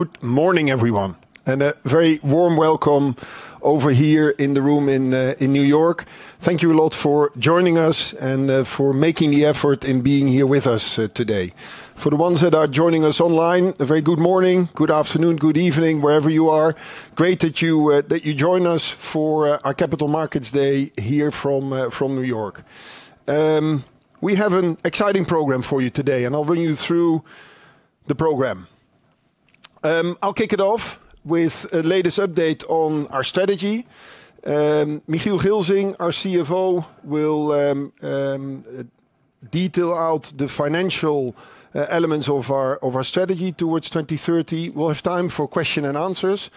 Good morning, everyone, and a very warm welcome over here in the room in New York. Thank you a lot for joining us and for making the effort in being here with us today. For the ones that are joining us online, a very good morning, good afternoon, good evening, wherever you are. Great that you join us for our Capital Markets Day here from New York. We have an exciting program for you today, and I'll bring you through the program. I'll kick it off with the latest update on our strategy. Michiel Gilsing, our CFO, will detail out the financial elements of our strategy towards 2030. We'll have time for questions and answers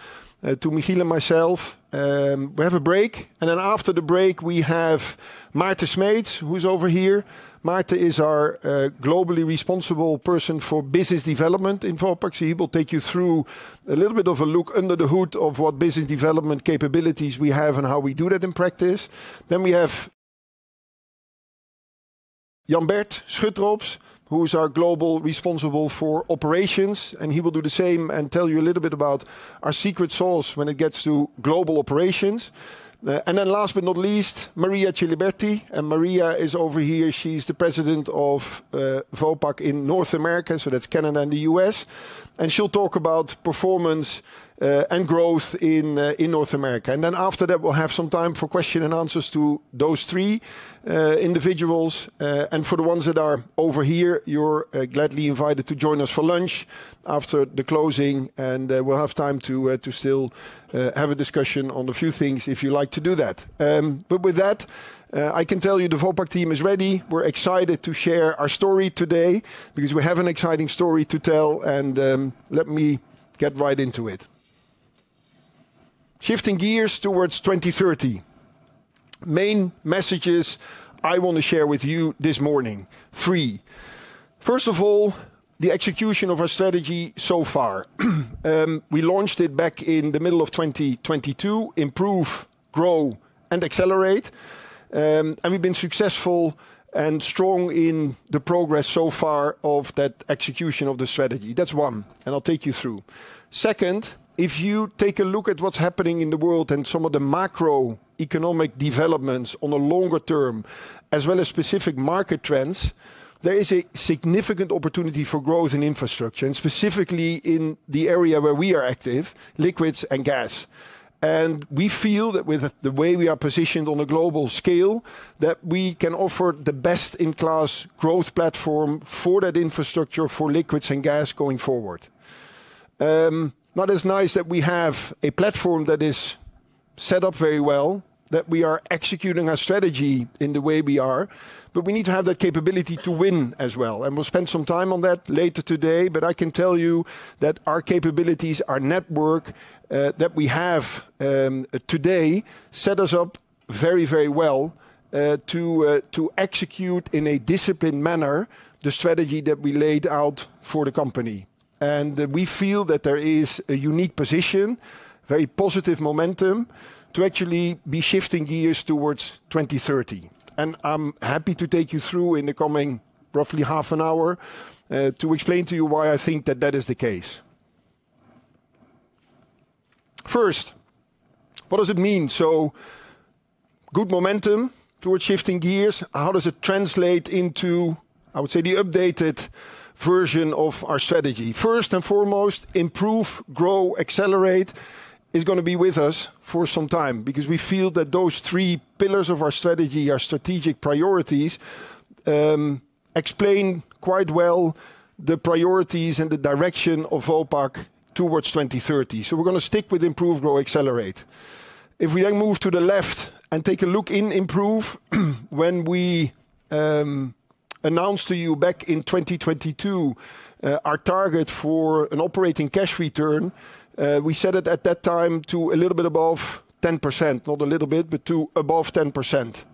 to Michiel and myself. We have a break, and then after the break, we have Maarten Smeets, who's over here. Maarten is our globally responsible person for business development in Vopak. He will take you through a little bit of a look under the hood of what business development capabilities we have and how we do that in practice. Then we have Jan Bert Schutrops, who is our global responsible for operations, and he will do the same and tell you a little bit about our secret sauce when it gets to global operations. Last but not least, Maria Ciliberti, and Maria is over here. She's the President of Vopak in North America, so that's Canada and the US, and she'll talk about performance and growth in North America. After that, we'll have some time for questions and answers to those three individuals. For the ones that are over here, you're gladly invited to join us for lunch after the closing, and we'll have time to still have a discussion on a few things if you'd like to do that. With that, I can tell you the Vopak team is ready. We're excited to share our story today because we have an exciting story to tell, and let me get right into it. Shifting gears towards 2030, main messages I want to share with you this morning, three. First of all, the execution of our strategy so far. We launched it back in the middle of 2022, improve, grow, and accelerate, and we've been successful and strong in the progress so far of that execution of the strategy. That's one, and I'll take you through. Second, if you take a look at what's happening in the world and some of the macroeconomic developments on a longer term, as well as specific market trends, there is a significant opportunity for growth in infrastructure, and specifically in the area where we are active, liquids and gas. We feel that with the way we are positioned on a global scale, that we can offer the best-in-class growth platform for that infrastructure, for liquids and gas going forward. Now, it's nice that we have a platform that is set up very well, that we are executing our strategy in the way we are, but we need to have that capability to win as well. We will spend some time on that later today, but I can tell you that our capabilities, our network that we have today set us up very, very well to execute in a disciplined manner the strategy that we laid out for the company. We feel that there is a unique position, very positive momentum to actually be shifting gears towards 2030. I am happy to take you through in the coming roughly half an hour to explain to you why I think that that is the case. First, what does it mean? Good momentum towards shifting gears, how does it translate into, I would say, the updated version of our strategy? First and foremost, improve, grow, accelerate is going to be with us for some time because we feel that those three pillars of our strategy, our strategic priorities, explain quite well the priorities and the direction of Vopak towards 2030. We are going to stick with improve, grow, accelerate. If we then move to the left and take a look in improve, when we announced to you back in 2022 our target for an operating cash return, we set it at that time to a little bit above 10%, not a little bit, but to above 10%.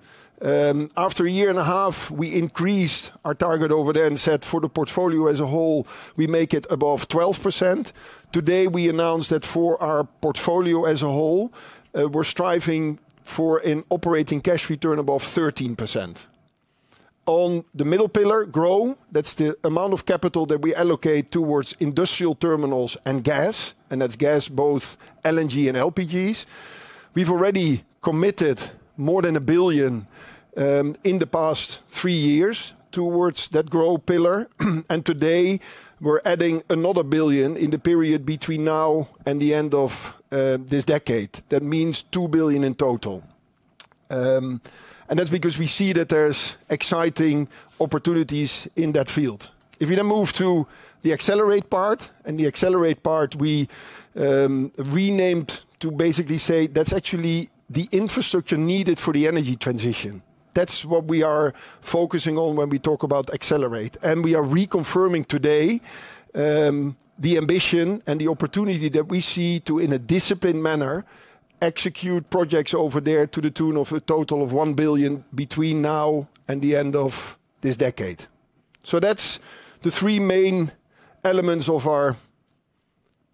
After a year and a half, we increased our target over there and said for the portfolio as a whole, we make it above 12%. Today, we announced that for our portfolio as a whole, we are striving for an operating cash return above 13%. On the middle pillar, grow, that's the amount of capital that we allocate towards industrial terminals and gas, and that's gas, both LNG and LPGs. We've already committed more than 1 billion in the past three years towards that grow pillar, and today we're adding another 1 billion in the period between now and the end of this decade. That means 2 billion in total. That's because we see that there's exciting opportunities in that field. If we then move to the accelerate part, and the accelerate part we renamed to basically say that's actually the infrastructure needed for the energy transition. That's what we are focusing on when we talk about accelerate. We are reconfirming today the ambition and the opportunity that we see to, in a disciplined manner, execute projects over there to the tune of a total of 1 billion between now and the end of this decade. That is the three main elements of our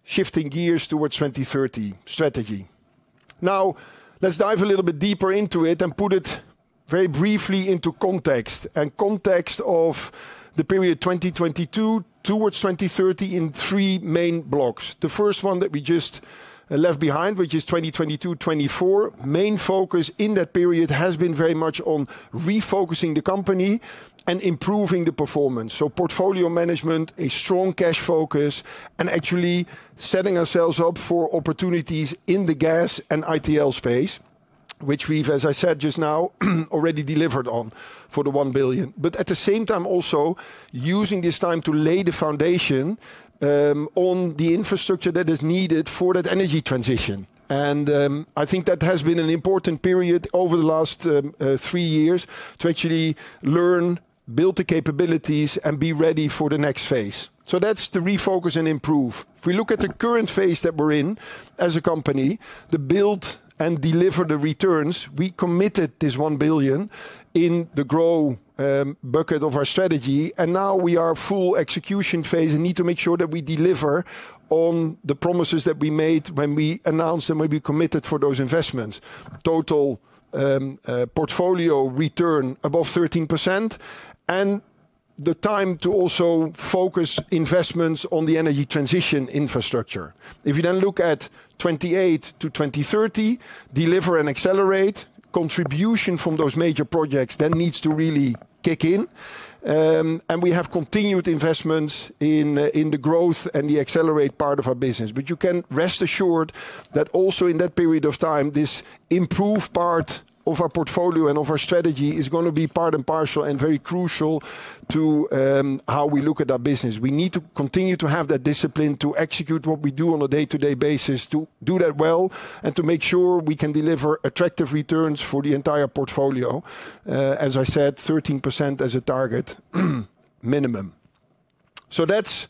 shifting gears towards 2030 strategy. Now, let's dive a little bit deeper into it and put it very briefly into context, in context of the period 2022 towards 2030 in three main blocks. The first one that we just left behind, which is 2022-2024, main focus in that period has been very much on refocusing the company and improving the performance. Portfolio management, a strong cash focus, and actually setting ourselves up for opportunities in the gas and ITL space, which we have, as I said just now, already delivered on for the 1 billion. At the same time, also using this time to lay the foundation on the infrastructure that is needed for that energy transition. I think that has been an important period over the last three years to actually learn, build the capabilities, and be ready for the next phase. That is the refocus and improve. If we look at the current phase that we're in as a company, the build and deliver the returns, we committed this 1 billion in the grow bucket of our strategy, and now we are full execution phase and need to make sure that we deliver on the promises that we made when we announced and when we committed for those investments. Total portfolio return above 13%, and the time to also focus investments on the energy transition infrastructure. If you then look at 2028 to 2030, deliver and accelerate, contribution from those major projects then needs to really kick in. We have continued investments in the growth and the accelerate part of our business. You can rest assured that also in that period of time, this improved part of our portfolio and of our strategy is going to be part and parcel and very crucial to how we look at our business. We need to continue to have that discipline to execute what we do on a day-to-day basis, to do that well, and to make sure we can deliver attractive returns for the entire portfolio. As I said, 13% as a target minimum. That is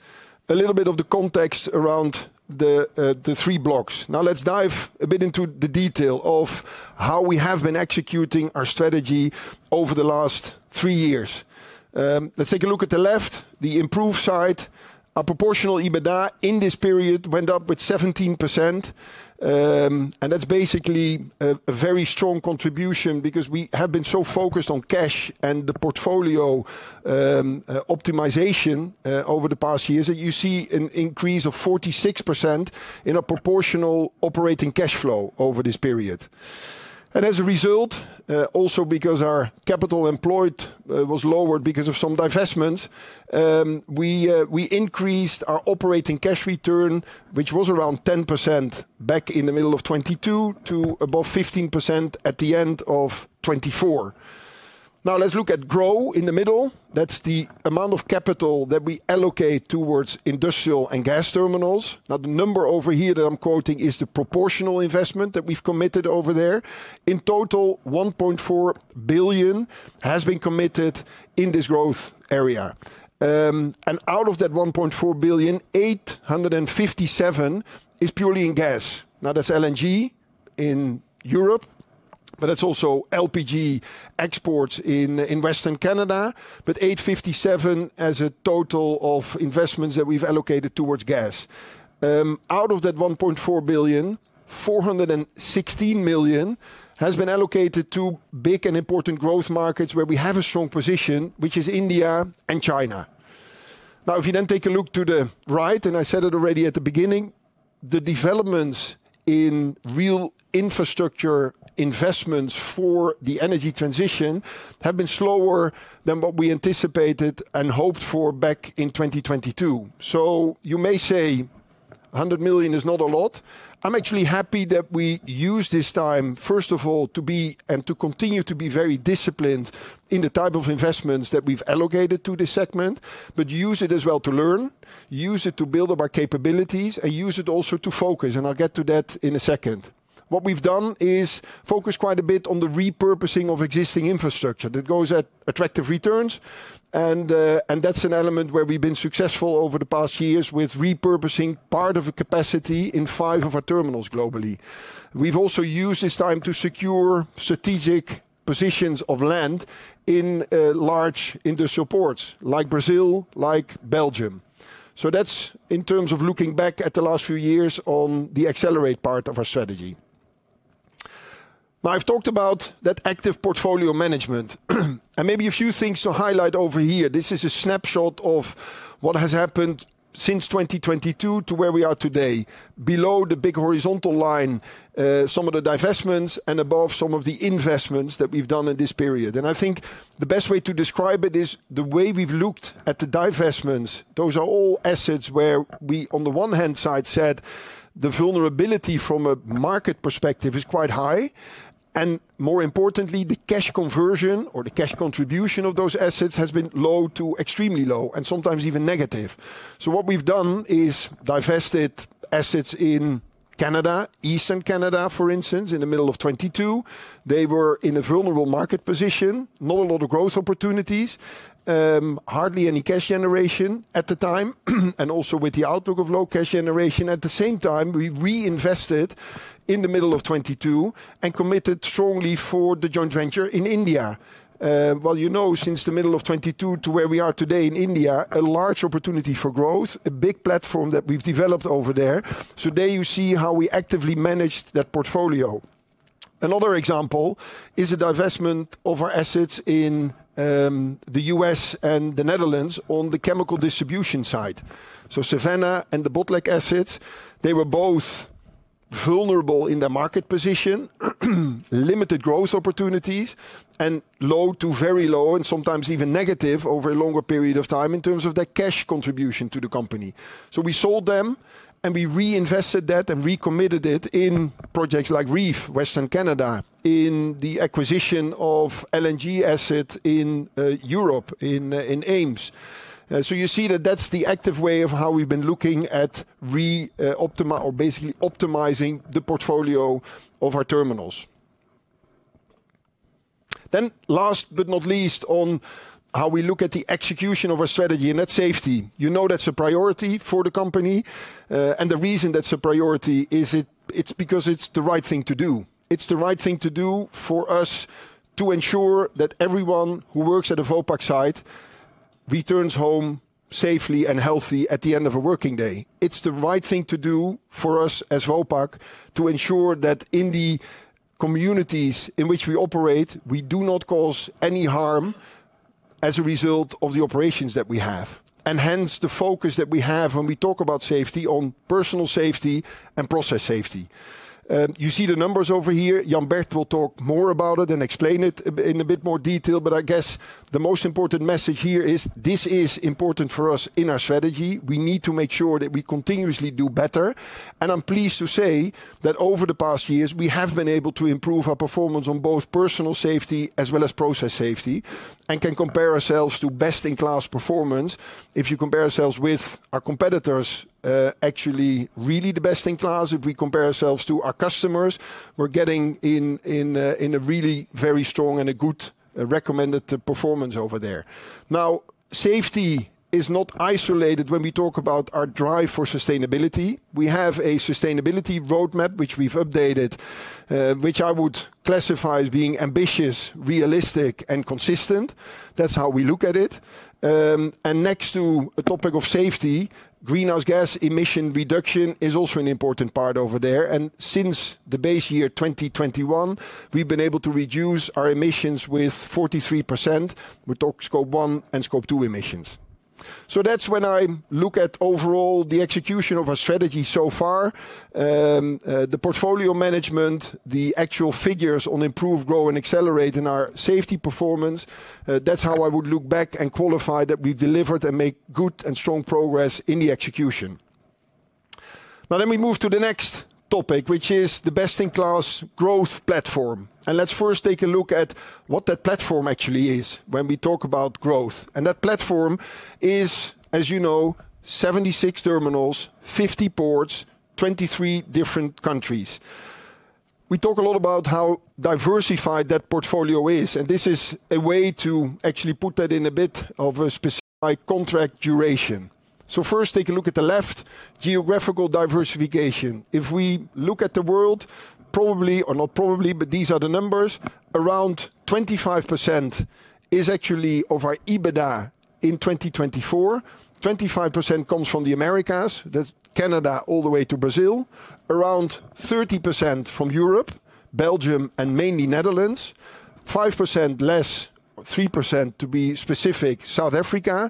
a little bit of the context around the three blocks. Now let's dive a bit into the detail of how we have been executing our strategy over the last three years. Let's take a look at the left, the improved side. Our proportional EBITDA in this period went up with 17%, and that's basically a very strong contribution because we have been so focused on cash and the portfolio optimization over the past years that you see an increase of 46% in our proportional operating cash flow over this period. As a result, also because our capital employed was lowered because of some divestments, we increased our operating cash return, which was around 10% back in the middle of 2022 to above 15% at the end of 2024. Now let's look at grow in the middle. That's the amount of capital that we allocate towards industrial and gas terminals. Now the number over here that I'm quoting is the proportional investment that we've committed over there. In total, 1.4 billion has been committed in this growth area. Out of that 1.4 billion, 857 million is purely in gas. Now that's LNG in Europe, but that's also LPG exports in Western Canada, but 857 million as a total of investments that we've allocated towards gas. Out of that 1.4 billion, 416 million has been allocated to big and important growth markets where we have a strong position, which is India and China. Now if you then take a look to the right, and I said it already at the beginning, the developments in real infrastructure investments for the energy transition have been slower than what we anticipated and hoped for back in 2022. You may say 100 million is not a lot. I'm actually happy that we use this time, first of all, to be and to continue to be very disciplined in the type of investments that we've allocated to this segment, but use it as well to learn, use it to build up our capabilities, and use it also to focus. I'll get to that in a second. What we've done is focus quite a bit on the repurposing of existing infrastructure that goes at attractive returns. That's an element where we've been successful over the past years with repurposing part of a capacity in five of our terminals globally. We've also used this time to secure strategic positions of land in large industrial ports like Brazil, like Belgium. That's in terms of looking back at the last few years on the accelerate part of our strategy. Now I've talked about that active portfolio management and maybe a few things to highlight over here. This is a snapshot of what has happened since 2022 to where we are today. Below the big horizontal line, some of the divestments and above some of the investments that we've done in this period. I think the best way to describe it is the way we've looked at the divestments. Those are all assets where we, on the one hand side, said the vulnerability from a market perspective is quite high. More importantly, the cash conversion or the cash contribution of those assets has been low to extremely low and sometimes even negative. What we've done is divested assets in Canada, Eastern Canada, for instance, in the middle of 2022. They were in a vulnerable market position, not a lot of growth opportunities, hardly any cash generation at the time, and also with the outlook of low cash generation. At the same time, we reinvested in the middle of 2022 and committed strongly for the joint venture in India. You know, since the middle of 2022 to where we are today in India, a large opportunity for growth, a big platform that we've developed over there. There you see how we actively managed that portfolio. Another example is the divestment of our assets in the U.S. and the Netherlands on the chemical distribution side. Savannah and the Botlek assets, they were both vulnerable in their market position, limited growth opportunities, and low to very low and sometimes even negative over a longer period of time in terms of their cash contribution to the company. We sold them and we reinvested that and recommitted it in projects like REEF, Western Canada, in the acquisition of LNG assets in Europe, in Eemshaven. You see that that's the active way of how we've been looking at re-optimizing or basically optimizing the portfolio of our terminals. Last but not least, on how we look at the execution of our strategy and that safety. You know that's a priority for the company. The reason that's a priority is it's because it's the right thing to do. It's the right thing to do for us to ensure that everyone who works at the Vopak site returns home safely and healthy at the end of a working day. It's the right thing to do for us as Vopak to ensure that in the communities in which we operate, we do not cause any harm as a result of the operations that we have. Hence the focus that we have when we talk about safety on personal safety and process safety. You see the numbers over here. Jan Bert will talk more about it and explain it in a bit more detail, but I guess the most important message here is this is important for us in our strategy. We need to make sure that we continuously do better. I'm pleased to say that over the past years, we have been able to improve our performance on both personal safety as well as process safety and can compare ourselves to best in class performance. If you compare ourselves with our competitors, actually really the best in class, if we compare ourselves to our customers, we're getting in a really very strong and a good recommended performance over there. Now, safety is not isolated when we talk about our drive for sustainability. We have a sustainability roadmap, which we've updated, which I would classify as being ambitious, realistic, and consistent. That's how we look at it. Next to a topic of safety, greenhouse gas emission reduction is also an important part over there. Since the base year 2021, we've been able to reduce our emissions with 43% with Scope one and Scope two emissions. That's when I look at overall the execution of our strategy so far, the portfolio management, the actual figures on improve, grow, and accelerate in our safety performance. That's how I would look back and qualify that we've delivered and made good and strong progress in the execution. Now let me move to the next topic, which is the best in class growth platform. Let's first take a look at what that platform actually is when we talk about growth. That platform is, as you know, 76 terminals, 50 ports, 23 different countries. We talk a lot about how diversified that portfolio is, and this is a way to actually put that in a bit of a specific contract duration. First, take a look at the left, geographical diversification. If we look at the world, probably or not probably, but these are the numbers, around 25% is actually of our EBITDA in 2024. 25% comes from the Americas, that's Canada all the way to Brazil, around 30% from Europe, Belgium, and mainly Netherlands, 5% less, 3% to be specific, South Africa,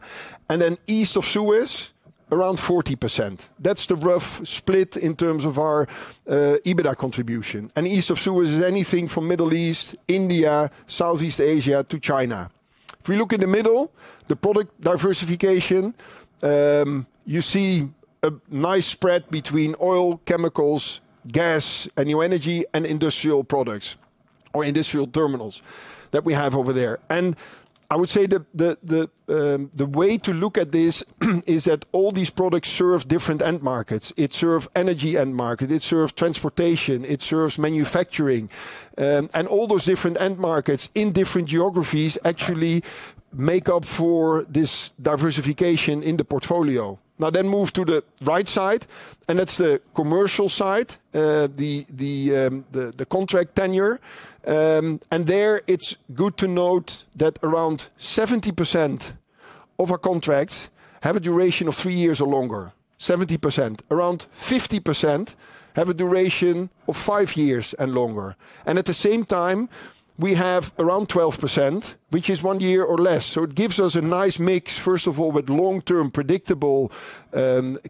and then east of Suez, around 40%. That's the rough split in terms of our EBITDA contribution. East of Suez is anything from Middle East, India, Southeast Asia to China. If we look in the middle, the product diversification, you see a nice spread between oil, chemicals, gas, and new energy and industrial products or industrial terminals that we have over there. I would say the way to look at this is that all these products serve different end markets. It serves energy end market, it serves transportation, it serves manufacturing. All those different end markets in different geographies actually make up for this diversification in the portfolio. Now then move to the right side, and that's the commercial side, the contract tenure. There it's good to note that around 70% of our contracts have a duration of three years or longer, 70%, around 50% have a duration of five years and longer. At the same time, we have around 12%, which is one year or less. It gives us a nice mix, first of all, with long-term predictable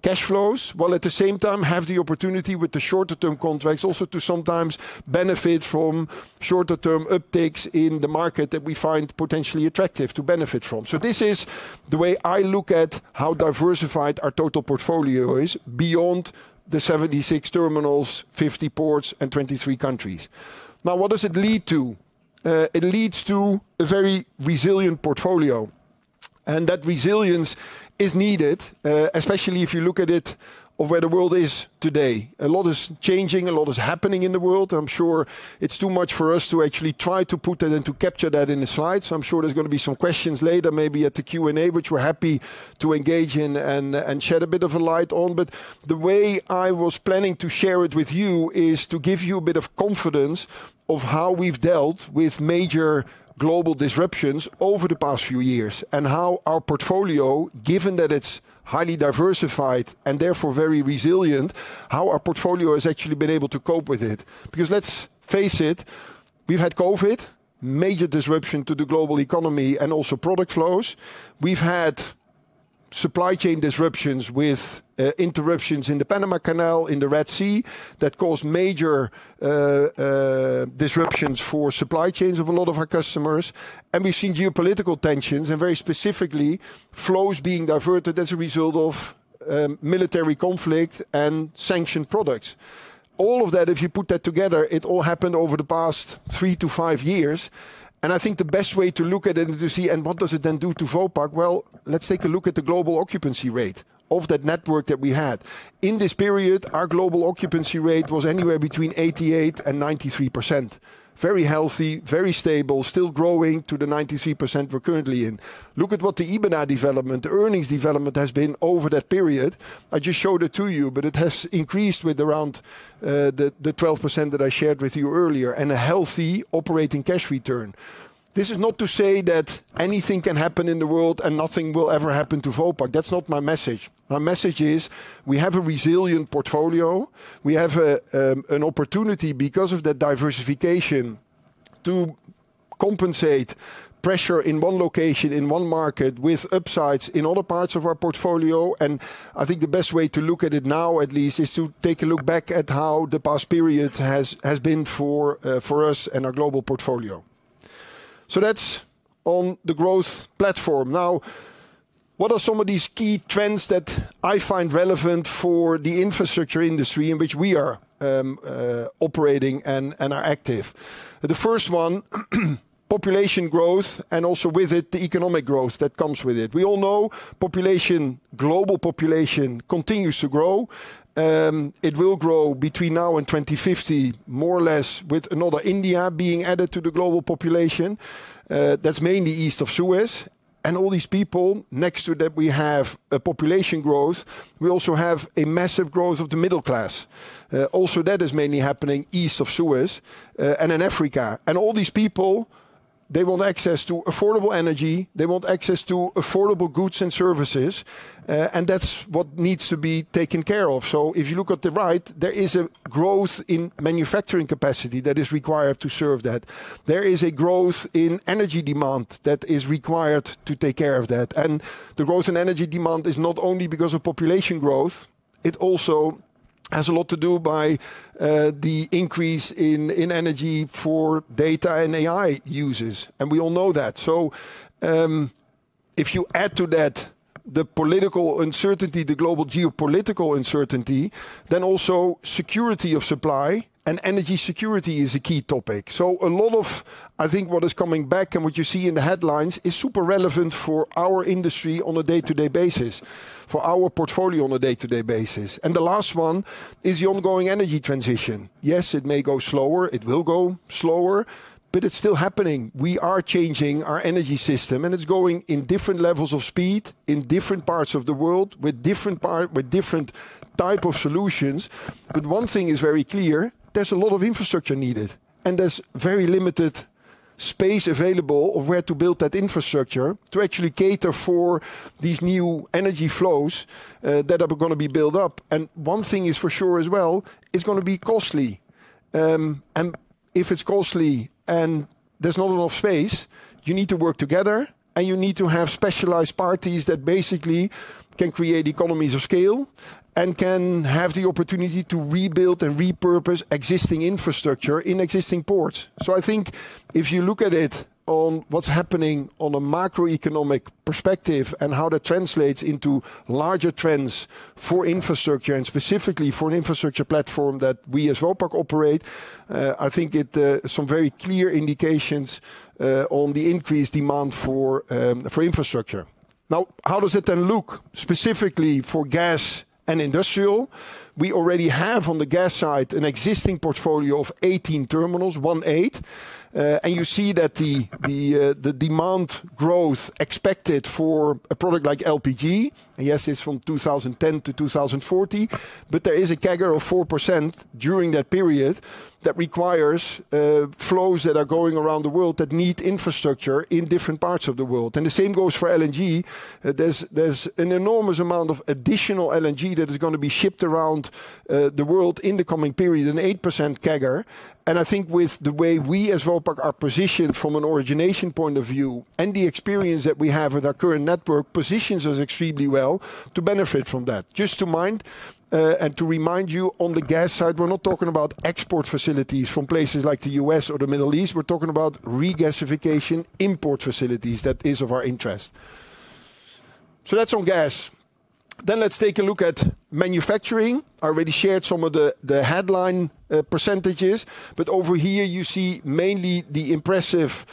cash flows, while at the same time have the opportunity with the shorter-term contracts also to sometimes benefit from shorter-term upticks in the market that we find potentially attractive to benefit from. This is the way I look at how diversified our total portfolio is beyond the 76 terminals, 50 ports, and 23 countries. Now, what does it lead to? It leads to a very resilient portfolio. That resilience is needed, especially if you look at it of where the world is today. A lot is changing, a lot is happening in the world. I'm sure it's too much for us to actually try to put that and to capture that in the slides. I'm sure there's going to be some questions later, maybe at the Q&A, which we're happy to engage in and shed a bit of a light on. The way I was planning to share it with you is to give you a bit of confidence of how we've dealt with major global disruptions over the past few years and how our portfolio, given that it's highly diversified and therefore very resilient, how our portfolio has actually been able to cope with it. Because let's face it, we've had COVID, major disruption to the global economy and also product flows. We've had supply chain disruptions with interruptions in the Panama Canal, in the Red Sea that caused major disruptions for supply chains of a lot of our customers. We've seen geopolitical tensions and very specifically flows being diverted as a result of military conflict and sanctioned products. All of that, if you put that together, it all happened over the past three to five years. I think the best way to look at it and to see, and what does it then do to Vopak? Let's take a look at the global occupancy rate of that network that we had. In this period, our global occupancy rate was anywhere between 88% and 93%. Very healthy, very stable, still growing to the 93% we're currently in. Look at what the EBITDA development, the earnings development has been over that period. I just showed it to you, but it has increased with around the 12% that I shared with you earlier and a healthy operating cash return. This is not to say that anything can happen in the world and nothing will ever happen to Vopak. That's not my message. My message is we have a resilient portfolio. We have an opportunity because of that diversification to compensate pressure in one location, in one market with upsides in other parts of our portfolio. I think the best way to look at it now, at least, is to take a look back at how the past period has been for us and our global portfolio. That is on the growth platform. Now, what are some of these key trends that I find relevant for the infrastructure industry in which we are operating and are active? The first one, population growth and also with it the economic growth that comes with it. We all know population, global population continues to grow. It will grow between now and 2050, more or less with another India being added to the global population. That is mainly east of Suez. All these people, next to that, we have a population growth. We also have a massive growth of the middle class. Also, that is mainly happening east of Suez and in Africa. All these people, they want access to affordable energy. They want access to affordable goods and services. That is what needs to be taken care of. If you look at the right, there is a growth in manufacturing capacity that is required to serve that. There is a growth in energy demand that is required to take care of that. The growth in energy demand is not only because of population growth. It also has a lot to do by the increase in energy for data and AI users. We all know that. If you add to that the political uncertainty, the global geopolitical uncertainty, security of supply and energy security is a key topic. A lot of what is coming back and what you see in the headlines is super relevant for our industry on a day-to-day basis, for our portfolio on a day-to-day basis. The last one is the ongoing energy transition. Yes, it may go slower. It will go slower, but it's still happening. We are changing our energy system and it's going in different levels of speed in different parts of the world with different type of solutions. One thing is very clear, there is a lot of infrastructure needed and there is very limited space available where to build that infrastructure to actually cater for these new energy flows that are going to be built up. One thing is for sure as well, it is going to be costly. If it is costly and there is not enough space, you need to work together and you need to have specialized parties that basically can create economies of scale and can have the opportunity to rebuild and repurpose existing infrastructure in existing ports. I think if you look at it on what is happening on a macroeconomic perspective and how that translates into larger trends for infrastructure and specifically for an infrastructure platform that we as Vopak operate, I think it is some very clear indications on the increased demand for infrastructure. Now, how does it then look specifically for gas and industrial? We already have on the gas side an existing portfolio of 18 terminals, one eight. You see that the demand growth expected for a product like LPG, yes, it's from 2010 to 2040, but there is a CAGR of 4% during that period that requires flows that are going around the world that need infrastructure in different parts of the world. The same goes for LNG. There is an enormous amount of additional LNG that is going to be shipped around the world in the coming period, an 8% CAGR. I think with the way we as Vopak are positioned from an origination point of view and the experience that we have with our current network, positions us extremely well to benefit from that. Just to mind and to remind you on the gas side, we're not talking about export facilities from places like the US or the Middle East. We're talking about regasification import facilities. That is of our interest. That's on gas. Let's take a look at manufacturing. I already shared some of the headline percentages, but over here you see mainly the impressive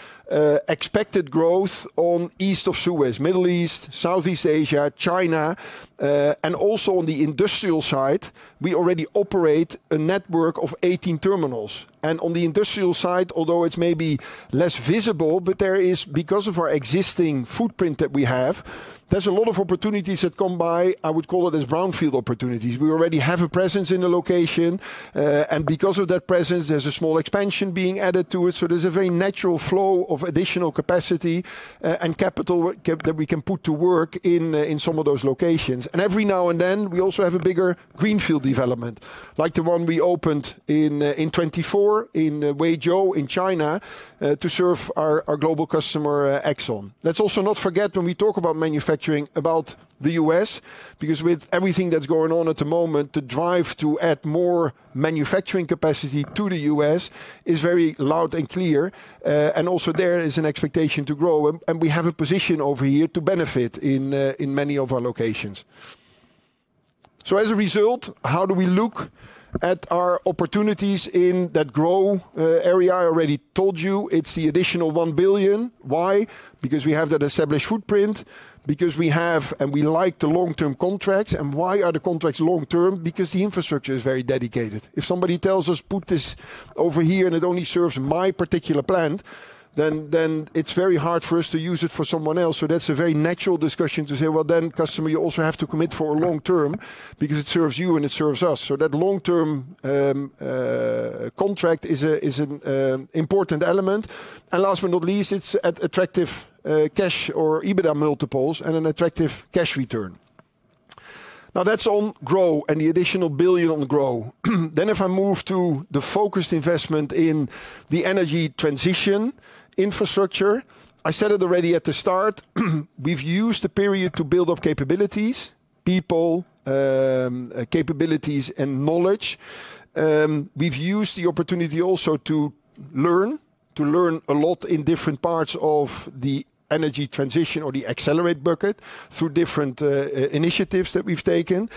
expected growth on east of Suez, Middle East, Southeast Asia, China, and also on the industrial side. We already operate a network of 18 terminals. On the industrial side, although it's maybe less visible, there is, because of our existing footprint that we have, a lot of opportunities that come by. I would call it brownfield opportunities. We already have a presence in the location. Because of that presence, there's a small expansion being added to it. There is a very natural flow of additional capacity and capital that we can put to work in some of those locations. Every now and then, we also have a bigger greenfield development, like the one we opened in 2024 in Qinzhou in China to serve our global customer Exxon. Let's also not forget when we talk about manufacturing about the U.S., because with everything that's going on at the moment, the drive to add more manufacturing capacity to the U.S. is very loud and clear. Also there is an expectation to grow, and we have a position over here to benefit in many of our locations. As a result, how do we look at our opportunities in that grow area? I already told you it's the additional 1 billion. Why? Because we have that established footprint, because we have and we like the long-term contracts. Why are the contracts long-term? Because the infrastructure is very dedicated. If somebody tells us, "Put this over here and it only serves my particular plant," then it's very hard for us to use it for someone else. That is a very natural discussion to say, "Customer, you also have to commit for a long term because it serves you and it serves us." That long-term contract is an important element. Last but not least, it's attractive cash or EBITDA multiples and an attractive cash return. That is on grow and the additional billion on growth. If I move to the focused investment in the energy transition infrastructure, I said it already at the start, we've used the period to build up capabilities, people, capabilities and knowledge. We've used the opportunity also to learn, to learn a lot in different parts of the energy transition or the accelerate bucket through different initiatives that we've taken.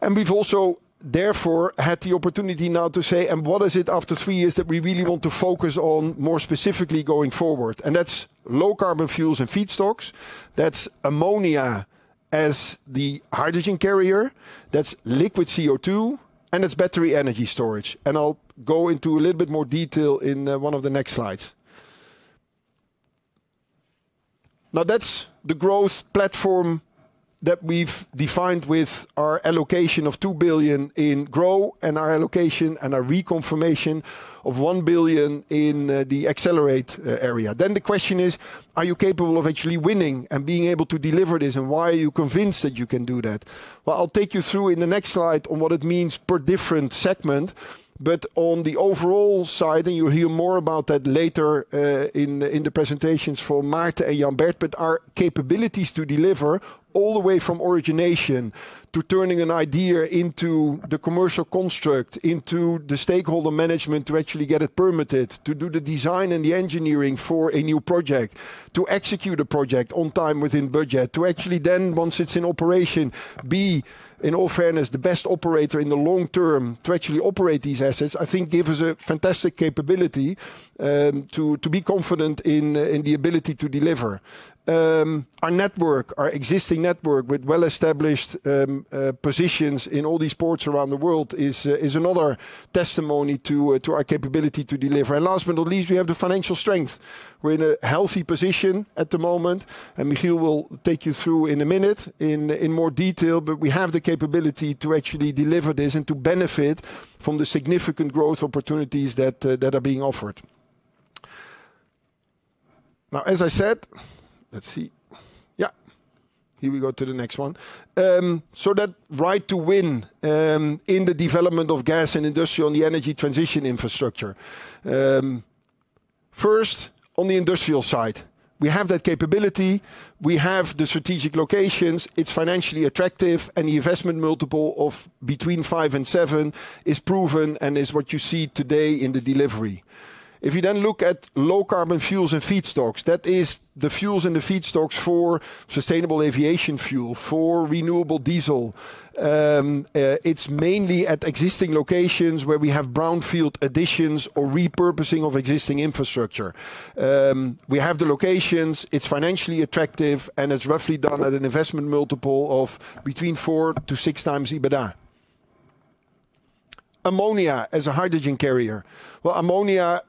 We've also therefore had the opportunity now to say, "What is it after three years that we really want to focus on more specifically going forward?" That's low carbon fuels and feedstocks. That's ammonia as the hydrogen carrier. That's liquid CO2 and it's battery energy storage. I'll go into a little bit more detail in one of the next slides. That's the growth platform that we've defined with our allocation of 2 billion in grow and our allocation and our reconfirmation of 1 billion in the accelerate area. The question is, "Are you capable of actually winning and being able to deliver this? Why are you convinced that you can do that? I'll take you through in the next slide on what it means per different segment, but on the overall side, and you'll hear more about that later in the presentations from Maarten and Jan Bert, but our capabilities to deliver all the way from origination to turning an idea into the commercial construct, into the stakeholder management to actually get it permitted, to do the design and the engineering for a new project, to execute a project on time within budget, to actually then, once it's in operation, be in all fairness, the best operator in the long term to actually operate these assets, I think gives us a fantastic capability to be confident in the ability to deliver. Our network, our existing network with well-established positions in all these ports around the world is another testimony to our capability to deliver. Last but not least, we have the financial strength. We are in a healthy position at the moment. Michiel will take you through in a minute in more detail, but we have the capability to actually deliver this and to benefit from the significant growth opportunities that are being offered. Now, as I said, let's see. Here we go to the next one. That right to win in the development of gas and industry on the energy transition infrastructure. First, on the industrial side, we have that capability. We have the strategic locations. It is financially attractive and the investment multiple of between five and seven is proven and is what you see today in the delivery. If you then look at low carbon fuels and feedstocks, that is the fuels and the feedstocks for sustainable aviation fuel, for renewable diesel. It is mainly at existing locations where we have brownfield additions or repurposing of existing infrastructure. We have the locations. It is financially attractive and it is roughly done at an investment multiple of between 4x-6x EBITDA. Ammonia as a hydrogen carrier. Ammonia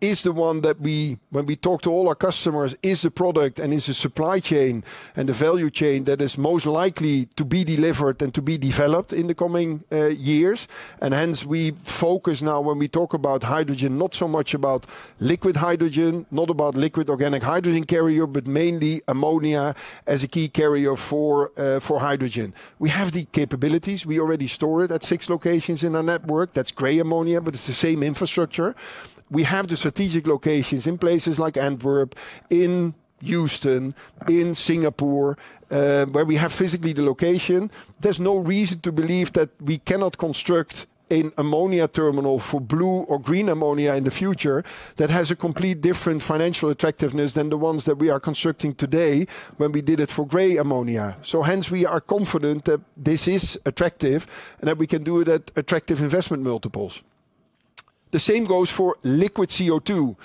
is the one that we, when we talk to all our customers, is the product and is the supply chain and the value chain that is most likely to be delivered and to be developed in the coming years. Hence we focus now when we talk about hydrogen, not so much about liquid hydrogen, not about liquid organic hydrogen carrier, but mainly ammonia as a key carrier for hydrogen. We have the capabilities. We already store it at six locations in our network. That's gray ammonia, but it's the same infrastructure. We have the strategic locations in places like Antwerp, in Houston, in Singapore, where we have physically the location. There's no reason to believe that we cannot construct an ammonia terminal for blue or green ammonia in the future that has a complete different financial attractiveness than the ones that we are constructing today when we did it for gray ammonia. Hence we are confident that this is attractive and that we can do it at attractive investment multiples. The same goes for liquid CO2.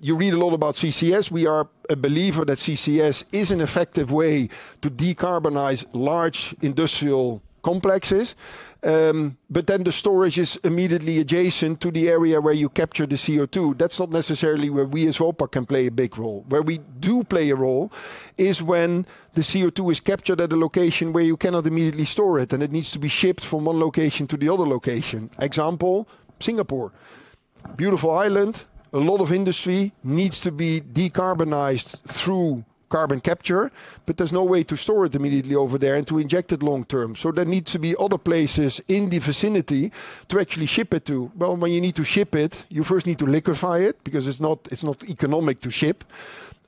You read a lot about CCS. We are a believer that CCS is an effective way to decarbonize large industrial complexes. The storage is immediately adjacent to the area where you capture the CO2. That's not necessarily where we as Vopak can play a big role. Where we do play a role is when the CO2 is captured at a location where you cannot immediately store it and it needs to be shipped from one location to the other location. Example, Singapore, beautiful island, a lot of industry needs to be decarbonized through carbon capture, but there's no way to store it immediately over there and to inject it long term. There needs to be other places in the vicinity to actually ship it to. When you need to ship it, you first need to liquefy it because it's not economic to ship.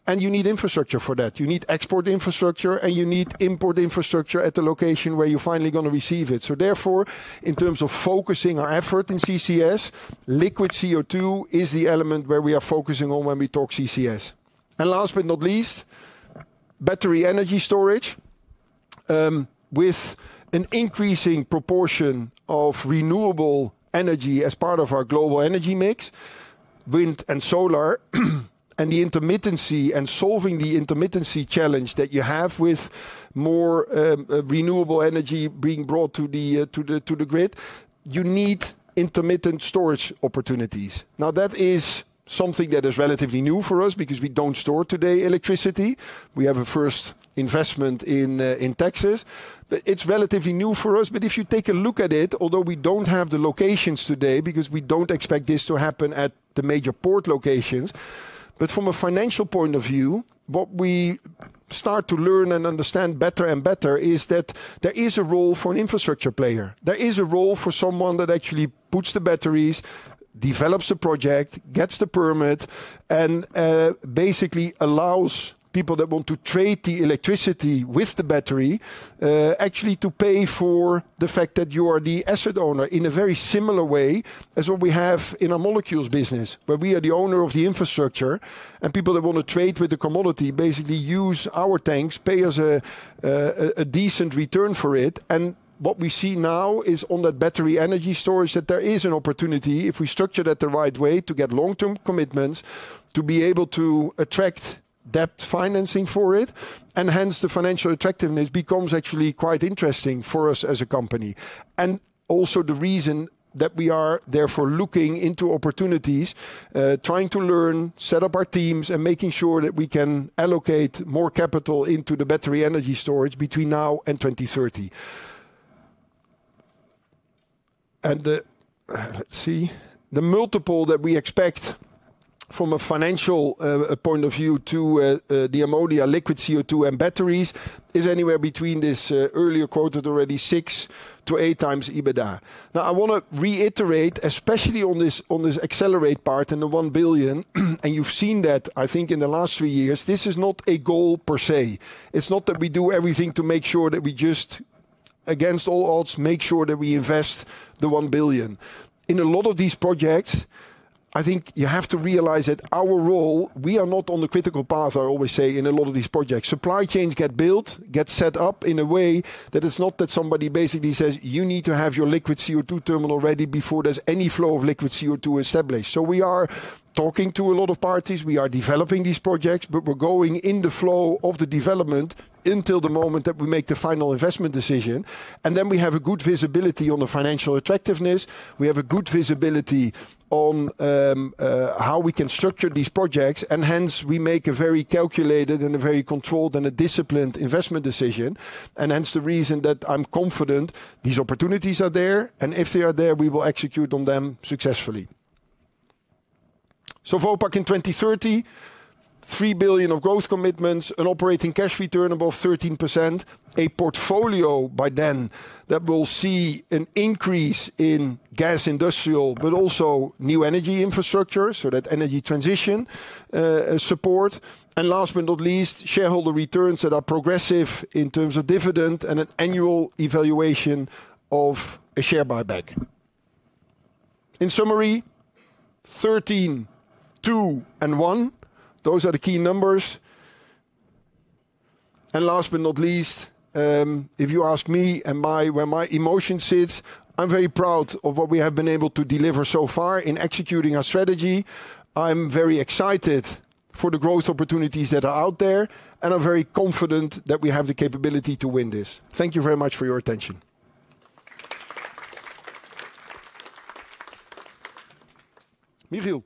You need infrastructure for that. You need export infrastructure and you need import infrastructure at the location where you're finally going to receive it. Therefore, in terms of focusing our effort in CCS, liquid CO2 is the element where we are focusing on when we talk CCS. Last but not least, battery energy storage with an increasing proportion of renewable energy as part of our global energy mix, wind and solar, and the intermittency and solving the intermittency challenge that you have with more renewable energy being brought to the grid, you need intermittent storage opportunities. That is something that is relatively new for us because we do not store today electricity. We have a first investment in Texas, but it is relatively new for us. If you take a look at it, although we don't have the locations today because we don't expect this to happen at the major port locations, from a financial point of view, what we start to learn and understand better and better is that there is a role for an infrastructure player. There is a role for someone that actually puts the batteries, develops the project, gets the permit, and basically allows people that want to trade the electricity with the battery actually to pay for the fact that you are the asset owner in a very similar way as what we have in our molecules business, where we are the owner of the infrastructure and people that want to trade with the commodity basically use our tanks, pay us a decent return for it. What we see now is on that battery energy storage that there is an opportunity if we structure that the right way to get long-term commitments to be able to attract debt financing for it. Hence, the financial attractiveness becomes actually quite interesting for us as a company. Also, the reason that we are therefore looking into opportunities, trying to learn, set up our teams and making sure that we can allocate more capital into the battery energy storage between now and 2030. Let's see, the multiple that we expect from a financial point of view to the ammonia, liquid CO2 and batteries is anywhere between this earlier quoted already 6x-8x EBITDA. Now I want to reiterate, especially on this accelerate part and the 1 billion, and you've seen that I think in the last three years, this is not a goal per se. It's not that we do everything to make sure that we just, against all odds, make sure that we invest the 1 billion. In a lot of these projects, I think you have to realize that our role, we are not on the critical path, I always say in a lot of these projects. Supply chains get built, get set up in a way that it's not that somebody basically says, "You need to have your liquid CO2 terminal ready before there's any flow of liquid CO2 established." We are talking to a lot of parties. We are developing these projects, but we're going in the flow of the development until the moment that we make the final investment decision. We have a good visibility on the financial attractiveness. We have a good visibility on how we can structure these projects. Hence, we make a very calculated and a very controlled and a disciplined investment decision. Hence, the reason that I'm confident these opportunities are there. If they are there, we will execute on them successfully. Vopak in 2030, 3 billion of growth commitments, an operating cash return above 13%, a portfolio by then that will see an increase in gas industrial, but also new energy infrastructure. That energy transition support. Last but not least, shareholder returns that are progressive in terms of dividend and an annual evaluation of a share buyback. In summary, 13, 2, and 1, those are the key numbers. Last but not least, if you ask me and where my emotion sits, I'm very proud of what we have been able to deliver so far in executing our strategy. I'm very excited for the growth opportunities that are out there, and I'm very confident that we have the capability to win this. Thank you very much for your attention. Michiel.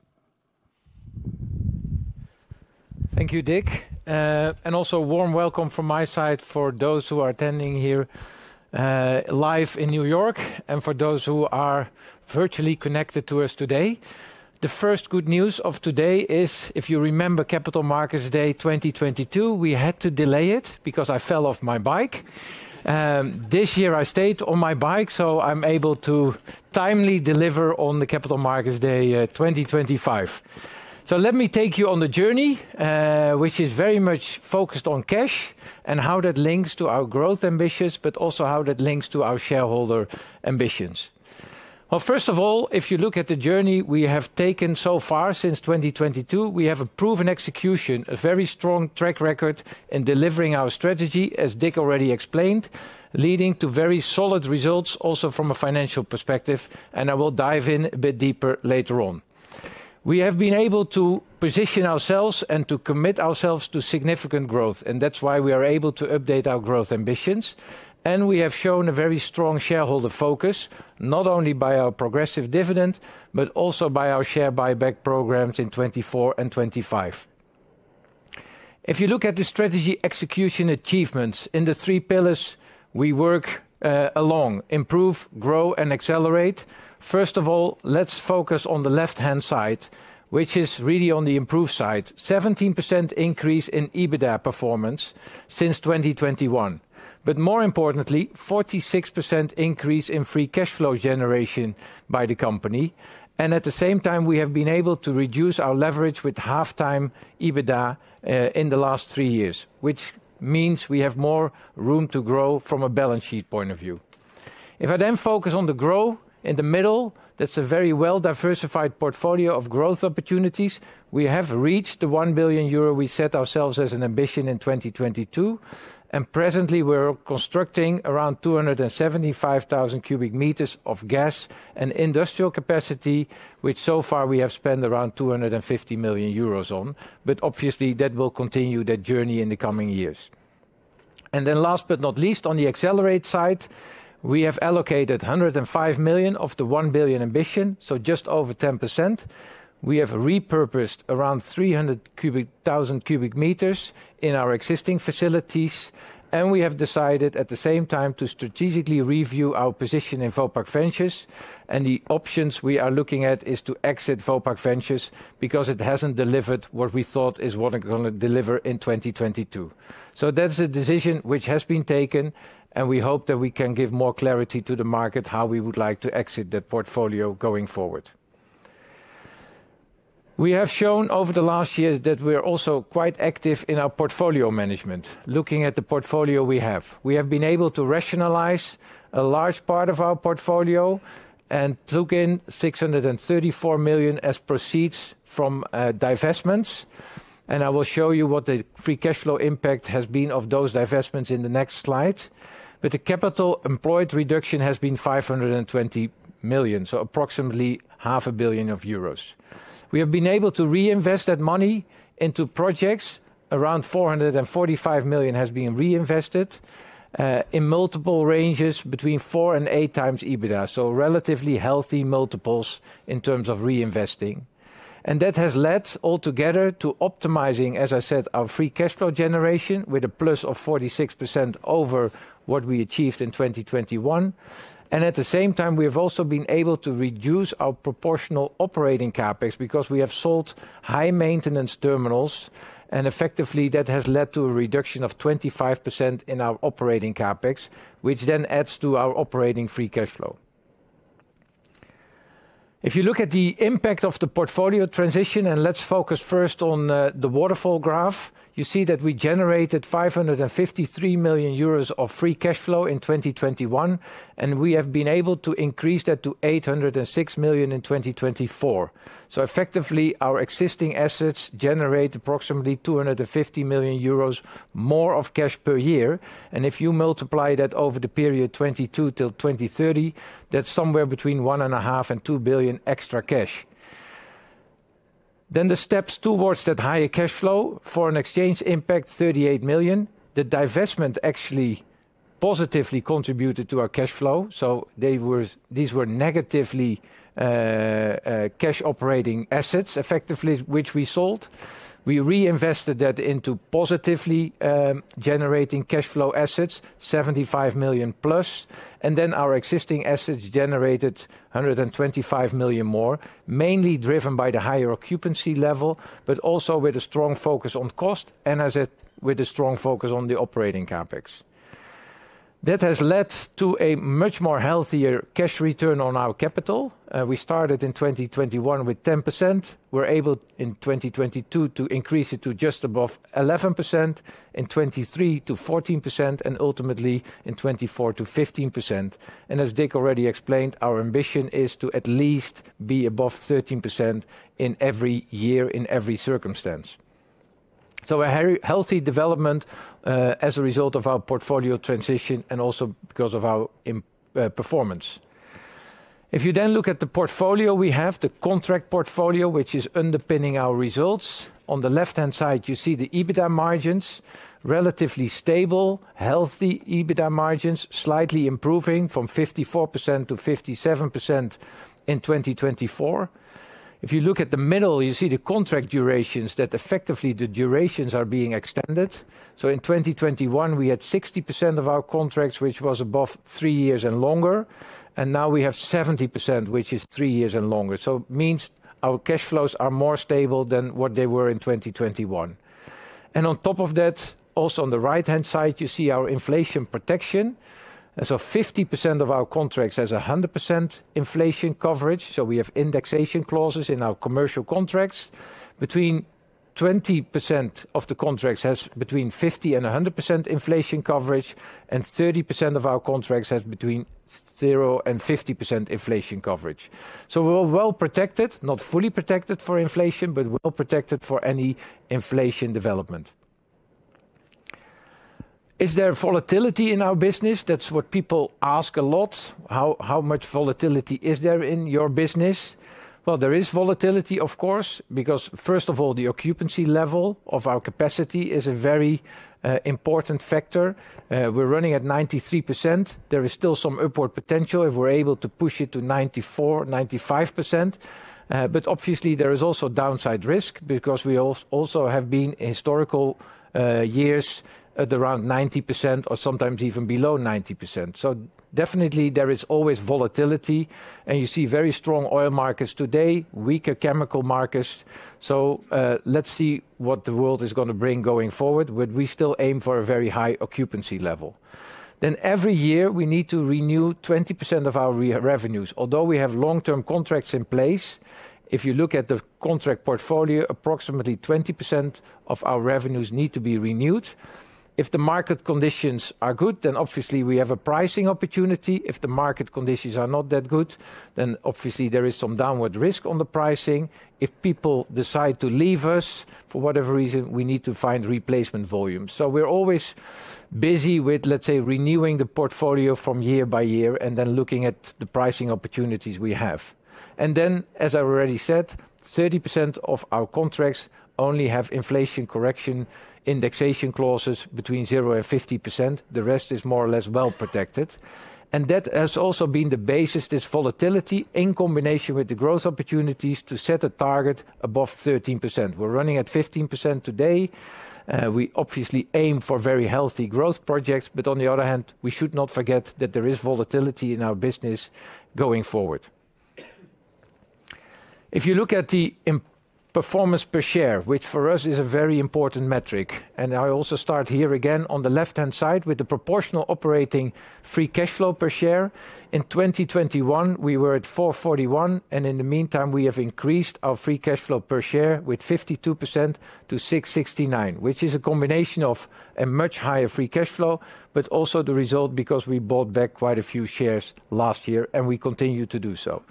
Thank you, Dick. Also, warm welcome from my side for those who are attending here live in New York and for those who are virtually connected to us today. The first good news of today is, if you remember Capital Markets Day 2022, we had to delay it because I fell off my bike. This year I stayed on my bike, so I'm able to timely deliver on the Capital Markets Day 2025. Let me take you on the journey, which is very much focused on cash and how that links to our growth ambitions, but also how that links to our shareholder ambitions. First of all, if you look at the journey we have taken so far since 2022, we have a proven execution, a very strong track record in delivering our strategy, as Dick already explained, leading to very solid results also from a financial perspective. I will dive in a bit deeper later on. We have been able to position ourselves and to commit ourselves to significant growth, and that's why we are able to update our growth ambitions. We have shown a very strong shareholder focus, not only by our progressive dividend, but also by our share buyback programs in 2024 and 2025. If you look at the strategy execution achievements in the three pillars, we work along, improve, grow, and accelerate. First of all, let's focus on the left-hand side, which is really on the improve side. 17% increase in EBITDA performance since 2021. More importantly, 46% increase in free cash flow generation by the company. At the same time, we have been able to reduce our leverage with half-time EBITDA in the last three years, which means we have more room to grow from a balance sheet point of view. If I then focus on the grow in the middle, that's a very well-diversified portfolio of growth opportunities. We have reached the 1 billion euro we set ourselves as an ambition in 2022. Presently, we're constructing around cubic meters of gas and industrial capacity, which so far we have spent around 250 million euros on. Obviously, that will continue that journey in the coming years. Last but not least, on the accelerate side, we have allocated 105 million of the 1 billion ambition, so just over 10%. We have repurposed around cubic meters in our existing facilities. We have decided at the same time to strategically review our position in Vopak Ventures. The options we are looking at are to exit Vopak Ventures because it has not delivered what we thought it was going to deliver in 2022. That is a decision which has been taken, and we hope that we can give more clarity to the market on how we would like to exit the portfolio going forward. We have shown over the last years that we are also quite active in our portfolio management, looking at the portfolio we have. We have been able to rationalize a large part of our portfolio and took in 634 million as proceeds from divestments. I will show you what the free cash flow impact has been of those divestments in the next slide. The capital employed reduction has been 520 million, so approximately half a billion euros. We have been able to reinvest that money into projects. Around 445 million has been reinvested in multiple ranges between 4x-8x EBITDA, so relatively healthy multiples in terms of reinvesting. That has led altogether to optimizing, as I said, our free cash flow generation with a plus of 46% over what we achieved in 2021. At the same time, we have also been able to reduce our proportional operating CapEx because we have sold high maintenance terminals. Effectively, that has led to a reduction of 25% in our operating CapEx, which then adds to our operating free cash flow. If you look at the impact of the portfolio transition, and let's focus first on the waterfall graph, you see that we generated 553 million euros of free cash flow in 2021, and we have been able to increase that to 806 million in 2024. Effectively, our existing assets generate approximately 250 million euros more of cash per year. If you multiply that over the period 2022 to 2030, that's somewhere between 1.5 billion and 2 billion extra cash. The steps towards that higher cash flow for an exchange impact 38 million. The divestment actually positively contributed to our cash flow. These were negatively cash operating assets effectively, which we sold. We reinvested that into positively generating cash flow assets, 75 million plus. Our existing assets generated 125 million more, mainly driven by the higher occupancy level, but also with a strong focus on cost and with a strong focus on the operating CapEx. That has led to a much more healthy cash return on our capital. We started in 2021 with 10%. We were able in 2022 to increase it to just above 11%, in 2023 to 14%, and ultimately in 2024 to 15%. As Dick already explained, our ambition is to at least be above 13% in every year, in every circumstance. A healthy development as a result of our portfolio transition and also because of our performance. If you then look at the portfolio, we have the contract portfolio, which is underpinning our results. On the left-hand side, you see the EBITDA margins, relatively stable, healthy EBITDA margins, slightly improving from 54% to 57% in 2024. If you look at the middle, you see the contract durations that effectively the durations are being extended. In 2021, we had 60% of our contracts, which was above three years and longer. Now we have 70%, which is three years and longer. It means our cash flows are more stable than what they were in 2021. On top of that, also on the right-hand side, you see our inflation protection. 50% of our contracts has 100% inflation coverage. We have indexation clauses in our commercial contracts. Between 20% of the contracts has between 50% and 100% inflation coverage, and 30% of our contracts has between 0% and 50% inflation coverage. We're well protected, not fully protected for inflation, but well protected for any inflation development. Is there volatility in our business? That's what people ask a lot. How much volatility is there in your business? There is volatility, of course, because first of all, the occupancy level of our capacity is a very important factor. We're running at 93%. There is still some upward potential if we're able to push it to 94%-95%. Obviously, there is also downside risk because we also have been in historical years at around 90% or sometimes even below 90%. Definitely there is always volatility. You see very strong oil markets today, weaker chemical markets. Let's see what the world is going to bring going forward, but we still aim for a very high occupancy level. Every year we need to renew 20% of our revenues. Although we have long-term contracts in place, if you look at the contract portfolio, approximately 20% of our revenues need to be renewed. If the market conditions are good, then obviously we have a pricing opportunity. If the market conditions are not that good, then obviously there is some downward risk on the pricing. If people decide to leave us for whatever reason, we need to find replacement volume. We're always busy with, let's say, renewing the portfolio from year by year and then looking at the pricing opportunities we have. As I already said, 30% of our contracts only have inflation correction indexation clauses between 0%-50%. The rest is more or less well protected. That has also been the basis, this volatility in combination with the growth opportunities to set a target above 13%. We're running at 15% today. We obviously aim for very healthy growth projects, but on the other hand, we should not forget that there is volatility in our business going forward. If you look at the performance per share, which for us is a very important metric, and I also start here again on the left-hand side with the proportional operating free cash flow per share. In 2021, we were at 4.41, and in the meantime, we have increased our free cash flow per share with 52% to 6.69, which is a combination of a much higher free cash flow, but also the result because we bought back quite a few shares last year and we continue to do so.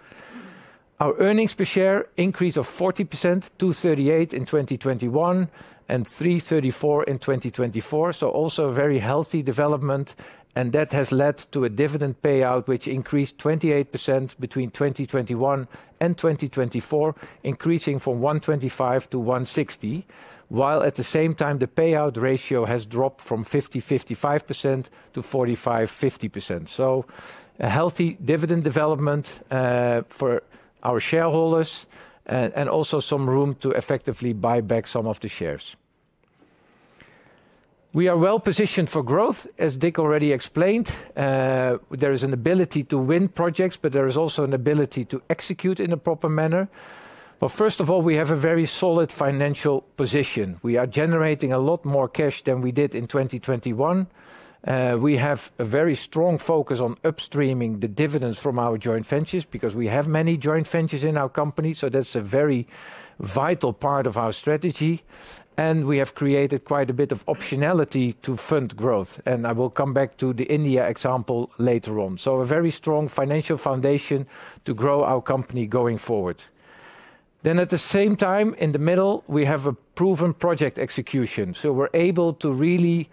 Our earnings per share increase of 40% to 3.8 in 2021 and 3.34 in 2024. Also a very healthy development, and that has led to a dividend payout, which increased 28% between 2021 and 2024, increasing from 1.25 to 1.60, while at the same time the payout ratio has dropped from 50%-55% to 45%-50%. A healthy dividend development for our shareholders and also some room to effectively buy back some of the shares. We are well positioned for growth, as Dick already explained. There is an ability to win projects, but there is also an ability to execute in a proper manner. First of all, we have a very solid financial position. We are generating a lot more cash than we did in 2021. We have a very strong focus on upstreaming the dividends from our joint ventures because we have many joint ventures in our company. That is a very vital part of our strategy. We have created quite a bit of optionality to fund growth. I will come back to the India example later on. A very strong financial foundation to grow our company going forward. At the same time, in the middle, we have a proven project execution. We are able to really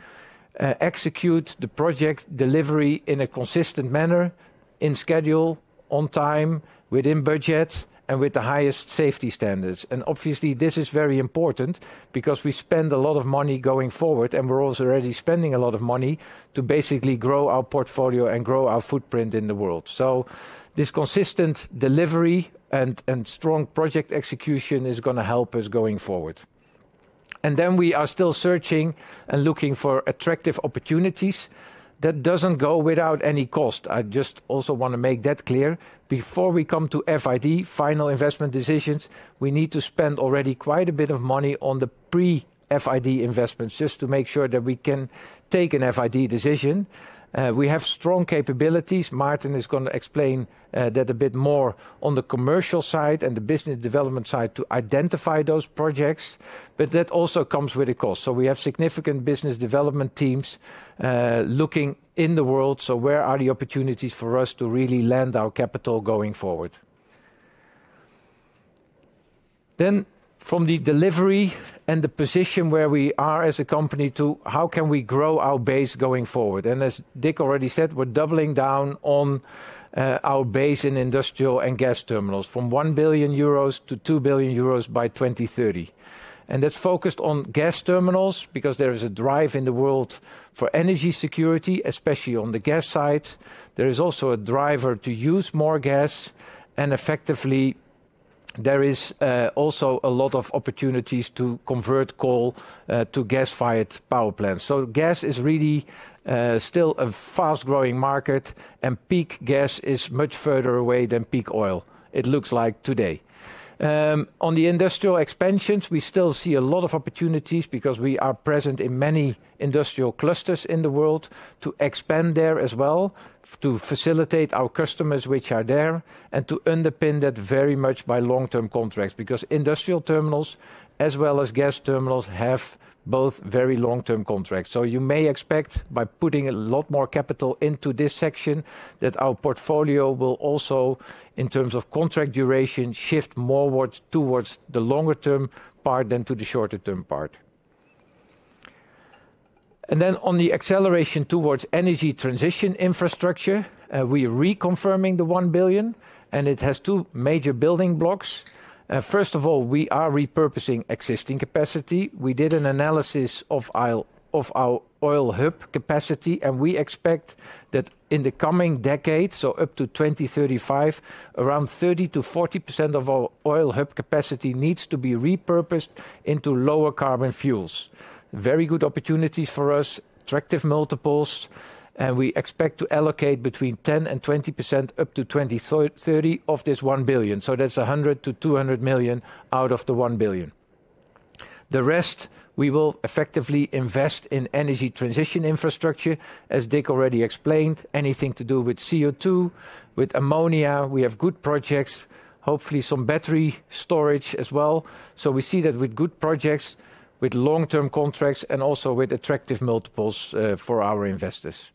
execute the project delivery in a consistent manner, in schedule, on time, within budget, and with the highest safety standards. Obviously, this is very important because we spend a lot of money going forward, and we are also already spending a lot of money to basically grow our portfolio and grow our footprint in the world. This consistent delivery and strong project execution is going to help us going forward. We are still searching and looking for attractive opportunities. That does not go without any cost. I just also want to make that clear. Before we come to FID, final investment decisions, we need to spend already quite a bit of money on the pre-FID investments just to make sure that we can take an FID decision. We have strong capabilities. Maarten is going to explain that a bit more on the commercial side and the business development side to identify those projects. That also comes with a cost. We have significant business development teams looking in the world. Where are the opportunities for us to really land our capital going forward? From the delivery and the position where we are as a company to how can we grow our base going forward? As Dick already said, we're doubling down on our base in industrial and gas terminals from 1 billion euros to 2 billion euros by 2030. That's focused on gas terminals because there is a drive in the world for energy security, especially on the gas side. There is also a driver to use more gas. Effectively, there is also a lot of opportunities to convert coal to gas-fired power plants. Gas is really still a fast-growing market, and peak gas is much further away than peak oil, it looks like today. On the industrial expansions, we still see a lot of opportunities because we are present in many industrial clusters in the world to expand there as well, to facilitate our customers which are there, and to underpin that very much by long-term contracts because industrial terminals as well as gas terminals have both very long-term contracts. You may expect by putting a lot more capital into this section that our portfolio will also, in terms of contract duration, shift more towards the longer-term part than to the shorter-term part. On the acceleration towards energy transition infrastructure, we are reconfirming the 1 billion, and it has two major building blocks. First of all, we are repurposing existing capacity. We did an analysis of our oil hub capacity, and we expect that in the coming decade, up to 2035, around 30%-40% of our oil hub capacity needs to be repurposed into lower carbon fuels. Very good opportunities for us, attractive multiples, and we expect to allocate between 10%-20% up to 2030 of this 1 billion. That is 100 million-200 million out of the 1 billion. The rest, we will effectively invest in energy transition infrastructure, as Dick already explained, anything to do with CO2, with ammonia. We have good projects, hopefully some battery storage as well. We see that with good projects, with long-term contracts, and also with attractive multiples for our investors.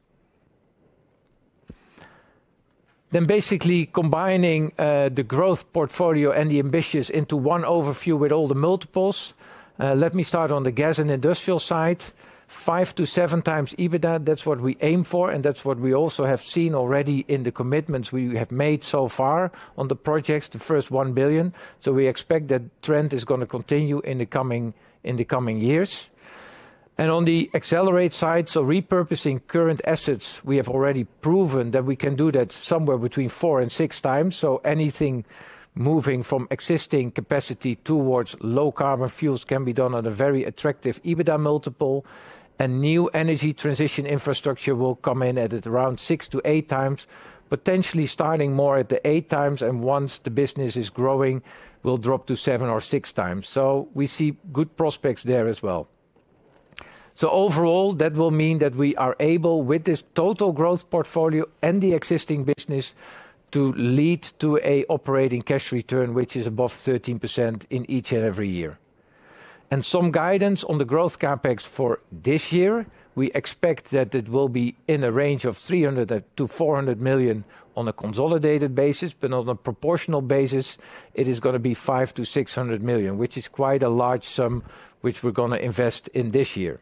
Basically combining the growth portfolio and the ambitious into one overview with all the multiples. Let me start on the gas and industrial side. 5x-7x EBITDA, that's what we aim for, and that's what we also have seen already in the commitments we have made so far on the projects, the first 1 billion. We expect that trend is going to continue in the coming years. On the accelerate side, repurposing current assets, we have already proven that we can do that somewhere between 4x-6x. Anything moving from existing capacity towards low carbon fuels can be done on a very attractive EBITDA multiple. New energy transition infrastructure will come in at around 6x-8x, potentially starting more at the 8x, and once the business is growing, will drop to 7x-6x. We see good prospects there as well. Overall, that will mean that we are able, with this total growth portfolio and the existing business, to lead to an operating cash return, which is above 13% in each and every year. Some guidance on the growth CapEx for this year. We expect that it will be in the range of 300 million-400 million on a consolidated basis, but on a proportional basis, it is going to be 500 million-600 million, which is quite a large sum, which we're going to invest in this year.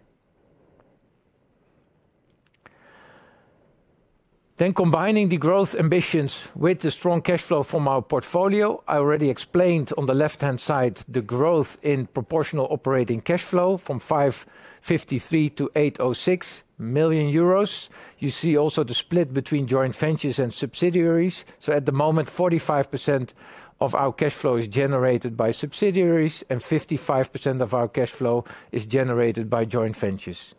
Combining the growth ambitions with the strong cash flow from our portfolio, I already explained on the left-hand side the growth in proportional operating cash flow from 553 million euros to 806 million euros. You see also the split between joint ventures and subsidiaries. At the moment, 45% of our cash flow is generated by subsidiaries, and 55% of our cash flow is generated by joint ventures.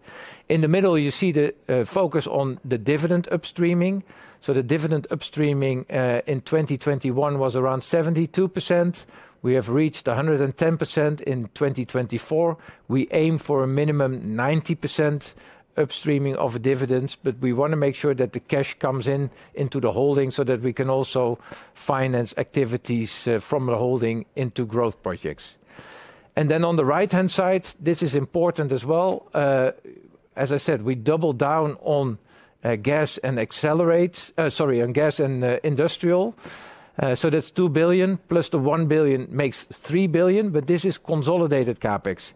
In the middle, you see the focus on the dividend upstreaming. The dividend upstreaming in 2021 was around 72%. We have reached 110% in 2024. We aim for a minimum 90% upstreaming of dividends, but we want to make sure that the cash comes into the holding so that we can also finance activities from the holding into growth projects. On the right-hand side, this is important as well. As I said, we double down on gas and accelerate, sorry, on gas and industrial. That is 2 billion plus 1 billion makes 3 billion, but this is consolidated CapEx.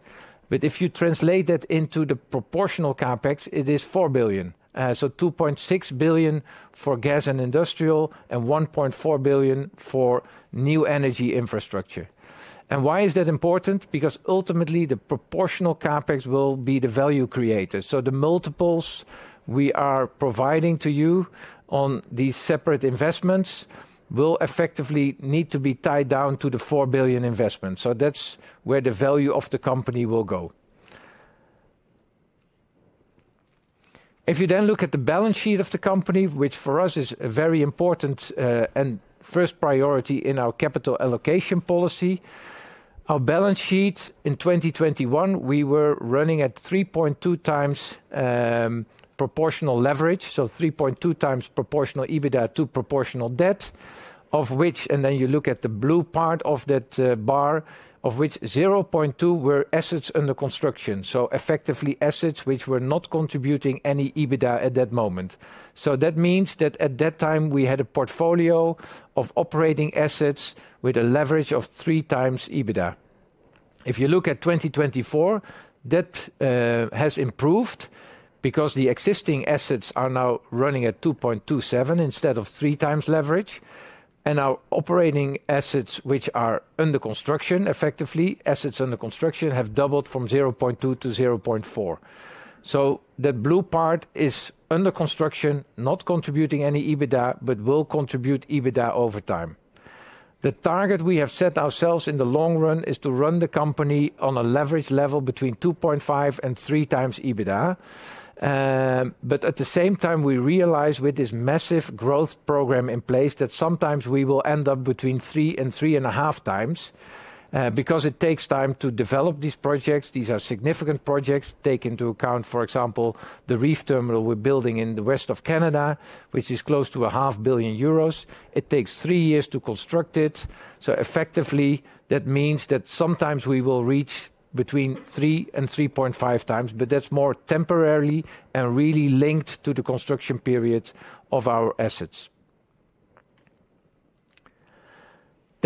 If you translate that into the proportional CapEx, it is 4 billion. 2.6 billion for gas and industrial and 1.4 billion for new energy infrastructure. Why is that important? Because ultimately the proportional CapEx will be the value creator. The multiples we are providing to you on these separate investments will effectively need to be tied down to the 4 billion investment. That's where the value of the company will go. If you then look at the balance sheet of the company, which for us is a very important and first priority in our capital allocation policy, our balance sheet in 2021, we were running at 3.2x proportional leverage, so 3.2x proportional EBITDA to proportional debt, of which, and then you look at the blue part of that bar, of which 0.2 were assets under construction. Effectively assets which were not contributing any EBITDA at that moment. That means that at that time we had a portfolio of operating assets with a leverage of 3x EBITDA. If you look at 2024, that has improved because the existing assets are now running at 2.27x instead of 3x leverage. Our operating assets, which are under construction, effectively assets under construction have doubled from 0.2-0.4. The blue part is under construction, not contributing any EBITDA, but will contribute EBITDA over time. The target we have set ourselves in the long run is to run the company on a leverage level between 2.5x and 3x EBITDA. At the same time, we realize with this massive growth program in place that sometimes we will end up between 3x and 3.5x because it takes time to develop these projects. These are significant projects taken into account, for example, the REEF terminal we're building in the west of Canada, which is close to 500 million euros. It takes three years to construct it. Effectively, that means that sometimes we will reach between 3x and 3.5x, but that's more temporarily and really linked to the construction period of our assets.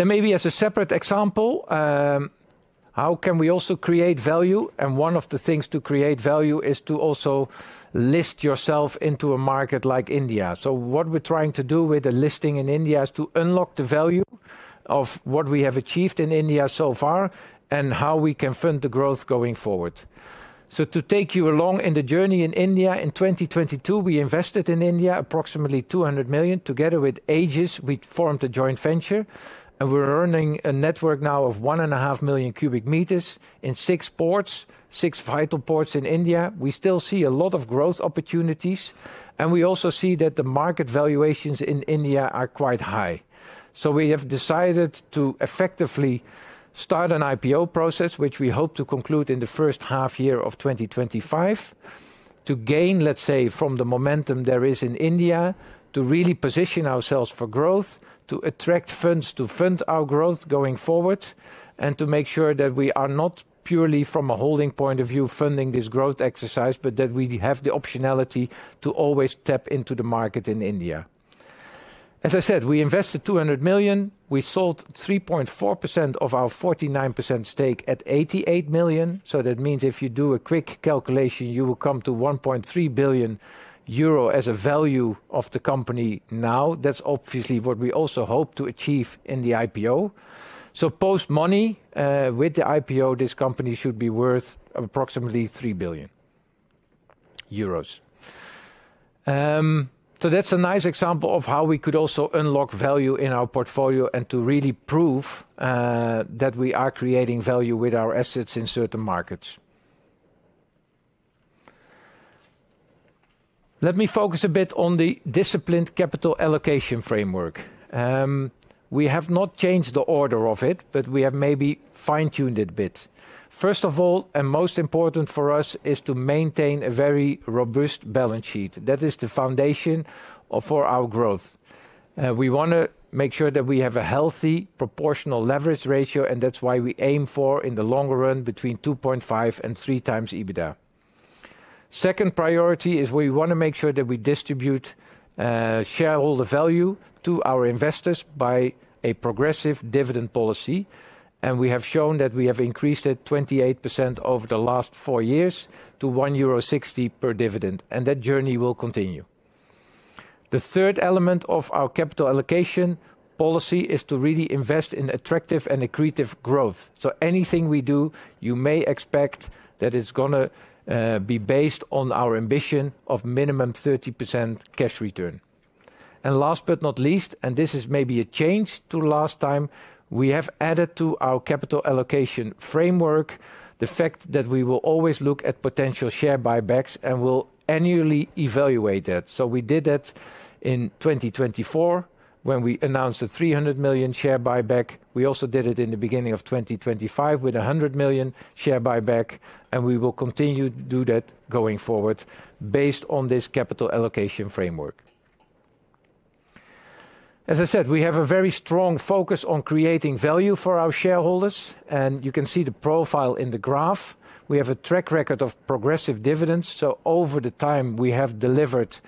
Maybe as a separate example, how can we also create value? One of the things to create value is to also list yourself into a market like India. What we're trying to do with the listing in India is to unlock the value of what we have achieved in India so far and how we can fund the growth going forward. To take you along in the journey in India, in 2022, we invested in India approximately 200 million. Together with Aegis, we formed a joint venture, and we're earning a network now of 1.5million cubic meters in six ports, six vital ports in India. We still see a lot of growth opportunities, and we also see that the market valuations in India are quite high. We have decided to effectively start an IPO process, which we hope to conclude in the first half year of 2025, to gain, let's say, from the momentum there is in India, to really position ourselves for growth, to attract funds to fund our growth going forward, and to make sure that we are not purely from a holding point of view funding this growth exercise, but that we have the optionality to always tap into the market in India. As I said, we invested 200 million. We sold 3.4% of our 49% stake at 88 million. That means if you do a quick calculation, you will come to 1.3 billion euro as a value of the company now. That's obviously what we also hope to achieve in the IPO. Post money with the IPO, this company should be worth approximately 3 billion euros. That's a nice example of how we could also unlock value in our portfolio and to really prove that we are creating value with our assets in certain markets. Let me focus a bit on the disciplined capital allocation framework. We have not changed the order of it, but we have maybe fine-tuned it a bit. First of all, and most important for us, is to maintain a very robust balance sheet. That is the foundation for our growth. We want to make sure that we have a healthy proportional leverage ratio, and that's why we aim for in the longer run between 2.5x and 3x EBITDA. Second priority is we want to make sure that we distribute shareholder value to our investors by a progressive dividend policy. We have shown that we have increased it 28% over the last four years to 1.60 euro per dividend. That journey will continue. The third element of our capital allocation policy is to really invest in attractive and accretive growth. Anything we do, you may expect that it is going to be based on our ambition of minimum 30% cash return. Last but not least, and this is maybe a change to last time, we have added to our capital allocation framework the fact that we will always look at potential share buybacks and will annually evaluate that. We did that in 2024 when we announced a 300 million share buyback. We also did it in the beginning of 2025 with a 100 million share buyback, and we will continue to do that going forward based on this capital allocation framework. As I said, we have a very strong focus on creating value for our shareholders, and you can see the profile in the graph. We have a track record of progressive dividends. Over the time, we have delivered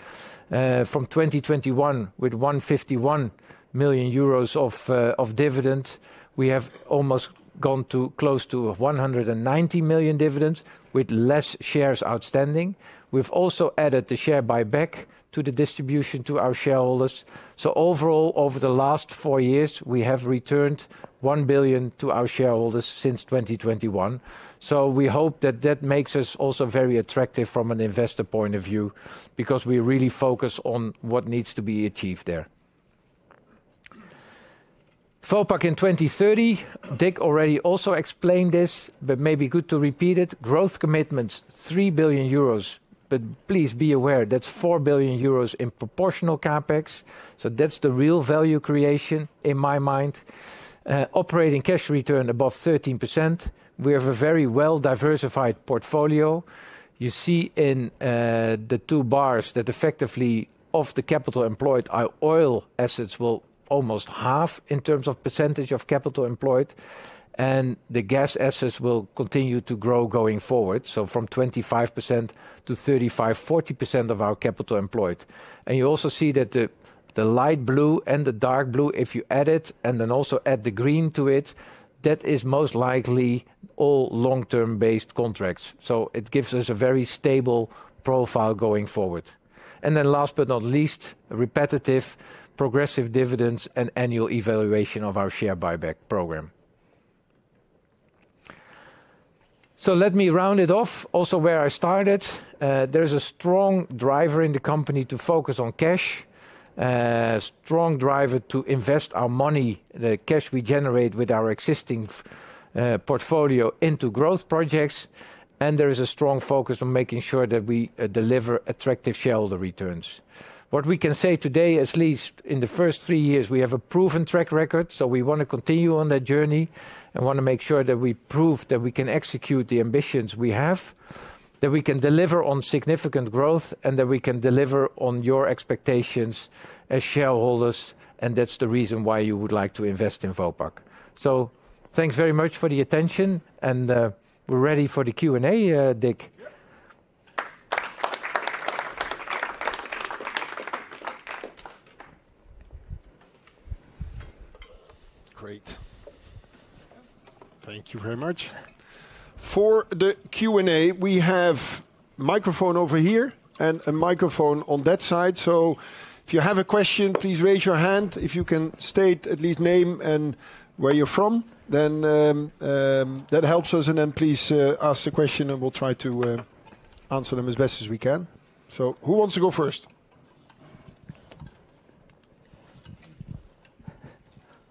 from 2021 with 151 million euros of dividends. We have almost gone to close to 190 million dividends with less shares outstanding. We have also added the share buyback to the distribution to our shareholders. Overall, over the last four years, we have returned 1 billion to our shareholders since 2021. We hope that that makes us also very attractive from an investor point of view because we really focus on what needs to be achieved there. Vopak in 2030, Dick already also explained this, but maybe good to repeat it. Growth commitments, 3 billion euros, but please be aware that's 4 billion euros in proportional CapEx. That's the real value creation in my mind. Operating cash return above 13%. We have a very well-diversified portfolio. You see in the two bars that effectively of the capital employed, our oil assets will almost half in terms of percentage of capital employed, and the gas assets will continue to grow going forward. From 25% to 35-40% of our capital employed. You also see that the light blue and the dark blue, if you add it and then also add the green to it, that is most likely all long-term based contracts. It gives us a very stable profile going forward. Last but not least, repetitive, progressive dividends and annual evaluation of our share buyback program. Let me round it off also where I started. There is a strong driver in the company to focus on cash, a strong driver to invest our money, the cash we generate with our existing portfolio into growth projects. There is a strong focus on making sure that we deliver attractive shareholder returns. What we can say today, at least in the first three years, we have a proven track record. We want to continue on that journey and want to make sure that we prove that we can execute the ambitions we have, that we can deliver on significant growth, and that we can deliver on your expectations as shareholders. That is the reason why you would like to invest in Vopak. Thanks very much for the attention, and we're ready for the Q&A, Dick. Great. Thank you very much. For the Q&A, we have a microphone over here and a microphone on that side. If you have a question, please raise your hand. If you can state at least your name and where you're from, that helps us. Please ask the question, and we'll try to answer them as best as we can. Who wants to go first?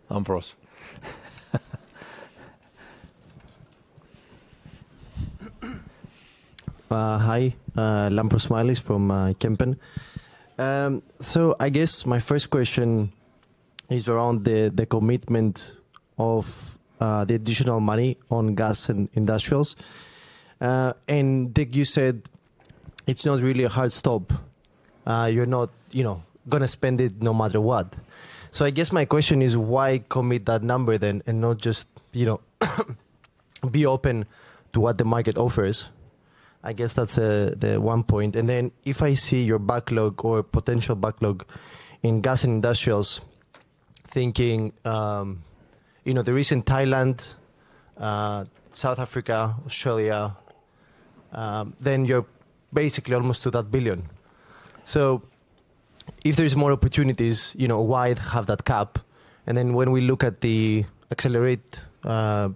Lampros. Hi, Lampros Smailis from Kempen. I guess my first question is around the commitment of the additional money on gas and industrials. Dick, you said it's not really a hard stop. You're not going to spend it no matter what. I guess my question is, why commit that number then and not just be open to what the market offers? I guess that's the one point. If I see your backlog or potential backlog in gas and industrials, thinking the recent Thailand, South Africa, Australia, then you're basically almost to that billion. If there are more opportunities, why have that cap? Then when we look at the accelerate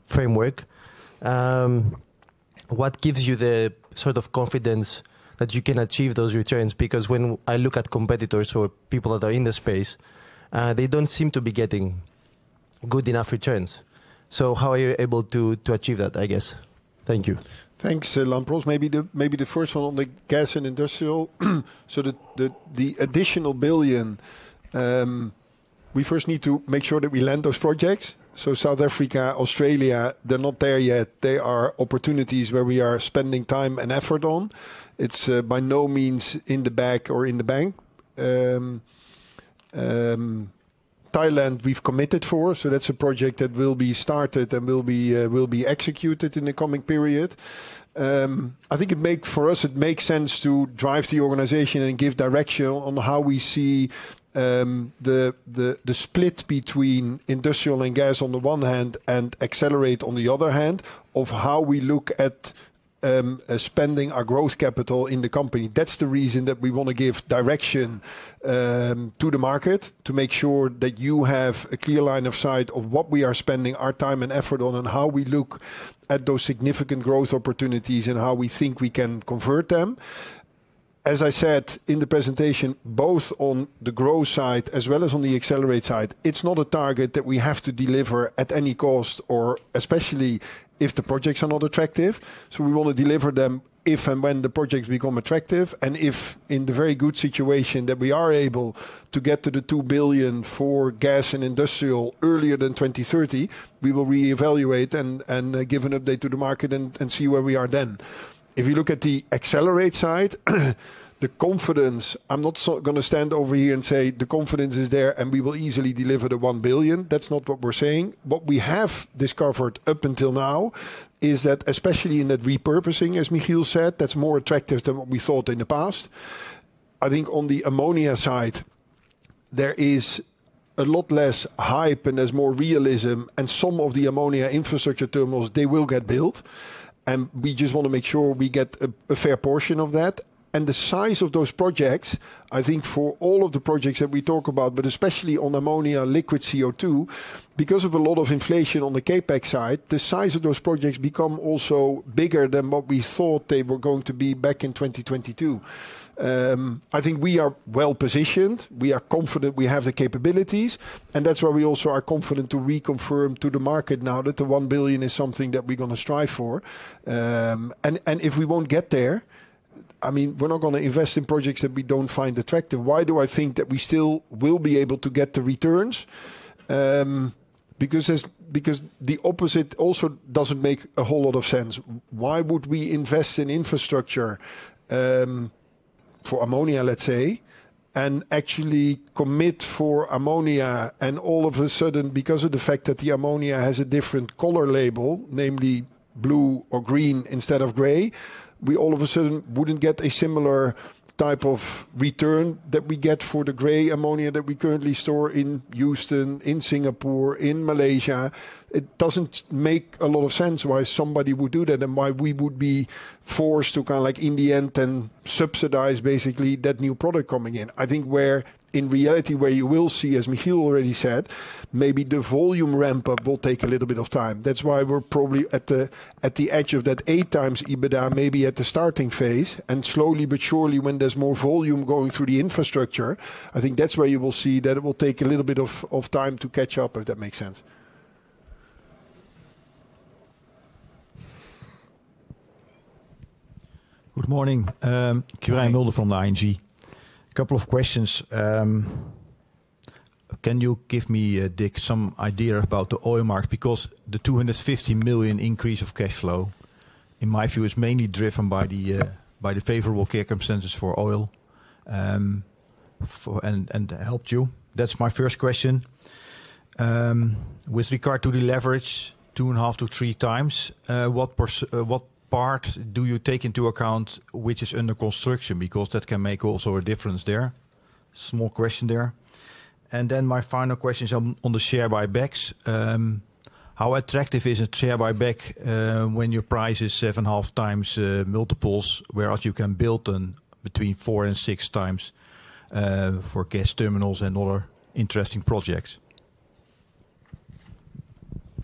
framework, what gives you the sort of confidence that you can achieve those returns? Because when I look at competitors or people that are in the space, they do not seem to be getting good enough returns. How are you able to achieve that, I guess? Thank you. Thanks, Lamproos. Maybe the first one on the gas and industrial. The additional billion, we first need to make sure that we land those projects. South Africa, Australia, they are not there yet. They are opportunities where we are spending time and effort. It is by no means in the back or in the bank. Thailand, we have committed for. That is a project that will be started and will be executed in the coming period. I think for us, it makes sense to drive the organization and give direction on how we see the split between industrial and gas on the one hand and accelerate on the other hand of how we look at spending our growth capital in the company. That's the reason that we want to give direction to the market to make sure that you have a clear line of sight of what we are spending our time and effort on and how we look at those significant growth opportunities and how we think we can convert them. As I said in the presentation, both on the growth side as well as on the accelerate side, it's not a target that we have to deliver at any cost, or especially if the projects are not attractive. We want to deliver them if and when the projects become attractive. If in the very good situation that we are able to get to the 2 billion for gas and industrial earlier than 2030, we will reevaluate and give an update to the market and see where we are then. If you look at the accelerate side, the confidence, I'm not going to stand over here and say the confidence is there and we will easily deliver the 1 billion. That's not what we're saying. What we have discovered up until now is that especially in that repurposing, as Michiel said, that's more attractive than what we thought in the past. I think on the ammonia side, there is a lot less hype and there's more realism. Some of the ammonia infrastructure terminals, they will get built. We just want to make sure we get a fair portion of that. The size of those projects, I think for all of the projects that we talk about, but especially on ammonia, liquid CO2, because of a lot of inflation on the CapEx side, the size of those projects become also bigger than what we thought they were going to be back in 2022. I think we are well positioned. We are confident we have the capabilities. That is why we also are confident to reconfirm to the market now that the 1 billion is something that we're going to strive for. If we won't get there, I mean, we're not going to invest in projects that we don't find attractive. Why do I think that we still will be able to get the returns? Because the opposite also doesn't make a whole lot of sense. Why would we invest in infrastructure for ammonia, let's say, and actually commit for ammonia? All of a sudden, because of the fact that the ammonia has a different color label, namely blue or green instead of gray, we all of a sudden wouldn't get a similar type of return that we get for the gray ammonia that we currently store in Houston, in Singapore, in Malaysia. It doesn't make a lot of sense why somebody would do that and why we would be forced to kind of like in the end then subsidize basically that new product coming in. I think where in reality where you will see, as Michiel already said, maybe the volume ramp up will take a little bit of time. That's why we're probably at the edge of that 8x EBITDA, maybe at the starting phase. Slowly but surely, when there's more volume going through the infrastructure, I think that's where you will see that it will take a little bit of time to catch up, if that makes sense. Good morning. Quirijn Mulder from ING. A couple of questions. Can you give me, Dick, some idea about the oil market? Because the 250 million increase of cash flow, in my view, is mainly driven by the favorable circumstances for oil and helped you. That's my first question. With regard to the leverage, 2.5x-3x, what part do you take into account which is under construction? Because that can make also a difference there. Small question there. My final question is on the share buybacks. How attractive is a share buyback when your price is 7.5x multiples, whereas you can build between 4x and 6x for gas terminals and other interesting projects?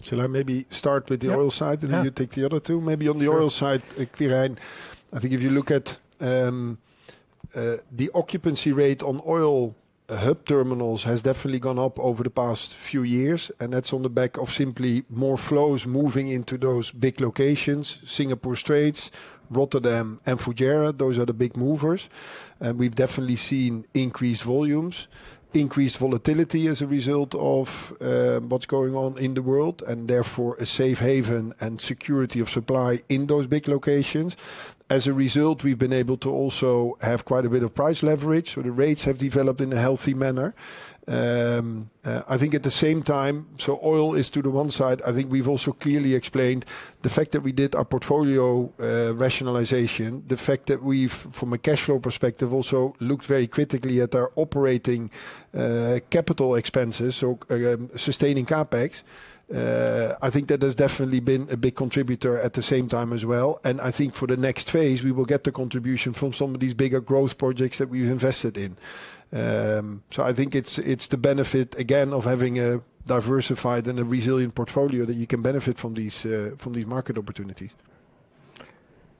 Shall I maybe start with the oil side and then you take the other two? Maybe on the oil side, Quirijn, I think if you look at the occupancy rate on oil hub terminals has definitely gone up over the past few years. That is on the back of simply more flows moving into those big locations, Singapore Straits, Rotterdam, and Fujairah. Those are the big movers. We have definitely seen increased volumes, increased volatility as a result of what is going on in the world, and therefore a safe haven and security of supply in those big locations. As a result, we have been able to also have quite a bit of price leverage. The rates have developed in a healthy manner. I think at the same time, oil is to the one side. I think we've also clearly explained the fact that we did our portfolio rationalization, the fact that we've, from a cash flow perspective, also looked very critically at our operating capital expenses, so sustaining CapEx. I think that has definitely been a big contributor at the same time as well. I think for the next phase, we will get the contribution from some of these bigger growth projects that we've invested in. I think it's the benefit, again, of having a diversified and a resilient portfolio that you can benefit from these market opportunities.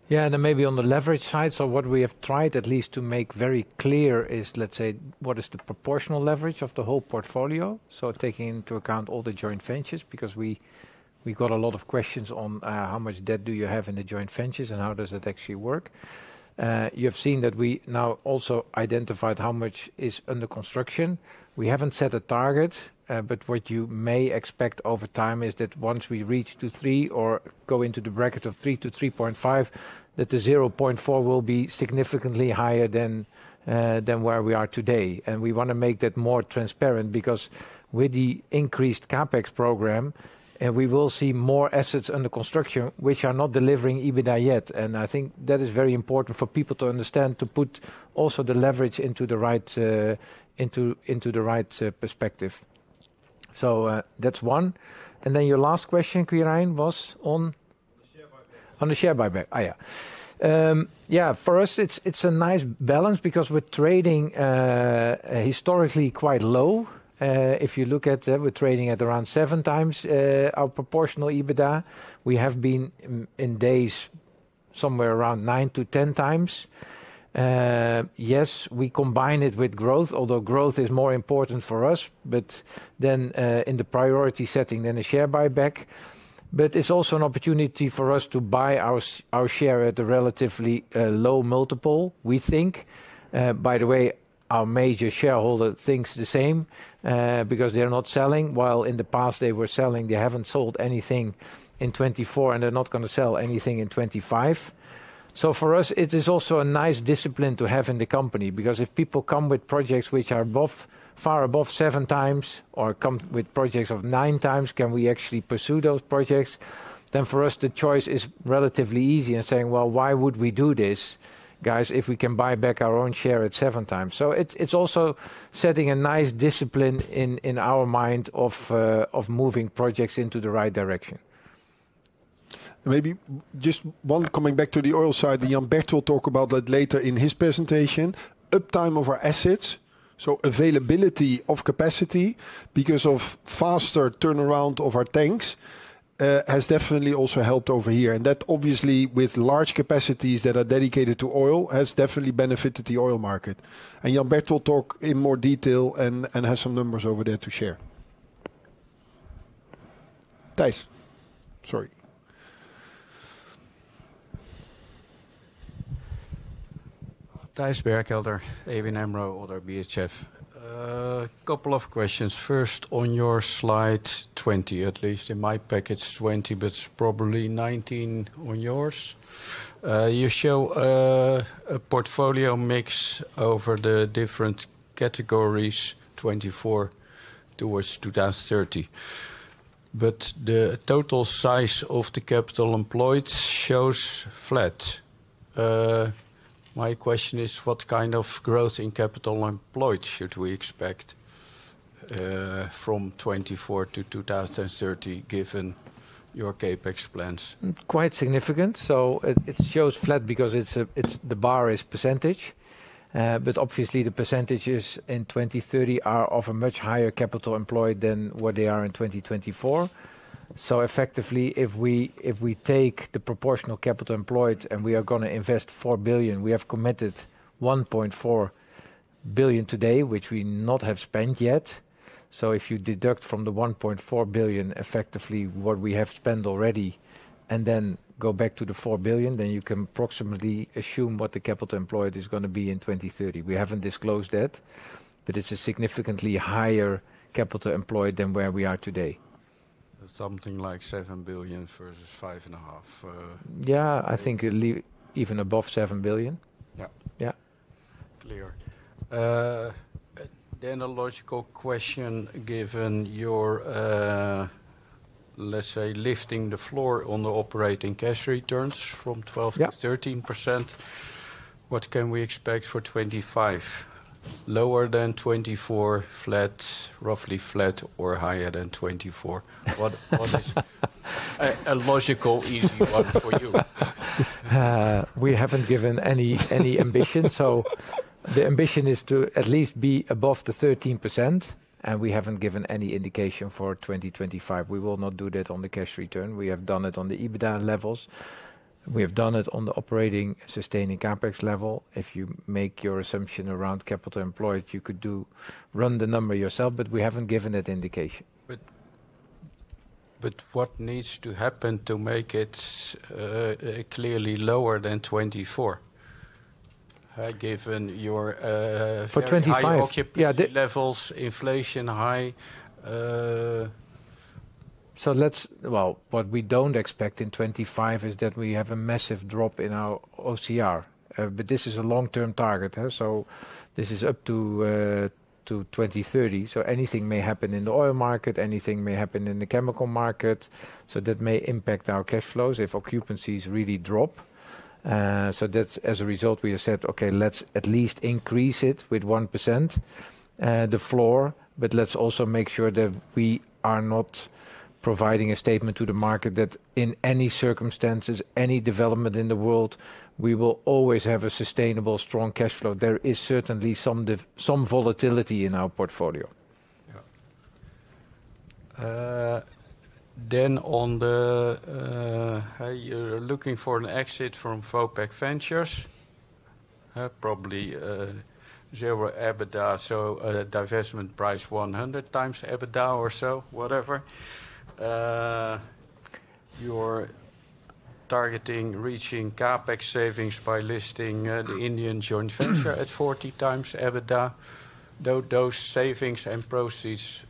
Yeah, maybe on the leverage side, what we have tried at least to make very clear is, let's say, what is the proportional leverage of the whole portfolio? Taking into account all the joint ventures, because we got a lot of questions on how much debt do you have in the joint ventures and how does that actually work? You have seen that we now also identified how much is under construction. We have not set a target, but what you may expect over time is that once we reach two to three or go into the bracket of three to 3.5, that the 0.4 will be significantly higher than where we are today. We want to make that more transparent because with the increased CapEx program, we will see more assets under construction which are not delivering EBITDA yet. I think that is very important for people to understand to put also the leverage into the right perspective. That is one. Your last question, Quirijn, was on the share buyback. On the share buyback. Yeah. Yeah, for us, it's a nice balance because we're trading historically quite low. If you look at that, we're trading at around 7x our proportional EBITDA. We have been in days somewhere around 9x-10x. Yes, we combine it with growth, although growth is more important for us, but then in the priority setting, then a share buyback. It's also an opportunity for us to buy our share at a relatively low multiple, we think. By the way, our major shareholder thinks the same because they're not selling. While in the past, they were selling, they haven't sold anything in 2024, and they're not going to sell anything in 2025. For us, it is also a nice discipline to have in the company because if people come with projects which are far above 7x or come with projects of nine times, can we actually pursue those projects? For us, the choice is relatively easy and saying, why would we do this, guys, if we can buy back our own share at seven times? It is also setting a nice discipline in our mind of moving projects into the right direction. Maybe just one coming back to the oil side, Jan Bert will talk about that later in his presentation. Uptime of our assets, so availability of capacity because of faster turnaround of our tanks, has definitely also helped over here. That obviously with large capacities that are dedicated to oil has definitely benefited the oil market. Jan Bert will talk in more detail and has some numbers over there to share. Thijs. Sorry. Thijs Berkelder, ABN AMRO Oddo BHF. A couple of questions. First, on your slide 20, at least in my package 20, but probably 19 on yours. You show a portfolio mix over the different categories, 2024 towards 2030. The total size of the capital employed shows flat. My question is, what kind of growth in capital employed should we expect from 2024 to 2030 given your CapEx plans? Quite significant. It shows flat because the bar is percentage. Obviously, the percentages in 2030 are of a much higher capital employed than what they are in 2024. Effectively, if we take the proportional capital employed and we are going to invest 4 billion, we have committed 1.4 billion today, which we have not spent yet. If you deduct from the 1.4 billion effectively what we have spent already and then go back to the 4 billion, then you can approximately assume what the capital employed is going to be in 2030. We have not disclosed that, but it is a significantly higher capital employed than where we are today. Something like 7 billion versus 5.5 billion. Yeah, I think even above 7 billion. Yeah. Clear. A logical question given your, let's say, lifting the floor on the operating cash returns from 12% to 13%. What can we expect for 2025? Lower than 2024, flat, roughly flat or higher than 2024. What is a logical, easy one for you? We have not given any ambition. The ambition is to at least be above the 13%. We have not given any indication for 2025. We will not do that on the cash return. We have done it on the EBITDA levels. We have done it on the operating sustaining CapEx level. If you make your assumption around capital employed, you could run the number yourself, but we haven't given that indication. What needs to happen to make it clearly lower than 24? Given your high market levels, inflation high. What we don't expect in 2025 is that we have a massive drop in our OCR. This is a long-term target. This is up to 2030. Anything may happen in the oil market, anything may happen in the chemical market. That may impact our cash flows if occupancies really drop. As a result, we have said, okay, let's at least increase it with 1%, the floor. Let's also make sure that we are not providing a statement to the market that in any circumstances, any development in the world, we will always have a sustainable, strong cash flow. There is certainly some volatility in our portfolio. You are looking for an exit from Vopak Ventures, probably zero EBITDA, so a divestment price 100x EBITDA or so, whatever. You are targeting reaching CapEx savings by listing the Indian joint venture at 40x EBITDA. Those savings and proceeds,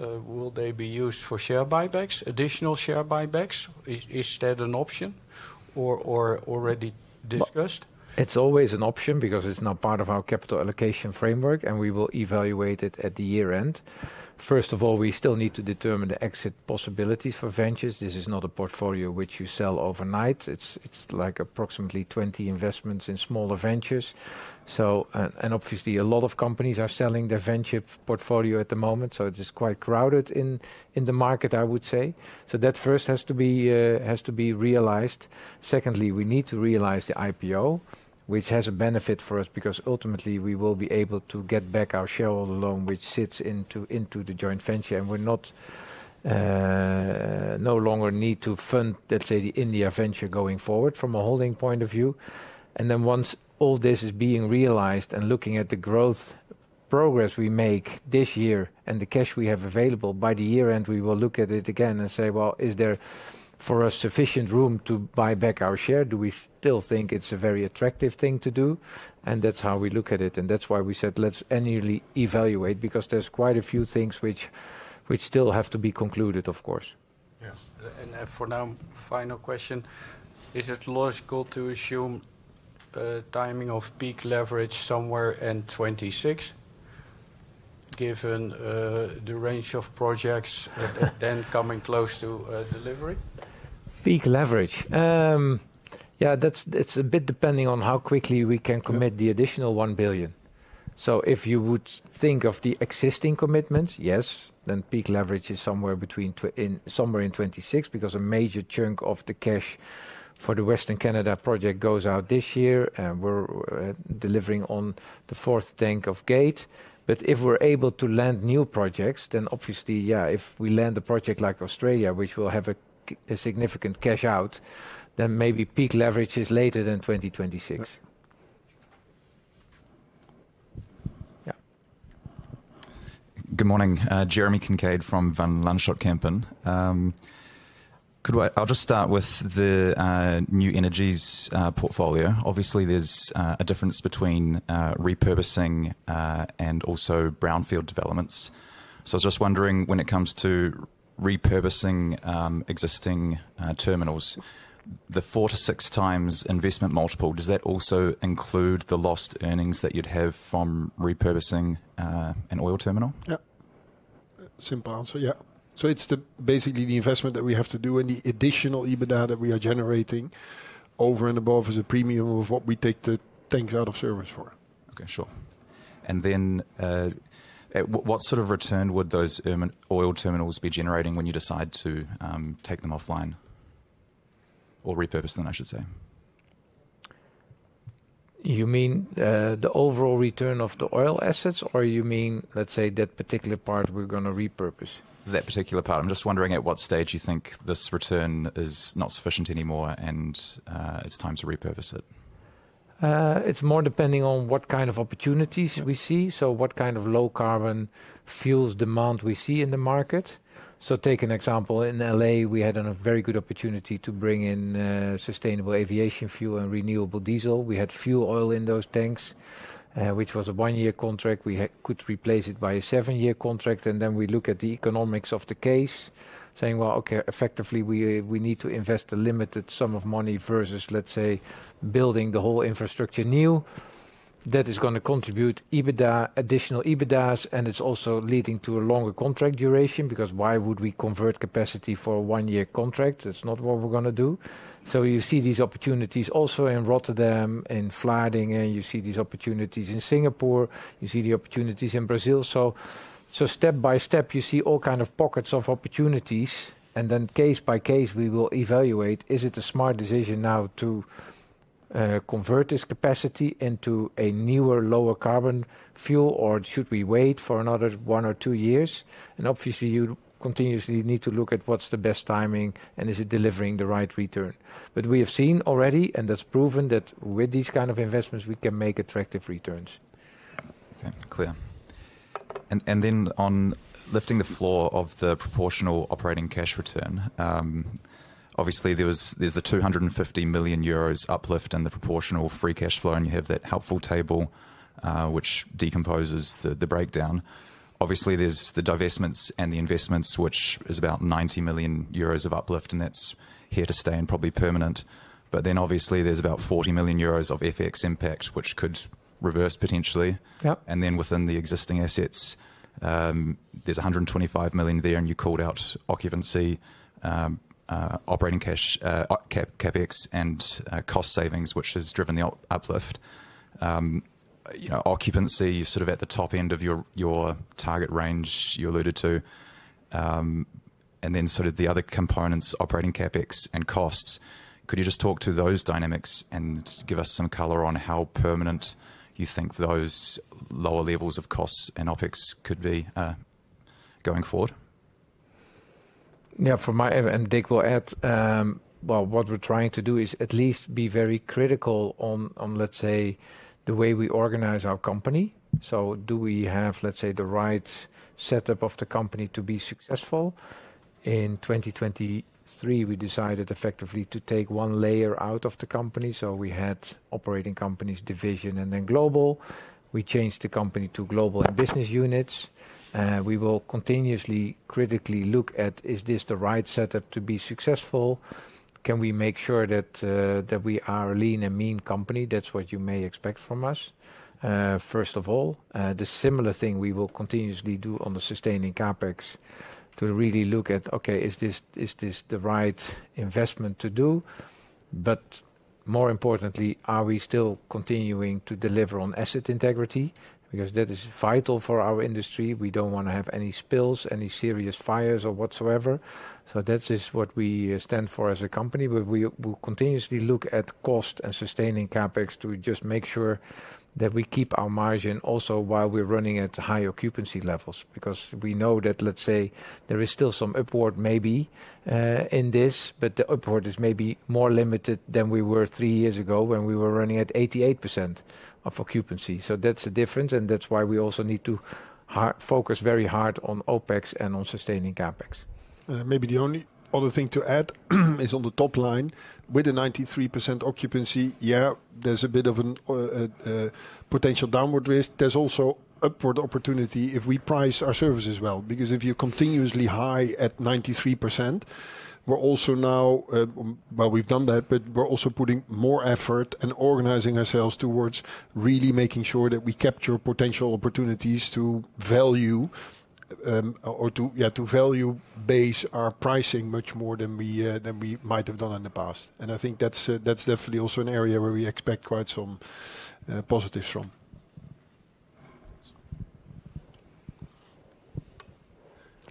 will they be used for share buybacks, additional share buybacks? Is that an option or already discussed? It's always an option because it's now part of our capital allocation framework and we will evaluate it at the year end. First of all, we still need to determine the exit possibilities for ventures. This is not a portfolio which you sell overnight. It's like approximately 20 investments in smaller ventures. Obviously, a lot of companies are selling their venture portfolio at the moment. It is quite crowded in the market, I would say. That first has to be realized. Secondly, we need to realize the IPO, which has a benefit for us because ultimately we will be able to get back our shareholder loan, which sits into the joint venture. We no longer need to fund, let's say, the India venture going forward from a holding point of view. Once all this is being realized and looking at the growth progress we make this year and the cash we have available, by the year end, we will look at it again and say, well, is there for us sufficient room to buy back our share? Do we still think it's a very attractive thing to do? That's how we look at it. That's why we said, let's annually evaluate because there's quite a few things which still have to be concluded, of course. Yes. For now, final question. Is it logical to assume timing of peak leverage somewhere in 2026, given the range of projects then coming close to delivery? Peak leverage. Yeah, it's a bit depending on how quickly we can commit the additional 1 billion. If you would think of the existing commitments, yes, then peak leverage is somewhere in 2026 because a major chunk of the cash for the Western Canada project goes out this year. We're delivering on the fourth tank of Gate. If we're able to land new projects, then obviously, yeah, if we land a project like Australia, which will have a significant cash out, then maybe peak leverage is later than 2026. Yeah. Good morning. Jeremy Kincaid from Van Lanschot Kempen. I'll just start with the new energies portfolio. Obviously, there's a difference between repurposing and also brownfield developments. I was just wondering when it comes to repurposing existing terminals, the 4x-6x investment multiple, does that also include the lost earnings that you'd have from repurposing an oil terminal? Yeah. Simple answer, yeah. It's basically the investment that we have to do and the additional EBITDA that we are generating over and above as a premium of what we take the tanks out of service for. Okay, sure. What sort of return would those oil terminals be generating when you decide to take them offline or repurpose them, I should say? You mean the overall return of the oil assets or you mean, let's say, that particular part we're going to repurpose? That particular part. I'm just wondering at what stage you think this return is not sufficient anymore and it's time to repurpose it. It's more depending on what kind of opportunities we see, so what kind of low carbon fuels demand we see in the market. Take an example. In LA, we had a very good opportunity to bring in sustainable aviation fuel and renewable diesel. We had fuel oil in those tanks, which was a one-year contract. We could replace it by a seven-year contract. Then we look at the economics of the case, saying, okay, effectively, we need to invest a limited sum of money versus, let's say, building the whole infrastructure new. That is going to contribute additional EBITDA, and it's also leading to a longer contract duration because why would we convert capacity for a one-year contract? That's not what we're going to do. You see these opportunities also in Rotterdam, in Vlaardingen, you see these opportunities in Singapore, you see the opportunities in Brazil. Step by step, you see all kinds of pockets of opportunities. Case by case, we will evaluate, is it a smart decision now to convert this capacity into a newer, lower carbon fuel, or should we wait for another one or two years? Obviously, you continuously need to look at what's the best timing and is it delivering the right return. We have seen already, and that's proven, that with these kinds of investments, we can make attractive returns. Okay, clear. On lifting the floor of the proportional operating cash return, obviously, there's the 250 million euros uplift and the proportional free cash flow, and you have that helpful table which decomposes the breakdown. Obviously, there's the divestments and the investments, which is about 90 million euros of uplift, and that's here to stay and probably permanent. Obviously, there's about 40 million euros of FX impact, which could reverse potentially. Within the existing assets, there's 125 million there, and you called out occupancy, operating cash, CapEx, and cost savings, which has driven the uplift. Occupancy, you're sort of at the top end of your target range you alluded to. The other components, operating CapEx and costs. Could you just talk to those dynamics and give us some color on how permanent you think those lower levels of costs and OpEx could be going forward? Yeah, from my end, and Dick will add. What we're trying to do is at least be very critical on, let's say, the way we organize our company. Do we have, let's say, the right setup of the company to be successful? In 2023, we decided effectively to take one layer out of the company. We had operating companies division and then global. We changed the company to global and business units. We will continuously critically look at, is this the right setup to be successful? Can we make sure that we are a lean and mean company? That's what you may expect from us, first of all. The similar thing we will continuously do on the sustaining CapEx to really look at, okay, is this the right investment to do? More importantly, are we still continuing to deliver on asset integrity? That is vital for our industry. We don't want to have any spills, any serious fires or whatsoever. That is what we stand for as a company. We will continuously look at cost and sustaining CapEx to just make sure that we keep our margin also while we're running at high occupancy levels. Because we know that, let's say, there is still some upward maybe in this, but the upward is maybe more limited than we were three years ago when we were running at 88% of occupancy. That's a difference, and that's why we also need to focus very hard on OpEx and on sustaining CapEx. Maybe the only other thing to add is on the top line, with the 93% occupancy, yeah, there's a bit of a potential downward risk. There's also upward opportunity if we price our services well. Because if you're continuously high at 93%, we're also now, we've done that, but we're also putting more effort and organizing ourselves towards really making sure that we capture potential opportunities to value or to value base our pricing much more than we might have done in the past. I think that's definitely also an area where we expect quite some positives from.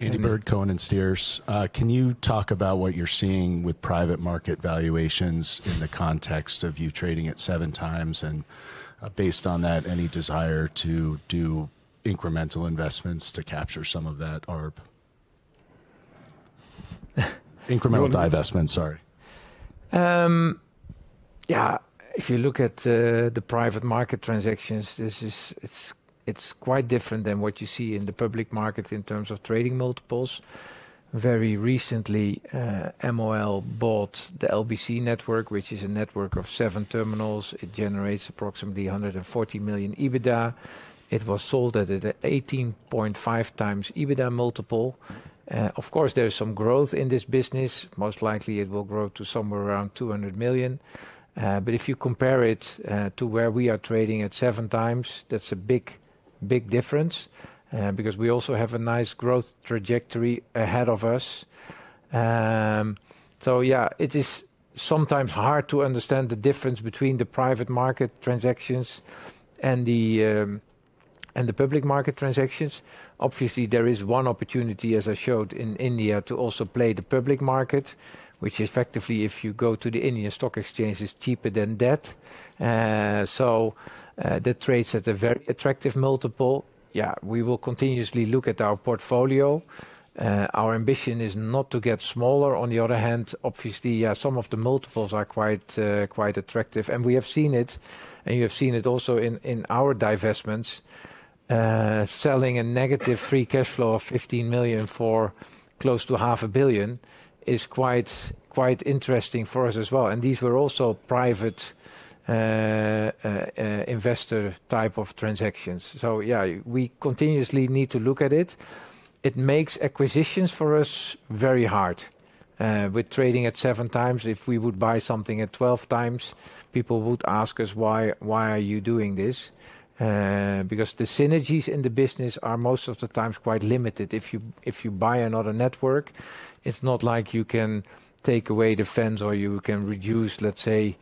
Andrew Burd, Cohen and Steers, can you talk about what you're seeing with private market valuations in the context of you trading at 7xs? Based on that, any desire to do incremental investments to capture some of that ARB? Incremental divestments, sorry. If you look at the private market transactions, it's quite different than what you see in the public market in terms of trading multiples. Very recently, MOL bought the LBC Tank Terminals network, which is a network of seven terminals. It generates approximately 140 million EBITDA. It was sold at an 18.5x EBITDA multiple. Of course, there is some growth in this business. Most likely, it will grow to somewhere around 200 million. If you compare it to where we are trading at 7x, that is a big difference because we also have a nice growth trajectory ahead of us. It is sometimes hard to understand the difference between the private market transactions and the public market transactions. Obviously, there is one opportunity, as I showed in India, to also play the public market, which effectively, if you go to the Indian stock exchange, is cheaper than debt. That trades at a very attractive multiple. We will continuously look at our portfolio. Our ambition is not to get smaller. On the other hand, obviously, some of the multiples are quite attractive. We have seen it, and you have seen it also in our divestments. Selling a negative free cash flow of 15 million for close to 500 million is quite interesting for us as well. These were also private investor type of transactions. Yeah, we continuously need to look at it. It makes acquisitions for us very hard. With trading at 7x, if we would buy something at 12x, people would ask us, why are you doing this? Because the synergies in the business are most of the time quite limited. If you buy another network, it's not like you can take away the fence or you can reduce, let's say,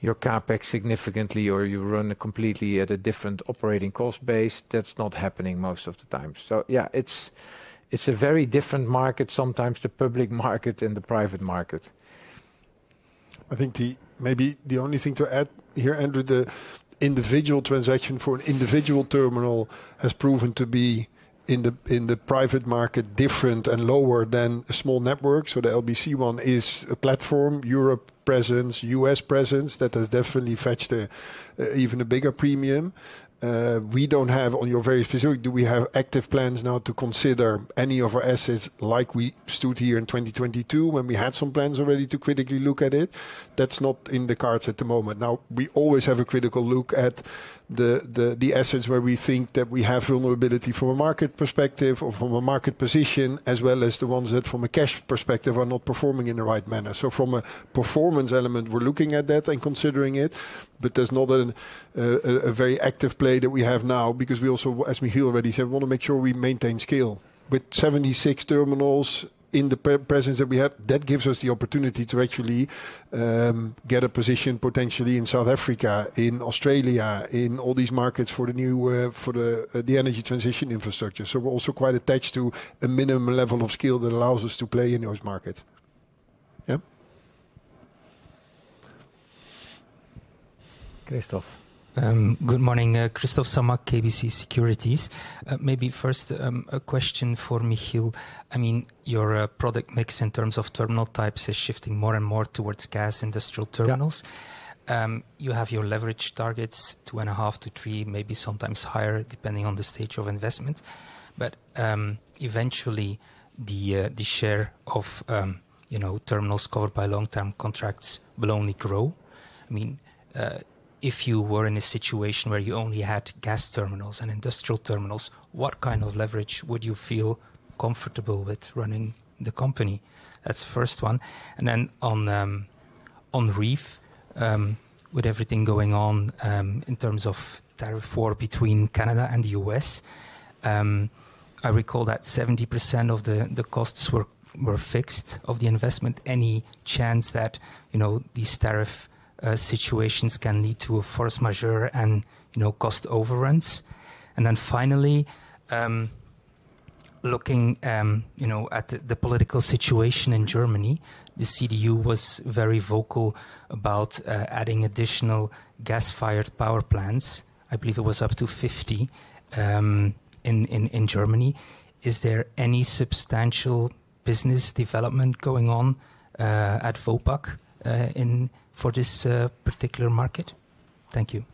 your CapEx significantly or you run completely at a different operating cost base. That's not happening most of the time. Yeah, it's a very different market sometimes, the public market and the private market. I think maybe the only thing to add here, Andrew, the individual transaction for an individual terminal has proven to be in the private market different and lower than a small network. The LBC one is a platform, Europe presence, US presence. That has definitely fetched even a bigger premium. We don't have, on your very specific, do we have active plans now to consider any of our assets like we stood here in 2022 when we had some plans already to critically look at it? That's not in the cards at the moment. Now, we always have a critical look at the assets where we think that we have vulnerability from a market perspective or from a market position, as well as the ones that from a cash perspective are not performing in the right manner. From a performance element, we're looking at that and considering it. There's not a very active play that we have now because we also, as Michiel already said, want to make sure we maintain scale. With 76 terminals in the presence that we have, that gives us the opportunity to actually get a position potentially in South Africa, in Australia, in all these markets for the new, for the energy transition infrastructure. We're also quite attached to a minimum level of scale that allows us to play in those markets. Yeah. Christoph. Good morning. Christoph Sommer, KBC Securities. Maybe first a question for Michiel. I mean, your product mix in terms of terminal types is shifting more and more towards gas industrial terminals. You have your leverage targets, two and a half to three, maybe sometimes higher, depending on the stage of investment. Eventually, the share of terminals covered by long-term contracts will only grow. I mean, if you were in a situation where you only had gas terminals and industrial terminals, what kind of leverage would you feel comfortable with running the company? That's the first one. On REEF, with everything going on in terms of tariff war between Canada and the US, I recall that 70% of the costs were fixed of the investment. Any chance that these tariff situations can lead to a force majeure and cost overruns? Then finally, looking at the political situation in Germany, the CDU was very vocal about adding additional gas-fired power plants. I believe it was up to 50 in Germany. Is there any substantial business development going on at Vopak for this particular market? Thank you.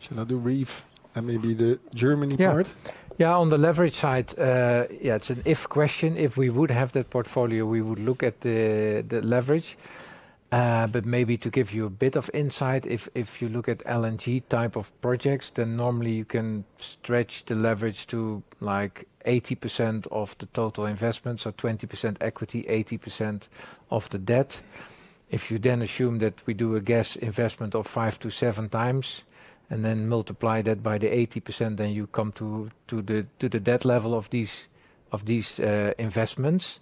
Should I do REEF and maybe the Germany part? Yeah, on the leverage side, yeah, it's an if question. If we would have that portfolio, we would look at the leverage. Maybe to give you a bit of insight, if you look at LNG type of projects, then normally you can stretch the leverage to like 80% of the total investment, so 20% equity, 80% of the debt. If you then assume that we do a gas investment of 5x-7x and then multiply that by the 80%, then you come to the debt level of these investments.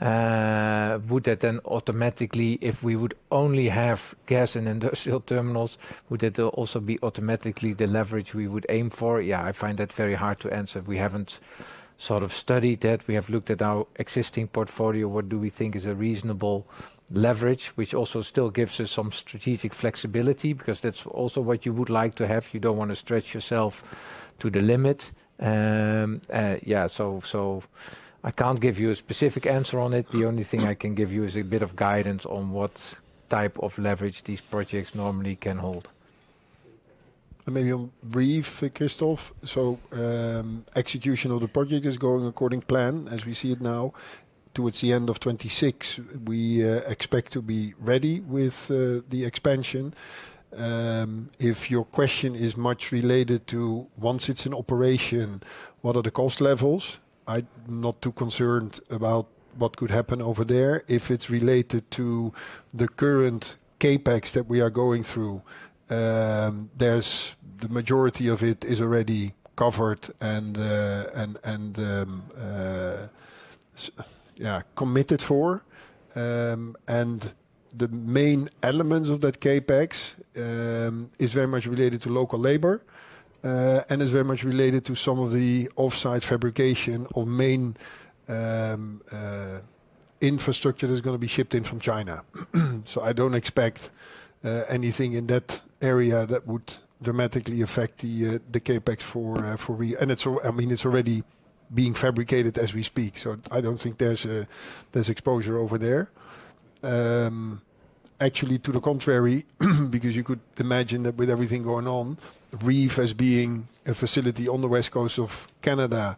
Would that then automatically, if we would only have gas and industrial terminals, would that also be automatically the leverage we would aim for? Yeah, I find that very hard to answer. We haven't sort of studied that. We have looked at our existing portfolio. What do we think is a reasonable leverage, which also still gives us some strategic flexibility because that's also what you would like to have. You don't want to stretch yourself to the limit. Yeah, I can't give you a specific answer on it. The only thing I can give you is a bit of guidance on what type of leverage these projects normally can hold. Maybe on REEF, Christoph, execution of the project is going according to plan as we see it now. Towards the end of 2026, we expect to be ready with the expansion. If your question is much related to once it's in operation, what are the cost levels? I'm not too concerned about what could happen over there. If it's related to the current CapEx that we are going through, the majority of it is already covered and committed for. The main elements of that CapEx is very much related to local labor and is very much related to some of the offsite fabrication of main infrastructure that's going to be shipped in from China. I don't expect anything in that area that would dramatically affect the CapEx for REEF. It's already being fabricated as we speak. I don't think there's exposure over there. Actually, to the contrary, because you could imagine that with everything going on, REEF as being a facility on the west coast of Canada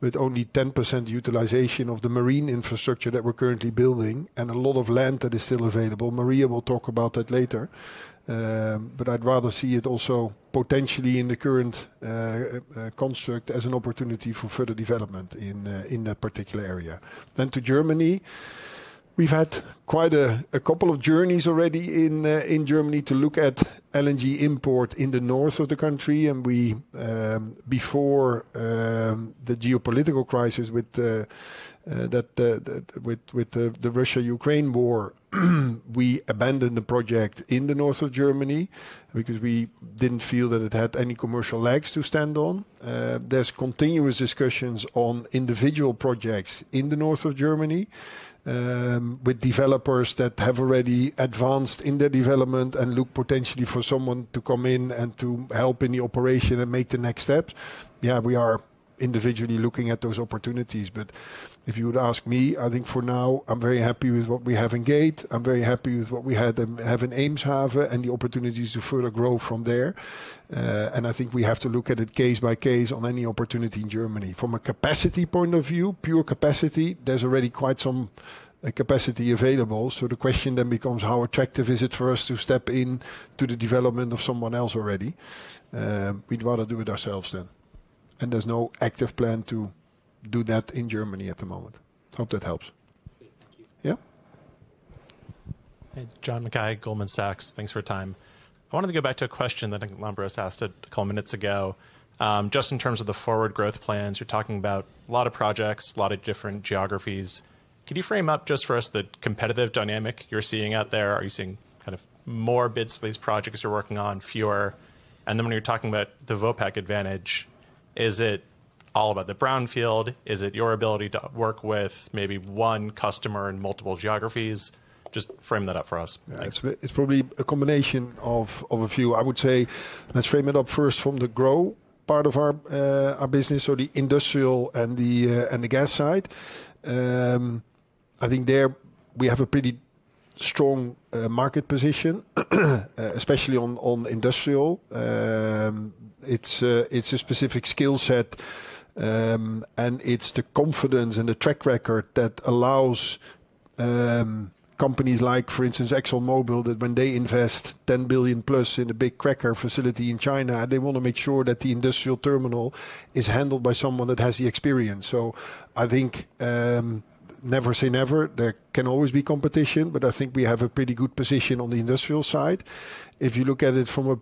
with only 10% utilization of the marine infrastructure that we're currently building and a lot of land that is still available. Maria will talk about that later. I'd rather see it also potentially in the current construct as an opportunity for further development in that particular area. To Germany, we've had quite a couple of journeys already in Germany to look at LNG import in the north of the country. Before the geopolitical crisis with the Russia-Ukraine war, we abandoned the project in the north of Germany because we didn't feel that it had any commercial legs to stand on. There's continuous discussions on individual projects in the north of Germany with developers that have already advanced in their development and look potentially for someone to come in and to help in the operation and make the next step. Yeah, we are individually looking at those opportunities. If you would ask me, I think for now, I'm very happy with what we have in Gate. I'm very happy with what we have in Eemshaven and the opportunities to further grow from there. I think we have to look at it case by case on any opportunity in Germany. From a capacity point of view, pure capacity, there's already quite some capacity available. The question then becomes, how attractive is it for us to step into the development of someone else already? We'd rather do it ourselves then. There's no active plan to do that in Germany at the moment. Hope that helps. Yeah. John McKay, Goldman Sachs, thanks for your time. I wanted to go back to a question that I think Lombard has asked a couple of minutes ago. Just in terms of the forward growth plans, you're talking about a lot of projects, a lot of different geographies. Could you frame up just for us the competitive dynamic you're seeing out there? Are you seeing kind of more bids for these projects you're working on, fewer? When you're talking about the Vopak advantage, is it all about the brownfield? Is it your ability to work with maybe one customer in multiple geographies? Just frame that up for us. It's probably a combination of a few. I would say let's frame it up first from the grow part of our business, so the industrial and the gas side. I think there we have a pretty strong market position, especially on industrial. It's a specific skill set, and it's the confidence and the track record that allows companies like, for instance, ExxonMobil, that when they invest 10 billion plus in a big cracker facility in China, they want to make sure that the industrial terminal is handled by someone that has the experience. I think never say never. There can always be competition, but I think we have a pretty good position on the industrial side. If you look at it from a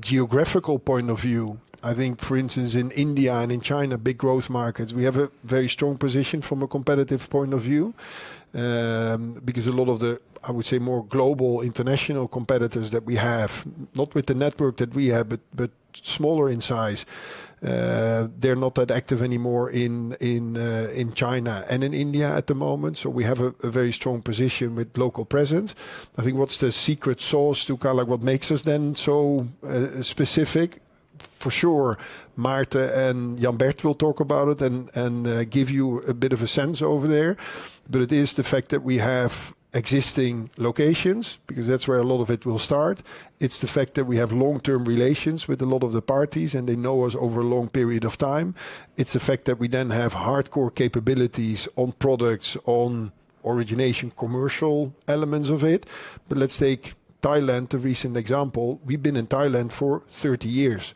geographical point of view, I think, for instance, in India and in China, big growth markets, we have a very strong position from a competitive point of view because a lot of the, I would say, more global international competitors that we have, not with the network that we have, but smaller in size, they're not that active anymore in China and in India at the moment. We have a very strong position with local presence. I think what's the secret sauce to kind of like what makes us then so specific? For sure, Maarten and Jan Bert will talk about it and give you a bit of a sense over there. It is the fact that we have existing locations because that's where a lot of it will start. It's the fact that we have long-term relations with a lot of the parties, and they know us over a long period of time. It's the fact that we then have hardcore capabilities on products, on origination, commercial elements of it. Let's take Thailand, the recent example. We've been in Thailand for 30 years.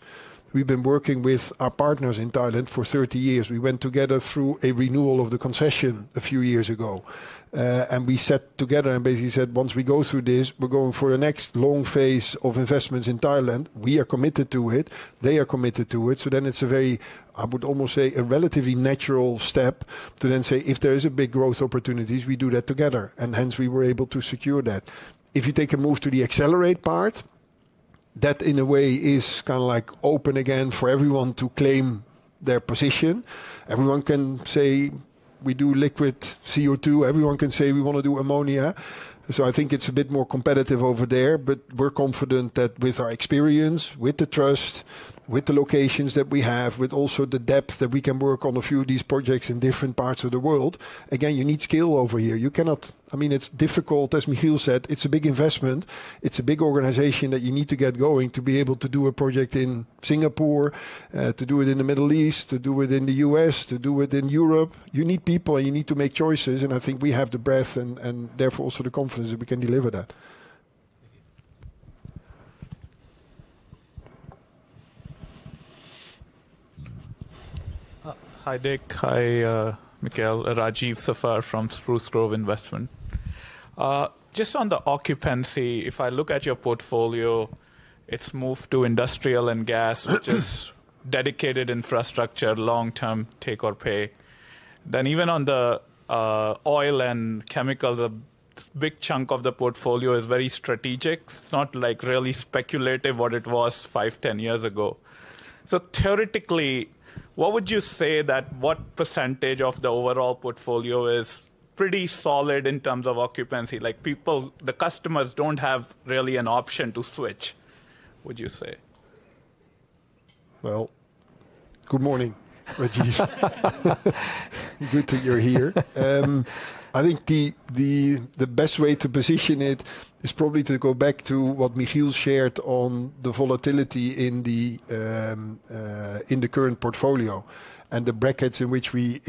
We've been working with our partners in Thailand for 30 years. We went together through a renewal of the concession a few years ago. We sat together and basically said, once we go through this, we're going for the next long phase of investments in Thailand. We are committed to it. They are committed to it. It is a very, I would almost say, a relatively natural step to then say, if there is a big growth opportunity, we do that together. Hence, we were able to secure that. If you take a move to the accelerate part, that in a way is kind of like open again for everyone to claim their position. Everyone can say, we do liquid CO2. Everyone can say, we want to do ammonia. I think it's a bit more competitive over there. We're confident that with our experience, with the trust, with the locations that we have, with also the depth that we can work on a few of these projects in different parts of the world, again, you need skill over here. You cannot, I mean, it's difficult, as Michiel said, it's a big investment. It's a big organization that you need to get going to be able to do a project in Singapore, to do it in the Middle East, to do it in the U.S, to do it in Europe. You need people, and you need to make choices. I think we have the breadth and therefore also the confidence that we can deliver that. Hi, Dick. Hi, Michiel. Rajeev Saffar from Spruce Grove Investment. Just on the occupancy, if I look at your portfolio, it's moved to industrial and gas, which is dedicated infrastructure, long-term take or pay. Even on the oil and chemical, the big chunk of the portfolio is very strategic. It's not like really speculative what it was five, ten years ago. Theoretically, what would you say that what percentage of the overall portfolio is pretty solid in terms of occupancy? Like people, the customers don't have really an option to switch, would you say? Good morning, Rajeev. Good that you're here. I think the best way to position it is probably to go back to what Michiel shared on the volatility in the current portfolio and the brackets in which we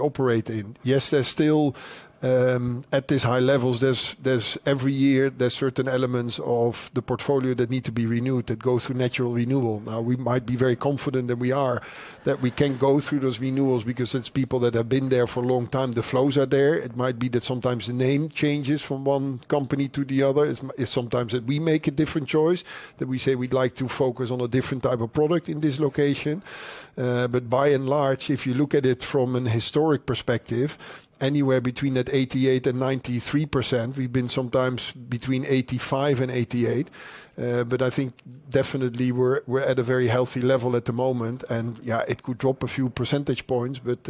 operate in. Yes, there's still at these high levels, there's every year, there's certain elements of the portfolio that need to be renewed, that go through natural renewal. Now, we might be very confident that we are, that we can go through those renewals because it's people that have been there for a long time. The flows are there. It might be that sometimes the name changes from one company to the other. It's sometimes that we make a different choice, that we say we'd like to focus on a different type of product in this location. By and large, if you look at it from a historic perspective, anywhere between that 88%-93%, we've been sometimes between 85%-88% I think definitely we're at a very healthy level at the moment. It could drop a few percentage points, but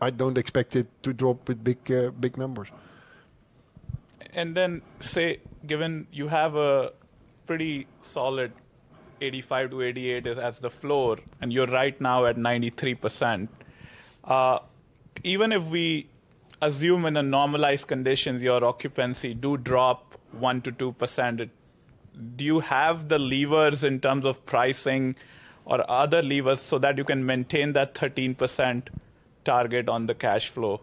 I don't expect it to drop with big numbers. Given you have a pretty solid 85%-88% as the floor and you're right now at 93%, even if we assume in a normalized condition your occupancy does drop 1%-2%, do you have the levers in terms of pricing or other levers so that you can maintain that 13% target on the cash flow?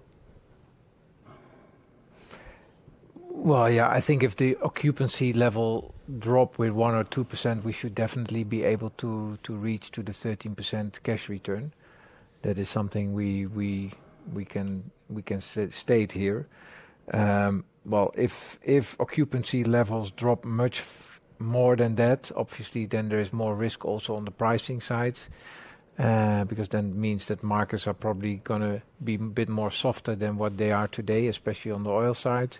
Yeah, I think if the occupancy level drops 1% or 2%, we should definitely be able to reach the 13% cash return. That is something we can state here. If occupancy levels drop much more than that, obviously then there is more risk also on the pricing side because then it means that markets are probably going to be a bit more softer than what they are today, especially on the oil side.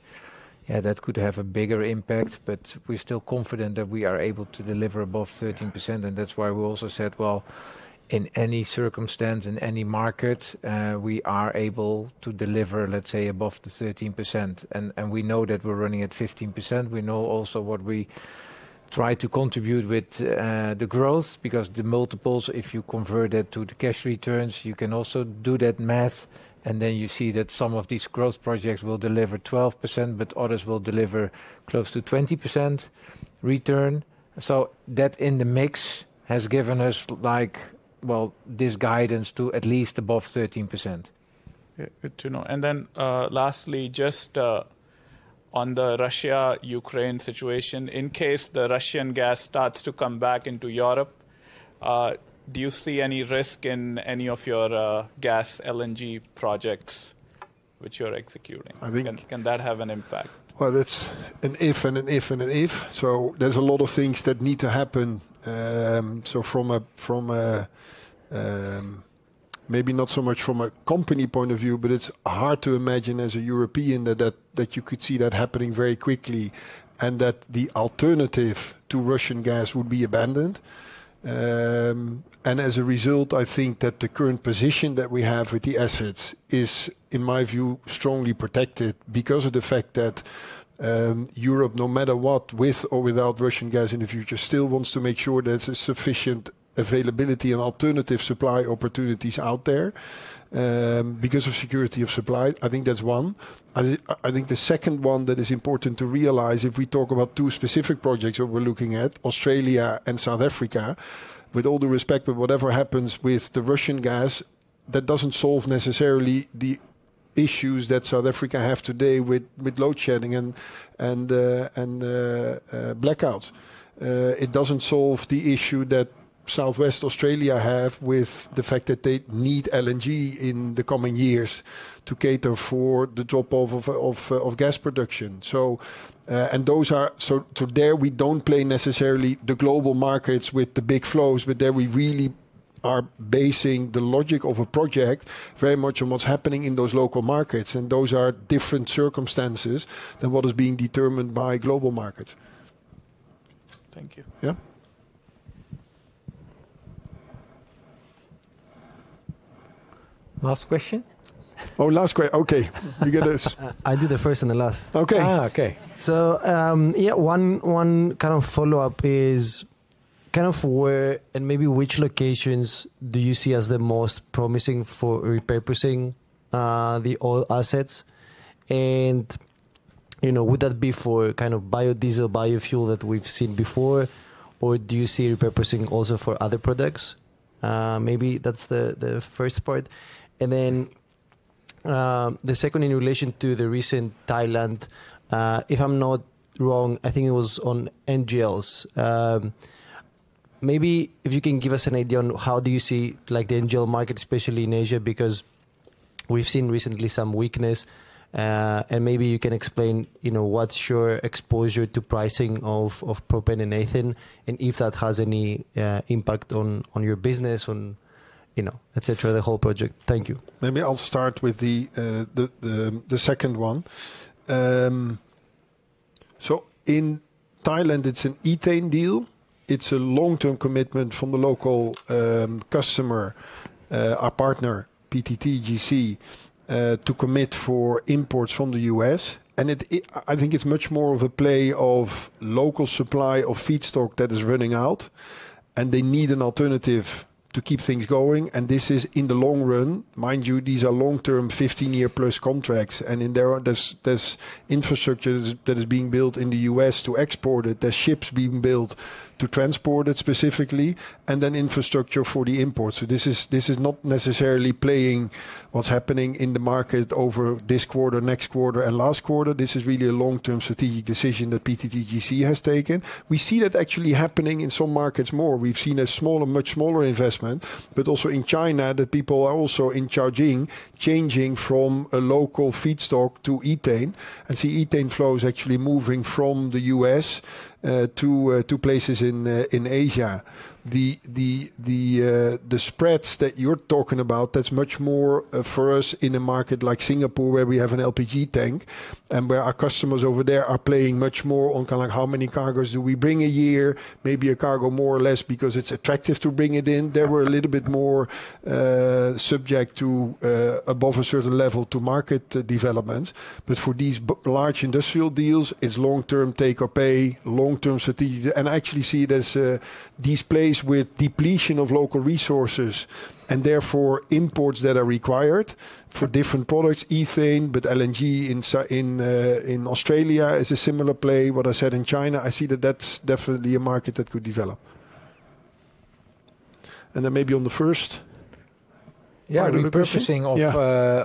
Yeah, that could have a bigger impact, but we're still confident that we are able to deliver above 13%. That is why we also said, in any circumstance, in any market, we are able to deliver, let's say, above the 13%. We know that we're running at 15%. We know also what we try to contribute with the growth because the multiples, if you convert that to the cash returns, you can also do that math. Then you see that some of these growth projects will deliver 12%, but others will deliver close to 20% return. That in the mix has given us, like, this guidance to at least above 13%. Good to know. Lastly, just on the Russia-Ukraine situation, in case the Russian gas starts to come back into Europe, do you see any risk in any of your gas LNG projects which you're executing? Can that have an impact? It's an if and an if and an if. There are a lot of things that need to happen. From a maybe not so much from a company point of view, but it's hard to imagine as a European that you could see that happening very quickly and that the alternative to Russian gas would be abandoned. As a result, I think that the current position that we have with the assets is, in my view, strongly protected because of the fact that Europe, no matter what, with or without Russian gas in the future, still wants to make sure there's a sufficient availability and alternative supply opportunities out there because of security of supply. I think that's one. I think the second one that is important to realize, if we talk about two specific projects that we're looking at, Australia and South Africa, with all due respect, but whatever happens with the Russian gas, that doesn't solve necessarily the issues that South Africa has today with load shedding and blackouts. It doesn't solve the issue that Southwest Australia has with the fact that they need LNG in the coming years to cater for the drop-off of gas production. Those are so there, we do not play necessarily the global markets with the big flows, but there we really are basing the logic of a project very much on what is happening in those local markets. Those are different circumstances than what is being determined by global markets. Thank you. Yeah. Last question. Oh, last question. Okay. You get this. I do the first and the last. Okay. Okay. Yeah, one kind of follow-up is kind of where and maybe which locations do you see as the most promising for repurposing the oil assets? Would that be for kind of biodiesel, biofuel that we have seen before, or do you see repurposing also for other products? Maybe that is the first part. The second in relation to the recent Thailand, if I am not wrong, I think it was on NGLs. Maybe if you can give us an idea on how do you see the NGL market, especially in Asia, because we've seen recently some weakness, and maybe you can explain what's your exposure to pricing of propane and ethane and if that has any impact on your business, et cetera, the whole project. Thank you. Maybe I'll start with the second one. In Thailand, it's an ethane deal. It's a long-term commitment from the local customer, our partner, PTTGC, to commit for imports from the U.S. I think it's much more of a play of local supply of feedstock that is running out, and they need an alternative to keep things going. This is in the long run. Mind you, these are long-term, 15-year-plus contracts. There's infrastructure that is being built in the U.S.. to export it. are ships being built to transport it specifically, and then infrastructure for the imports. This is not necessarily playing what's happening in the market over this quarter, next quarter, and last quarter. This is really a long-term strategic decision that PTTGC has taken. We see that actually happening in some markets more. We've seen a smaller, much smaller investment, but also in China that people are also in Chongqing changing from a local feedstock to ethane. You see ethane flows actually moving from the U.S. to places in Asia. The spreads that you're talking about, that's much more for us in a market like Singapore, where we have an LPG tank and where our customers over there are playing much more on kind of how many cargoes do we bring a year, maybe a cargo more or less because it's attractive to bring it in. They were a little bit more subject to above a certain level to market developments. For these large industrial deals, it's long-term take or pay, long-term strategic. I actually see it as these plays with depletion of local resources and therefore imports that are required for different products, ethane, but LNG in Australia is a similar play. What I said in China, I see that that's definitely a market that could develop. Maybe on the first. Yeah, the repurposing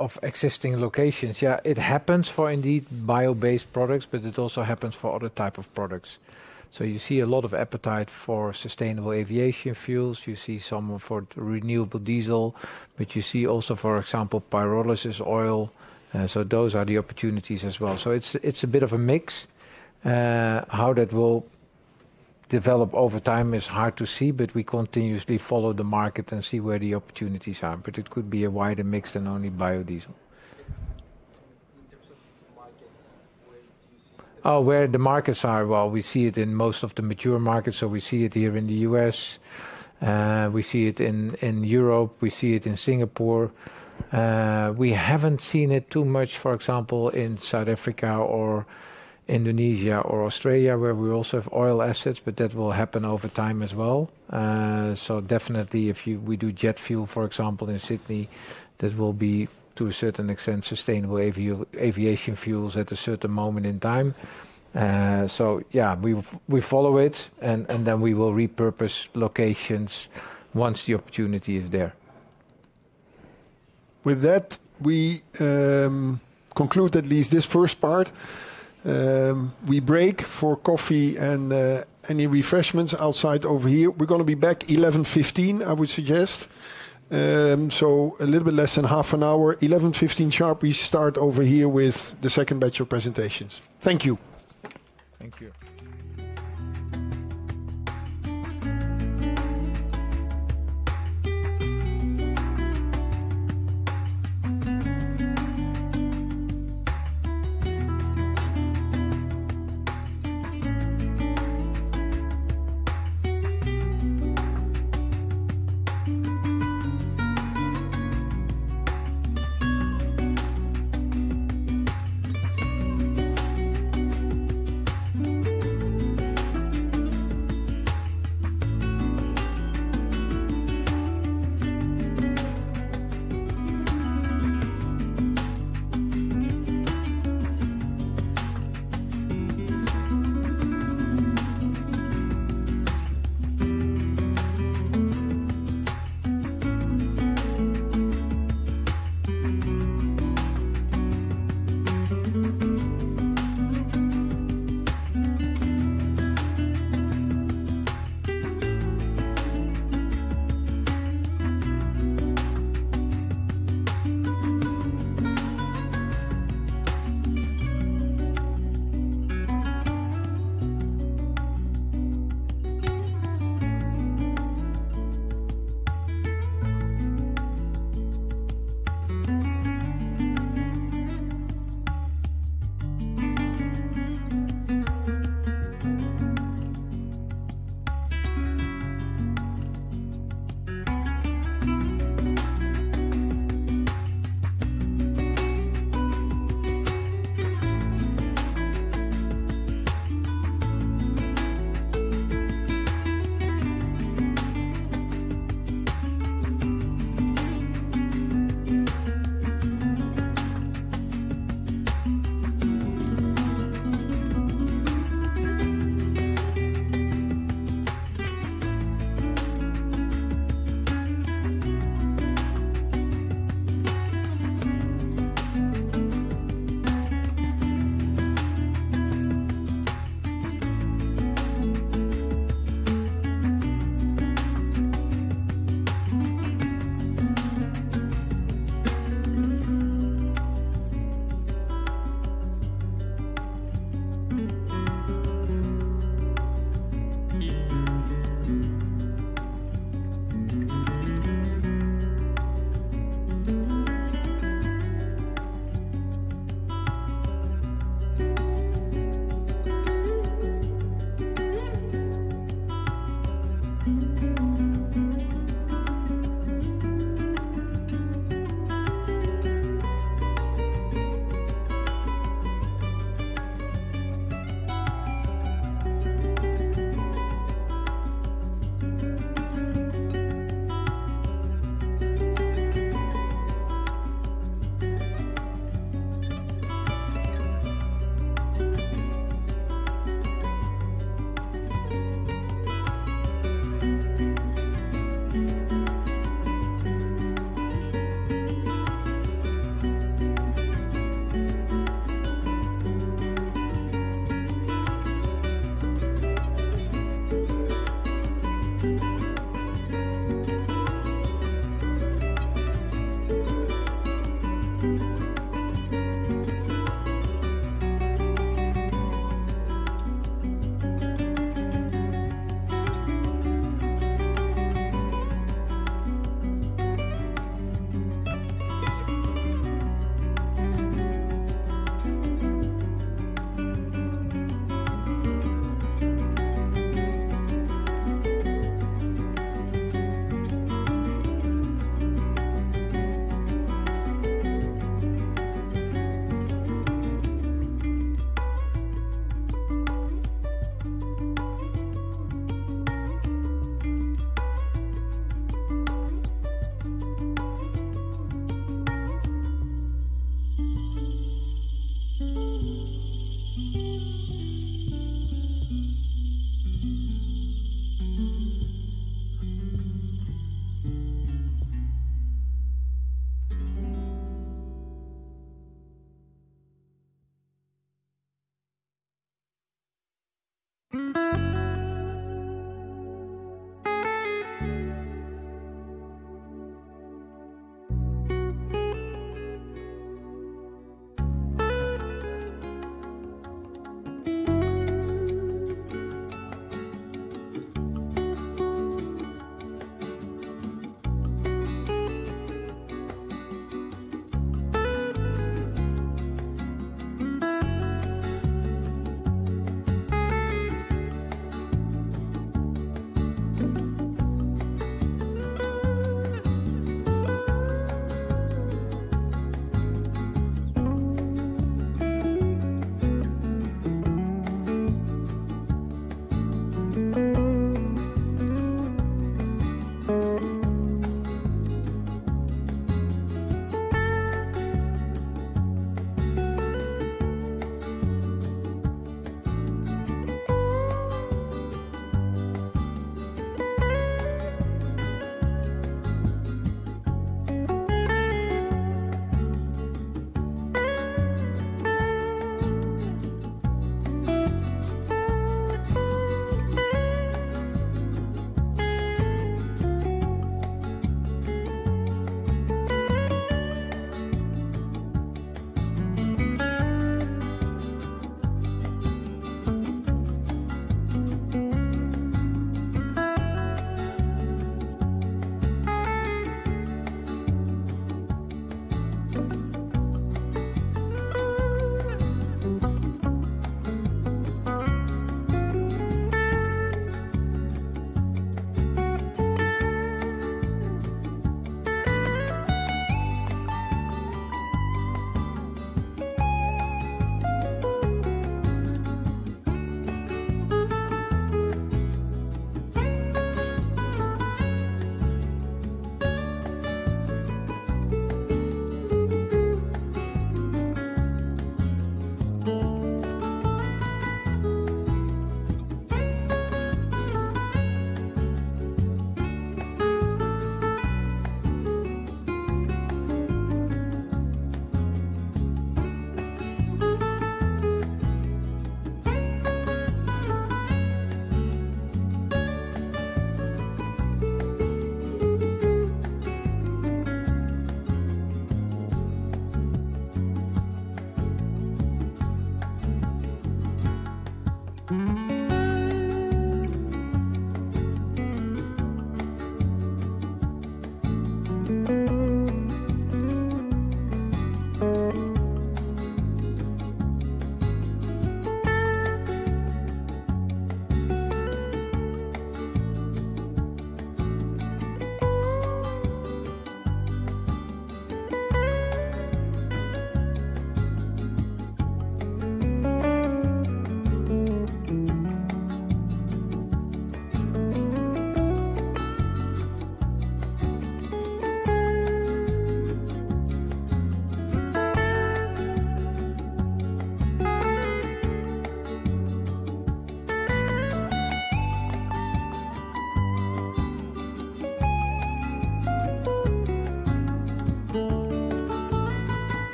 of existing locations. Yeah, it happens for indeed bio-based products, but it also happens for other types of products. You see a lot of appetite for sustainable aviation fuels. You see some for renewable diesel, but you see also, for example, pyrolysis oil. Those are the opportunities as well. It's a bit of a mix. How that will develop over time is hard to see, but we continuously follow the market and see where the opportunities are. It could be a wider mix than only biodiesel. In terms of markets, where do you see the— oh, where the markets are? We see it in most of the mature markets. We see it here in the U.S. We see it in Europe. We see it in Singapore. We have not seen it too much, for example, in South Africa or Indonesia or Australia, where we also have oil assets, but that will happen over time as well. Definitely, if we do jet fuel, for example, in Sydney, that will be, to a certain extent, sustainable aviation fuels at a certain moment in time. We follow it, and then we will repurpose locations once the opportunity is there. With that, we conclude at least this first part. We break for coffee and any refreshments outside over here. We're going to be back 11:15, I would suggest. A little bit less than half an hour, 11:15 sharp, we start over here with the second batch of presentations. Thank you. Thank you.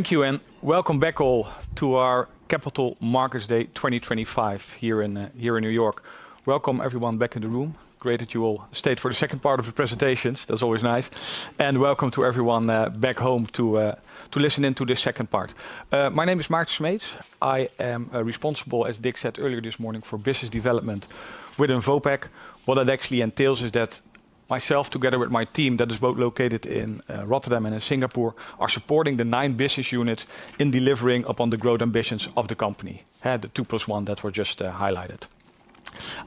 Thank you, and welcome back all to our Capital Markets Day 2025 here in New York. Welcome, everyone, back in the room. Great that you all stayed for the second part of the presentations. That's always nice. Welcome to everyone back home to listen into this second part. My name is Maarten Smeets. I am responsible, as Dick said earlier this morning, for business development within Vopak. What that actually entails is that myself, together with my team that is both located in Rotterdam and in Singapore, are supporting the nine business units in delivering upon the growth ambitions of the company, the two plus one that were just highlighted.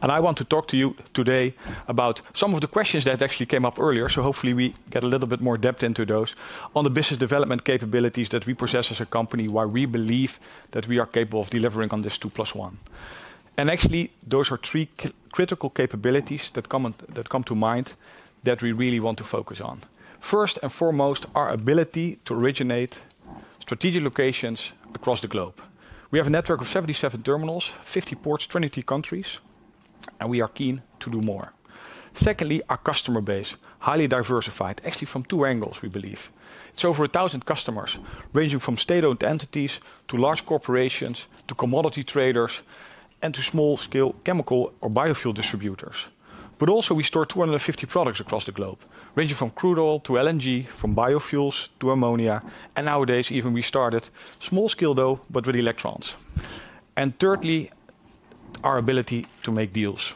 I want to talk to you today about some of the questions that actually came up earlier, so hopefully we get a little bit more depth into those on the business development capabilities that we possess as a company, why we believe that we are capable of delivering on this two plus one. Actually, those are three critical capabilities that come to mind that we really want to focus on. First and foremost, our ability to originate strategic locations across the globe. We have a network of 77 terminals, 50 ports, 23 countries, and we are keen to do more. Secondly, our customer base is highly diversified, actually from two angles, we believe. It's over 1,000 customers ranging from state-owned entities to large corporations to commodity traders and to small-scale chemical or biofuel distributors. Also, we store 250 products across the globe, ranging from crude oil to LNG, from biofuels to ammonia, and nowadays even we started small-scale though, but with electrons. Thirdly, our ability to make deals,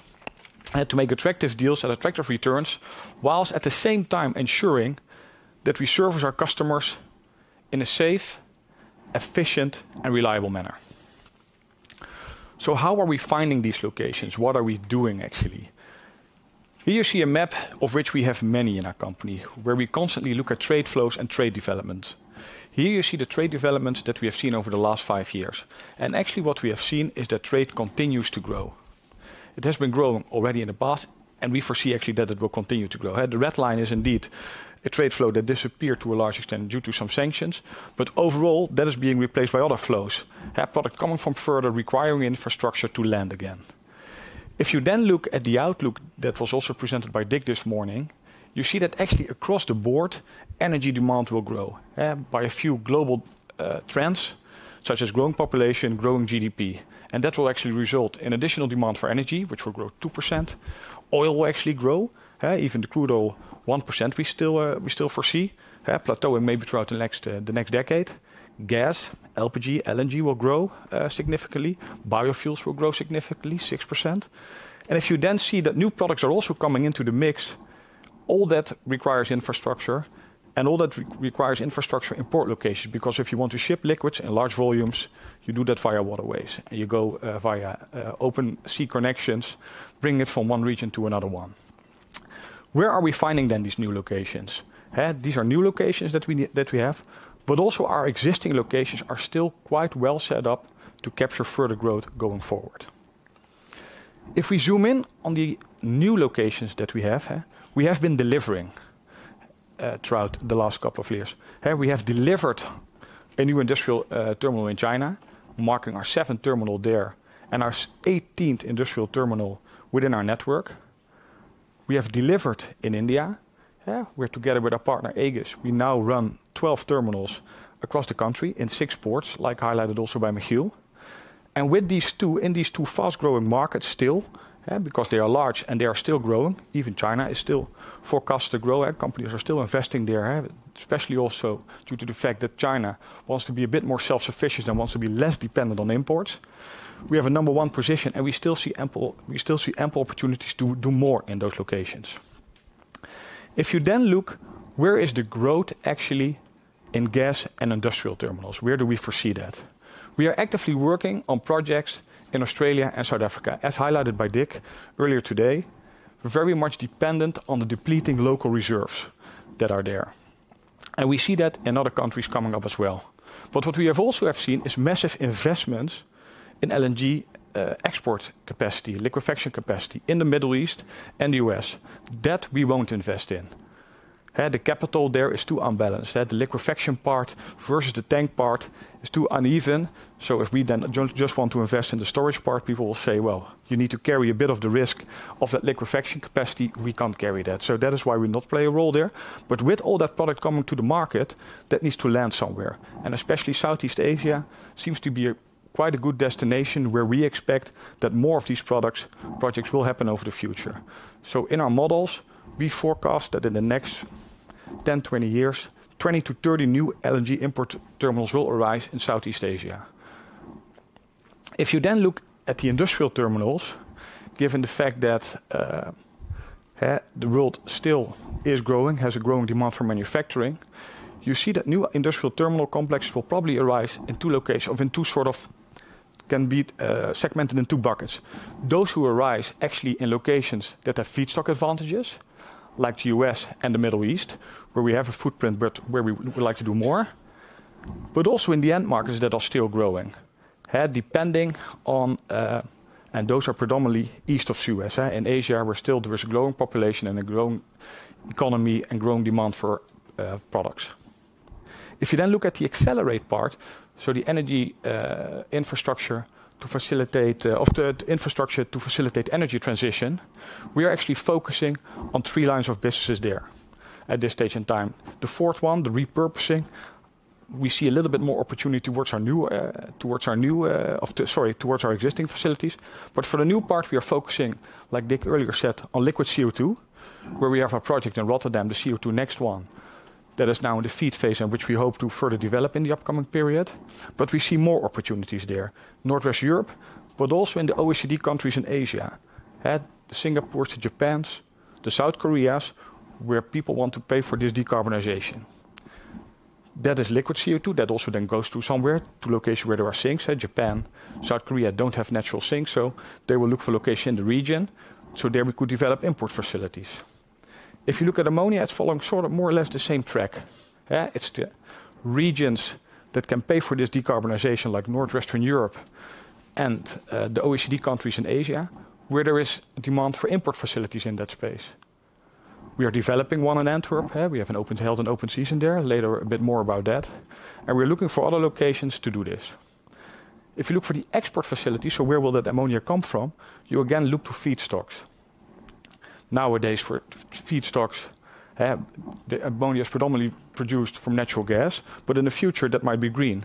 to make attractive deals and attractive returns, whilst at the same time ensuring that we service our customers in a safe, efficient, and reliable manner. How are we finding these locations? What are we doing actually? Here you see a map of which we have many in our company, where we constantly look at trade flows and trade developments. Here you see the trade developments that we have seen over the last five years. Actually, what we have seen is that trade continues to grow. It has been growing already in the past, and we foresee actually that it will continue to grow. The red line is indeed a trade flow that disappeared to a large extent due to some sanctions, but overall, that is being replaced by other flows, product coming from further requiring infrastructure to land again. If you then look at the outlook that was also presented by Dick this morning, you see that actually across the board, energy demand will grow by a few global trends, such as growing population and growing GDP. That will actually result in additional demand for energy, which will grow 2%. Oil will actually grow, even the crude oil, 1% we still foresee, plateauing maybe throughout the next decade. Gas, LPG, LNG will grow significantly. Biofuels will grow significantly, 6%. If you then see that new products are also coming into the mix, all that requires infrastructure, and all that requires infrastructure in port locations, because if you want to ship liquids in large volumes, you do that via waterways, and you go via open sea connections, bringing it from one region to another one. Where are we finding then these new locations? These are new locations that we have, but also our existing locations are still quite well set up to capture further growth going forward. If we zoom in on the new locations that we have, we have been delivering throughout the last couple of years. We have delivered a new industrial terminal in China, marking our seventh terminal there and our 18th industrial terminal within our network. We have delivered in India. We are together with our partner, Aegis. We now run 12 terminals across the country in six ports, like highlighted also by Michiel. With these two, in these two fast-growing markets still, because they are large and they are still growing, even China is still forecast to grow, and companies are still investing there, especially also due to the fact that China wants to be a bit more self-sufficient and wants to be less dependent on imports. We have a number one position, and we still see ample opportunities to do more in those locations. If you then look, where is the growth actually in gas and industrial terminals? Where do we foresee that? We are actively working on projects in Australia and South Africa, as highlighted by Dick earlier today, very much dependent on the depleting local reserves that are there. We see that in other countries coming up as well. What we have also seen is massive investments in LNG export capacity, liquefaction capacity in the Middle East and the U.S. that we won't invest in. The capital there is too unbalanced. The liquefaction part versus the tank part is too uneven. If we then just want to invest in the storage part, people will say, well, you need to carry a bit of the risk of that liquefaction capacity. We can't carry that. That is why we not play a role there. With all that product coming to the market, that needs to land somewhere. Especially Southeast Asia seems to be quite a good destination where we expect that more of these projects will happen over the future. In our models, we forecast that in the next 10-20 years, 20-30 new LNG import terminals will arise in Southeast Asia. If you then look at the industrial terminals, given the fact that the world still is growing, has a growing demand for manufacturing, you see that new industrial terminal complexes will probably arise in two locations or in two sort of can be segmented in two buckets. Those who arise actually in locations that have feedstock advantages, like the U.S. and the Middle East, where we have a footprint, but where we would like to do more, but also in the end markets that are still growing, depending on, and those are predominantly east of the US. In Asia, where still there's a growing population and a growing economy and growing demand for products. If you then look at the accelerate part, so the energy infrastructure to facilitate or the infrastructure to facilitate energy transition, we are actually focusing on three lines of businesses there at this stage in time. The fourth one, the repurposing, we see a little bit more opportunity towards our existing facilities. For the new part, we are focusing, like Dick earlier said, on liquid CO2, where we have a project in Rotterdam, the CO2 next one that is now in the feed phase and which we hope to further develop in the upcoming period. We see more opportunities there, Northwest Europe, but also in the OECD countries in Asia, Singapore to Japan, the South Koreas, where people want to pay for this decarbonization. That is liquid CO2 that also then goes to somewhere to locations where there are sinks. Japan, South Korea do not have natural sinks, so they will look for locations in the region so there we could develop import facilities. If you look at ammonia, it's following sort of more or less the same track. It's the regions that can pay for this decarbonization, like Northwestern Europe and the OECD countries in Asia, where there is demand for import facilities in that space. We are developing one in Antwerp. We have an open health and open season there. Later, a bit more about that. We are looking for other locations to do this. If you look for the export facilities, so where will that ammonia come from? You again look to feedstocks. Nowadays, for feedstocks, the ammonia is predominantly produced from natural gas, but in the future, that might be green.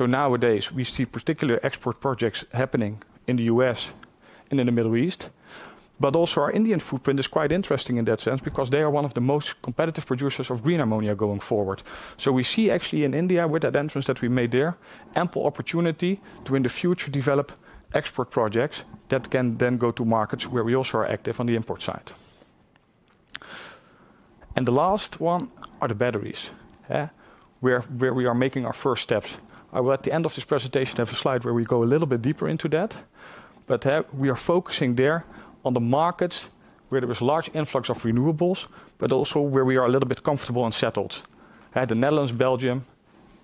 Nowadays, we see particular export projects happening in the US and in the Middle East. Our Indian footprint is quite interesting in that sense because they are one of the most competitive producers of green ammonia going forward. We see actually in India, with that entrance that we made there, ample opportunity to in the future develop export projects that can then go to markets where we also are active on the import side. The last one are the batteries, where we are making our first steps. I will at the end of this presentation have a slide where we go a little bit deeper into that. We are focusing there on the markets where there is a large influx of renewables, but also where we are a little bit comfortable and settled. The Netherlands, Belgium,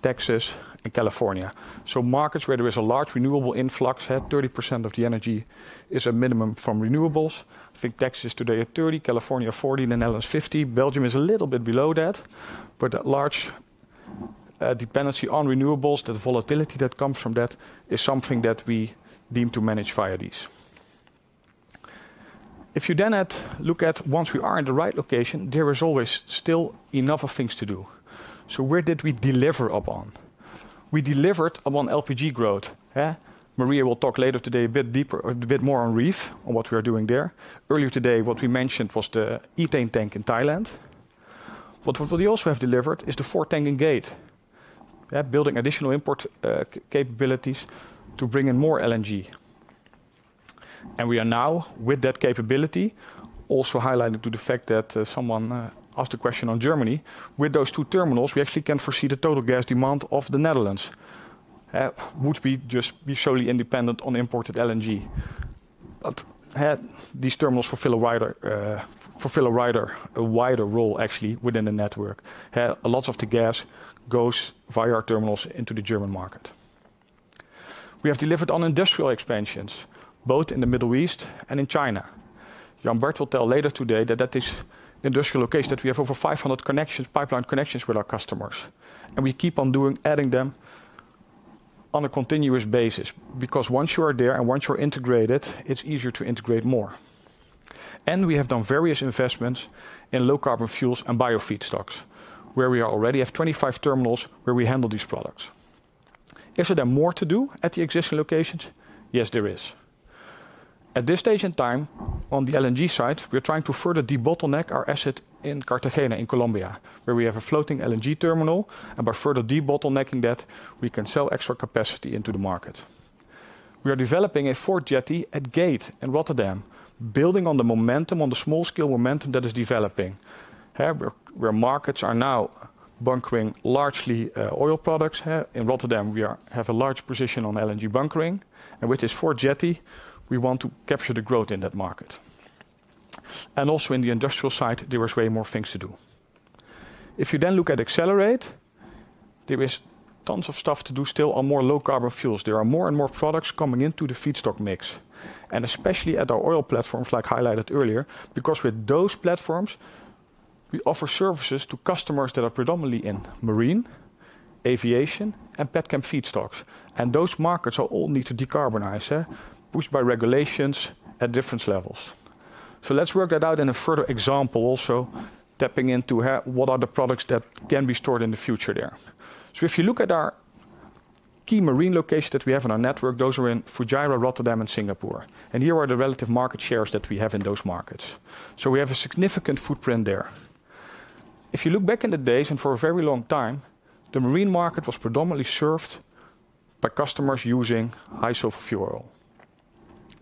Texas, and California. Markets where there is a large renewable influx, 30% of the energy is a minimum from renewables. I think Texas is today at 30, California at 40, the Netherlands at 50. Belgium is a little bit below that, but that large dependency on renewables, that volatility that comes from that is something that we deem to manage via these. If you then look at once we are in the right location, there is always still enough of things to do. Where did we deliver upon? We delivered upon LPG growth. Maria will talk later today a bit deeper, a bit more on REEF, on what we are doing there. Earlier today, what we mentioned was the ethane tank in Thailand. What we also have delivered is the fourth tank in Gate, building additional import capabilities to bring in more LNG. We are now, with that capability, also highlighted to the fact that someone asked a question on Germany. With those two terminals, we actually can foresee the total gas demand of the Netherlands. Would we just be solely independent on imported LNG? These terminals fulfill a wider role actually within the network. Lots of the gas goes via our terminals into the German market. We have delivered on industrial expansions, both in the Middle East and in China. Jan Bert will tell later today that at this industrial location, we have over 500 pipeline connections with our customers. We keep on adding them on a continuous basis because once you are there and once you're integrated, it's easier to integrate more. We have done various investments in low carbon fuels and biofeedstocks, where we already have 25 terminals where we handle these products. Is there more to do at the existing locations? Yes, there is. At this stage in time, on the LNG side, we're trying to further de-bottleneck our asset in Cartagena in Colombia, where we have a floating LNG terminal. By further de-bottlenecking that, we can sell extra capacity into the market. We are developing a Fourth Jetty at Gate in Rotterdam, building on the momentum, on the small-scale momentum that is developing, where markets are now bunkering largely oil products. In Rotterdam, we have a large position on LNG bunkering, and with this Fourth Jetty, we want to capture the growth in that market. Also in the industrial side, there are way more things to do. If you then look at accelerate, there is tons of stuff to do still on more low carbon fuels. There are more and more products coming into the feedstock mix, and especially at our oil platforms, like highlighted earlier, because with those platforms, we offer services to customers that are predominantly in marine, aviation, and pet chem feedstocks. Those markets all need to decarbonize, pushed by regulations at different levels. Let's work that out in a further example, also tapping into what are the products that can be stored in the future there. If you look at our key marine locations that we have in our network, those are in Fujairah, Rotterdam, and Singapore. Here are the relative market shares that we have in those markets. We have a significant footprint there. If you look back in the days and for a very long time, the marine market was predominantly served by customers using high sulfur fuel oil.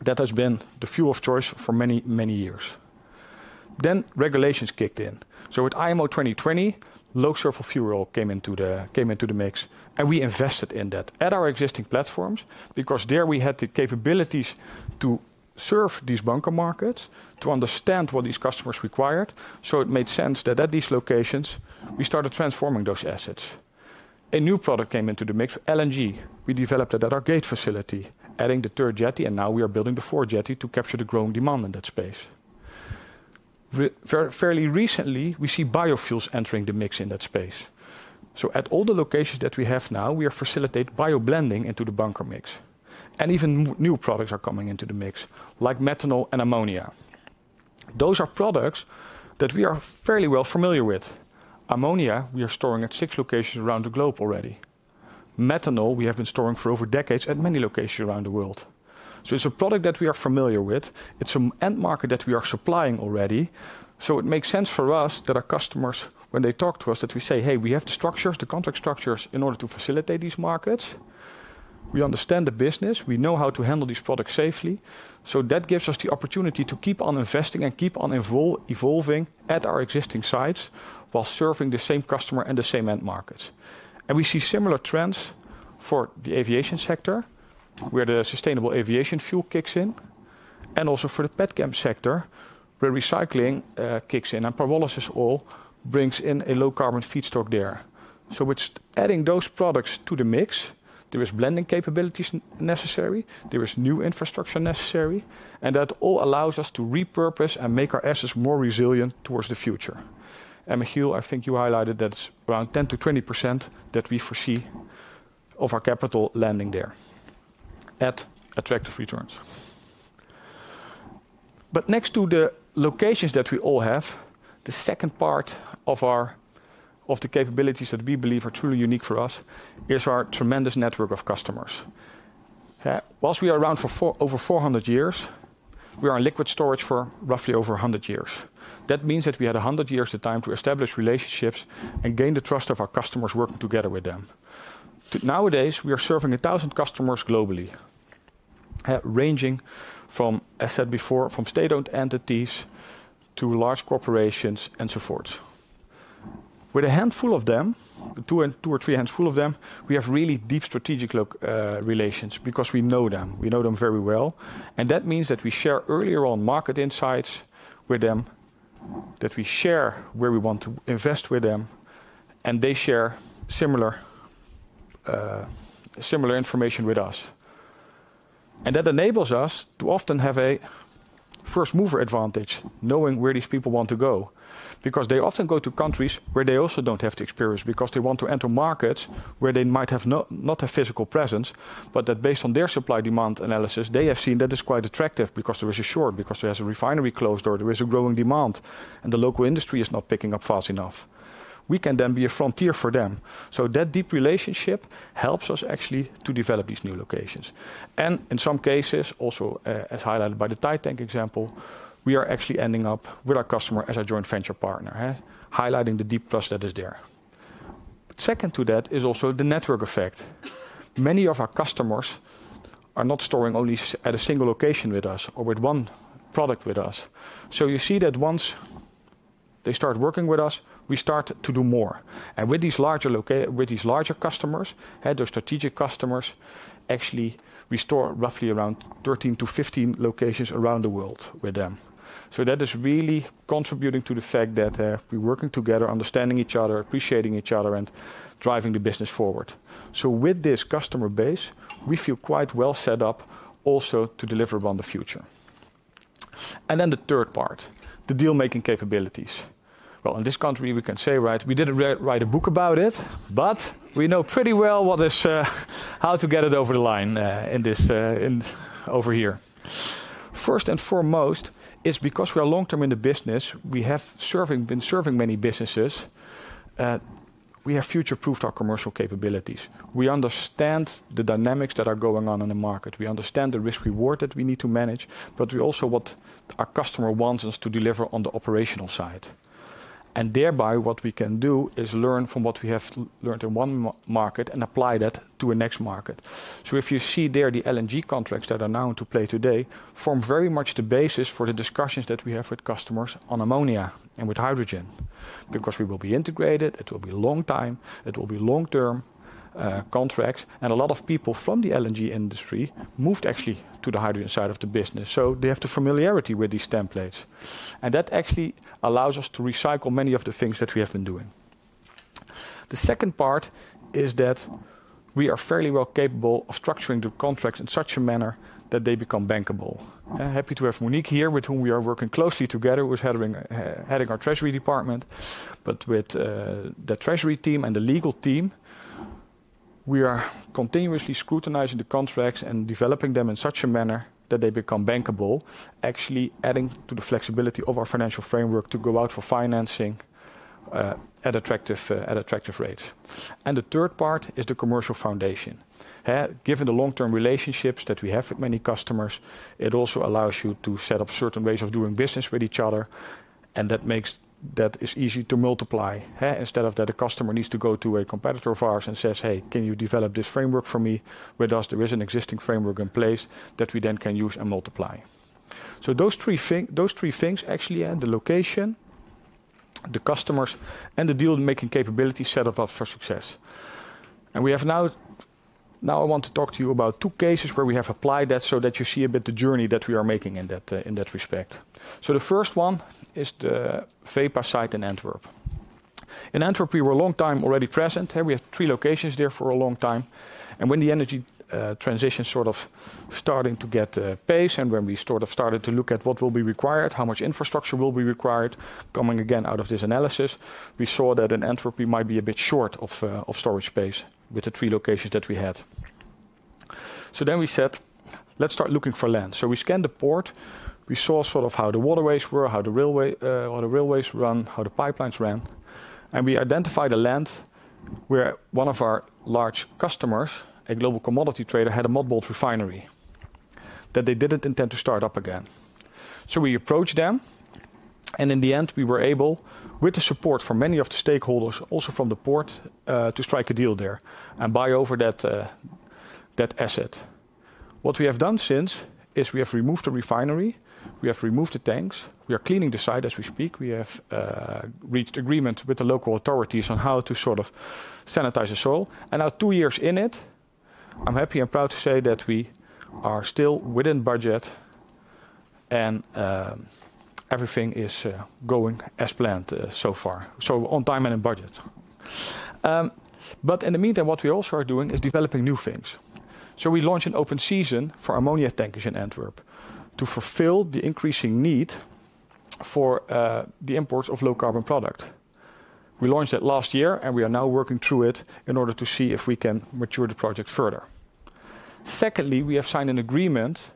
That has been the fuel of choice for many, many years. Then regulations kicked in. With IMO 2020, low sulfur fuel oil came into the mix, and we invested in that at our existing platforms because there we had the capabilities to serve these bunker markets, to understand what these customers required. It made sense that at these locations, we started transforming those assets. A new product came into the mix, LNG. We developed it at our Gate facility, adding the third jetty, and now we are building the fourth jetty to capture the growing demand in that space. Fairly recently, we see biofuels entering the mix in that space. At all the locations that we have now, we are facilitating bioblending into the bunker mix. Even new products are coming into the mix, like methanol and ammonia. Those are products that we are fairly well familiar with. Ammonia, we are storing at six locations around the globe already. Methanol, we have been storing for over decades at many locations around the world. It's a product that we are familiar with. It's an end market that we are supplying already. It makes sense for us that our customers, when they talk to us, that we say, hey, we have the structures, the contract structures in order to facilitate these markets. We understand the business. We know how to handle these products safely. That gives us the opportunity to keep on investing and keep on evolving at our existing sites while serving the same customer and the same end markets. We see similar trends for the aviation sector, where the sustainable aviation fuel kicks in, and also for the petchem sector, where recycling kicks in. Pyrolysis oil brings in a low carbon feedstock there. With adding those products to the mix, there are blending capabilities necessary. There is new infrastructure necessary. That all allows us to repurpose and make our assets more resilient towards the future. Michiel, I think you highlighted that it is around 10-20% that we foresee of our capital landing there at attractive returns. Next to the locations that we all have, the second part of the capabilities that we believe are truly unique for us is our tremendous network of customers. Whilst we are around for over 400 years, we are in liquid storage for roughly over 100 years. That means that we had 100 years of time to establish relationships and gain the trust of our customers working together with them. Nowadays, we are serving 1,000 customers globally, ranging from, as said before, from state-owned entities to large corporations and so forth. With a handful of them, two or three handful of them, we have really deep strategic relations because we know them. We know them very well. That means that we share earlier on market insights with them, that we share where we want to invest with them, and they share similar information with us. That enables us to often have a first mover advantage, knowing where these people want to go, because they often go to countries where they also do not have the experience because they want to enter markets where they might not have physical presence. Based on their supply demand analysis, they have seen that it's quite attractive because there is a short, because there has a refinery closed or there is a growing demand, and the local industry is not picking up fast enough. We can then be a frontier for them. That deep relationship helps us actually to develop these new locations. In some cases, also as highlighted by the Thai tank example, we are actually ending up with our customer as a joint venture partner, highlighting the deep trust that is there. Second to that is also the network effect. Many of our customers are not storing only at a single location with us or with one product with us. You see that once they start working with us, we start to do more. With these larger customers, those strategic customers, actually we store roughly around 13-15 locations around the world with them. That is really contributing to the fact that we're working together, understanding each other, appreciating each other, and driving the business forward. With this customer base, we feel quite well set up also to deliver on the future. The third part, the deal-making capabilities. In this country, we can say, right, we didn't write a book about it, but we know pretty well how to get it over the line over here. First and foremost, it's because we are long-term in the business. We have been serving many businesses. We have future-proofed our commercial capabilities. We understand the dynamics that are going on in the market. We understand the risk-reward that we need to manage, but we also what our customer wants us to deliver on the operational side. Thereby, what we can do is learn from what we have learned in one market and apply that to a next market. If you see there, the LNG contracts that are now into play today form very much the basis for the discussions that we have with customers on ammonia and with hydrogen, because we will be integrated. It will be a long time. It will be long-term contracts. A lot of people from the LNG industry moved actually to the hydrogen side of the business. They have the familiarity with these templates. That actually allows us to recycle many of the things that we have been doing. The second part is that we are fairly well capable of structuring the contracts in such a manner that they become bankable. Happy to have Monique here, with whom we are working closely together, who is heading our treasury department. With the treasury team and the legal team, we are continuously scrutinizing the contracts and developing them in such a manner that they become bankable, actually adding to the flexibility of our financial framework to go out for financing at attractive rates. The third part is the commercial foundation. Given the long-term relationships that we have with many customers, it also allows you to set up certain ways of doing business with each other. That makes that it's easy to multiply. Instead of that, a customer needs to go to a competitor of ours and says, hey, can you develop this framework for me with us? There is an existing framework in place that we then can use and multiply. Those three things actually add the location, the customers, and the deal-making capability set up for success. We have now, now I want to talk to you about two cases where we have applied that so that you see a bit the journey that we are making in that respect. The first one is the VEPA site in Antwerp. In Antwerp, we were a long time already present. We had three locations there for a long time. When the energy transition sort of started to get pace and when we sort of started to look at what will be required, how much infrastructure will be required, coming again out of this analysis, we saw that in Antwerp, we might be a bit short of storage space with the three locations that we had. We said, let's start looking for land. We scanned the port. We saw sort of how the waterways were, how the railways run, how the pipelines ran. We identified a land where one of our large customers, a global commodity trader, had a mud-bolt refinery that they did not intend to start up again. We approached them. In the end, we were able, with the support from many of the stakeholders, also from the port, to strike a deal there and buy over that asset. What we have done since is we have removed the refinery. We have removed the tanks. We are cleaning the site as we speak. We have reached agreement with the local authorities on how to sort of sanitize the soil. Now, two years in it, I'm happy and proud to say that we are still within budget and everything is going as planned so far, on time and in budget. In the meantime, what we also are doing is developing new things. We launched an open season for ammonia tankers in Antwerp to fulfill the increasing need for the imports of low carbon product. We launched that last year, and we are now working through it in order to see if we can mature the project further. Secondly, we have signed an agreement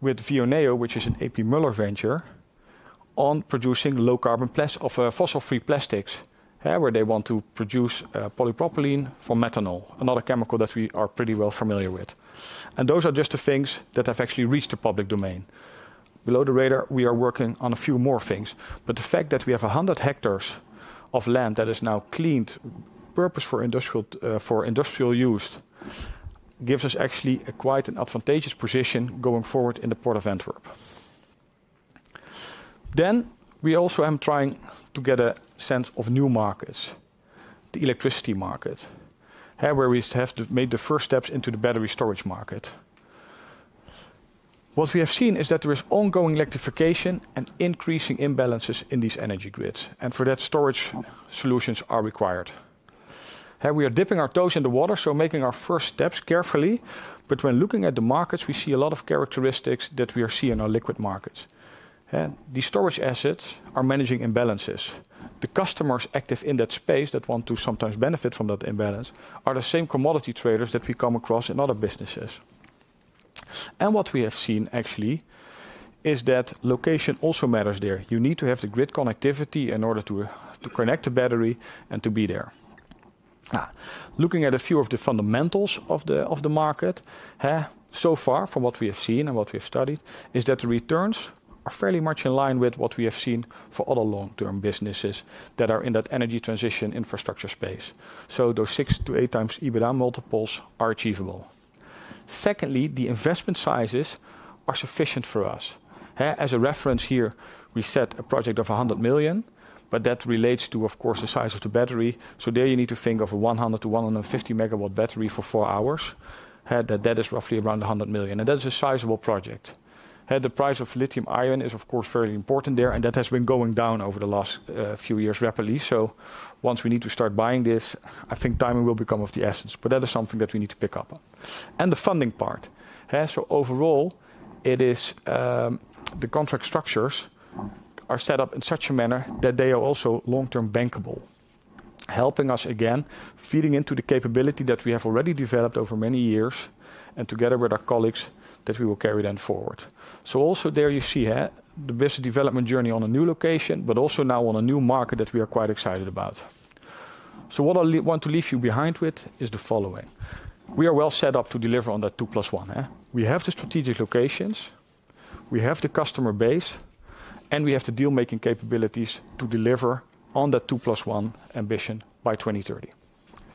with Vioneo, which is an AP Moller venture, on producing low carbon fossil-free plastics, where they want to produce polypropylene from methanol, another chemical that we are pretty well familiar with. Those are just the things that have actually reached the public domain. Below the radar, we are working on a few more things. The fact that we have 100 hectares of land that is now cleaned, purpose for industrial use, gives us actually quite an advantageous position going forward in the port of Antwerp. We also am trying to get a sense of new markets, the electricity market, where we have made the first steps into the battery storage market. What we have seen is that there is ongoing electrification and increasing imbalances in these energy grids. For that, storage solutions are required. We are dipping our toes in the water, making our first steps carefully. When looking at the markets, we see a lot of characteristics that we are seeing in our liquid markets. These storage assets are managing imbalances. The customers active in that space that want to sometimes benefit from that imbalance are the same commodity traders that we come across in other businesses. What we have seen actually is that location also matters there. You need to have the grid connectivity in order to connect the battery and to be there. Looking at a few of the fundamentals of the market, so far, from what we have seen and what we have studied, is that the returns are fairly much in line with what we have seen for other long-term businesses that are in that energy transition infrastructure space. Those 6x-8x EBITDA multiples are achievable. Secondly, the investment sizes are sufficient for us. As a reference here, we set a project of 100 million, but that relates to, of course, the size of the battery. There you need to think of a 100 MW-150 MW battery for four hours. That is roughly around 100 million. That is a sizable project. The price of lithium-ion is, of course, fairly important there, and that has been going down over the last few years rapidly. Once we need to start buying this, I think timing will become of the essence. That is something that we need to pick up on. The funding part. Overall, the contract structures are set up in such a manner that they are also long-term bankable, helping us again, feeding into the capability that we have already developed over many years and together with our colleagues that we will carry then forward. Also, there you see the business development journey on a new location, but also now on a new market that we are quite excited about. What I want to leave you behind with is the following. We are well set up to deliver on that two plus one. We have the strategic locations. We have the customer base. We have the deal-making capabilities to deliver on that two plus one ambition by 2030.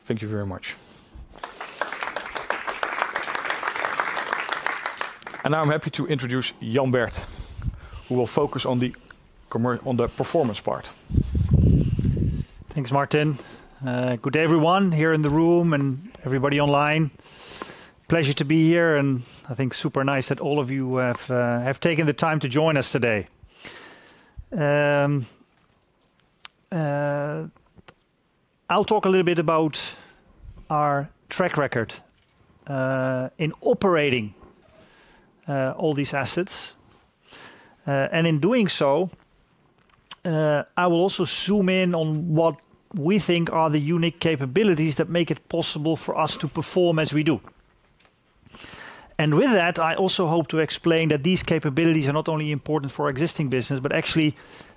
Thank you very much. Now I am happy to introduce Jan Bert, who will focus on the performance part. Thanks, Maarten. Good day, everyone here in the room and everybody online. Pleasure to be here. I think super nice that all of you have taken the time to join us today. I'll talk a little bit about our track record in operating all these assets. In doing so, I will also zoom in on what we think are the unique capabilities that make it possible for us to perform as we do. With that, I also hope to explain that these capabilities are not only important for existing business, but actually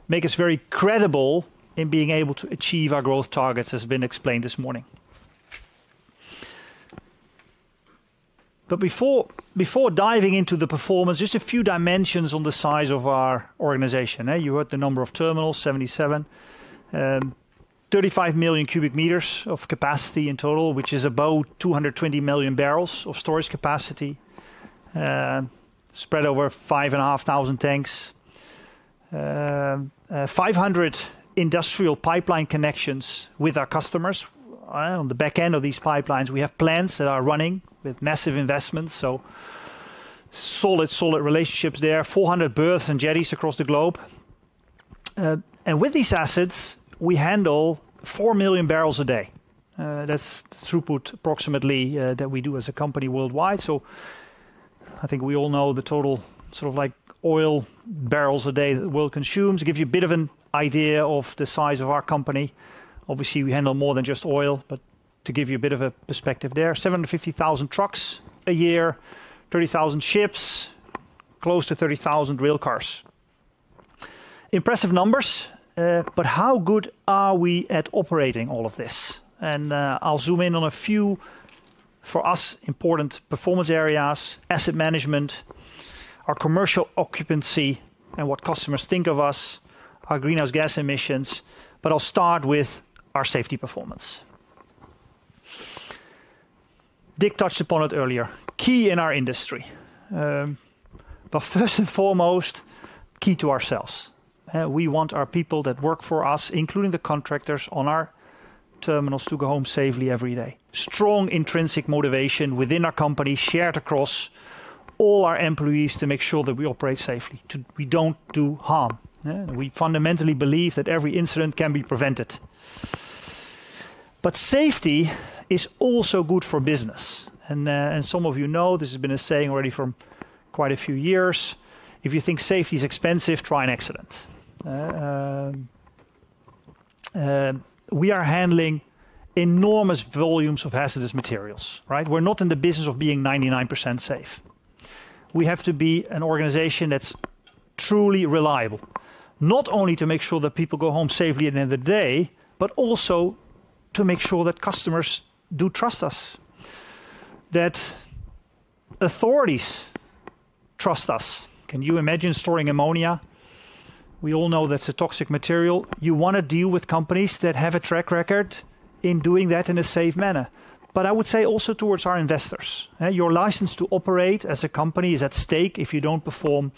make us very credible in being able to achieve our growth targets as been explained this morning. Before diving into the performance, just a few dimensions on the size of our organization. You heard the number of terminals, 77, 35 million cubic meters of capacity in total, which is about 220 million barrels of storage capacity spread over 5,500 tanks, 500 industrial pipeline connections with our customers. On the back end of these pipelines, we have plants that are running with massive investments, so solid, solid relationships there, 400 berths and jetties across the globe. With these assets, we handle 4 million barrels a day. That is throughput approximately that we do as a company worldwide. I think we all know the total sort of like oil barrels a day that the world consumes. It gives you a bit of an idea of the size of our company. Obviously, we handle more than just oil, but to give you a bit of a perspective there, 750,000 trucks a year, 30,000 ships, close to 30,000 rail cars. Impressive numbers, but how good are we at operating all of this? I'll zoom in on a few for us important performance areas, asset management, our commercial occupancy, and what customers think of us, our greenhouse gas emissions. I'll start with our safety performance. Dick touched upon it earlier. Key in our industry. First and foremost, key to ourselves. We want our people that work for us, including the contractors on our terminals, to go home safely every day. Strong intrinsic motivation within our company shared across all our employees to make sure that we operate safely, that we don't do harm. We fundamentally believe that every incident can be prevented. Safety is also good for business. Some of you know this has been a saying already for quite a few years. If you think safety is expensive, try and excellent. We are handling enormous volumes of hazardous materials. We're not in the business of being 99% safe. We have to be an organization that's truly reliable, not only to make sure that people go home safely at the end of the day, but also to make sure that customers do trust us, that authorities trust us. Can you imagine storing ammonia? We all know that's a toxic material. You want to deal with companies that have a track record in doing that in a safe manner. I would say also towards our investors, your license to operate as a company is at stake if you don't perform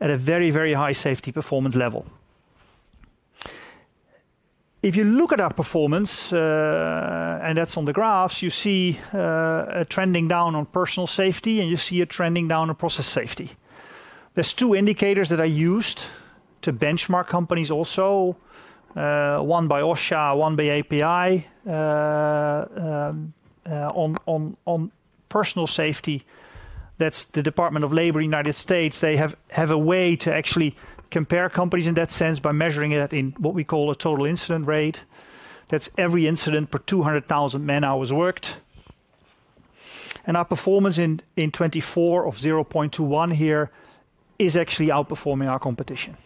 at a very, very high safety performance level. If you look at our performance, and that's on the graphs, you see a trending down on personal safety, and you see a trending down on process safety. are two indicators that are used to benchmark companies also, one by OSHA, one by API on personal safety. That is the Department of Labor in the United States. They have a way to actually compare companies in that sense by measuring it in what we call a total incident rate. That is every incident per 200,000 man-hours worked. Our performance in 2024 of 0.21 here is actually outperforming our competition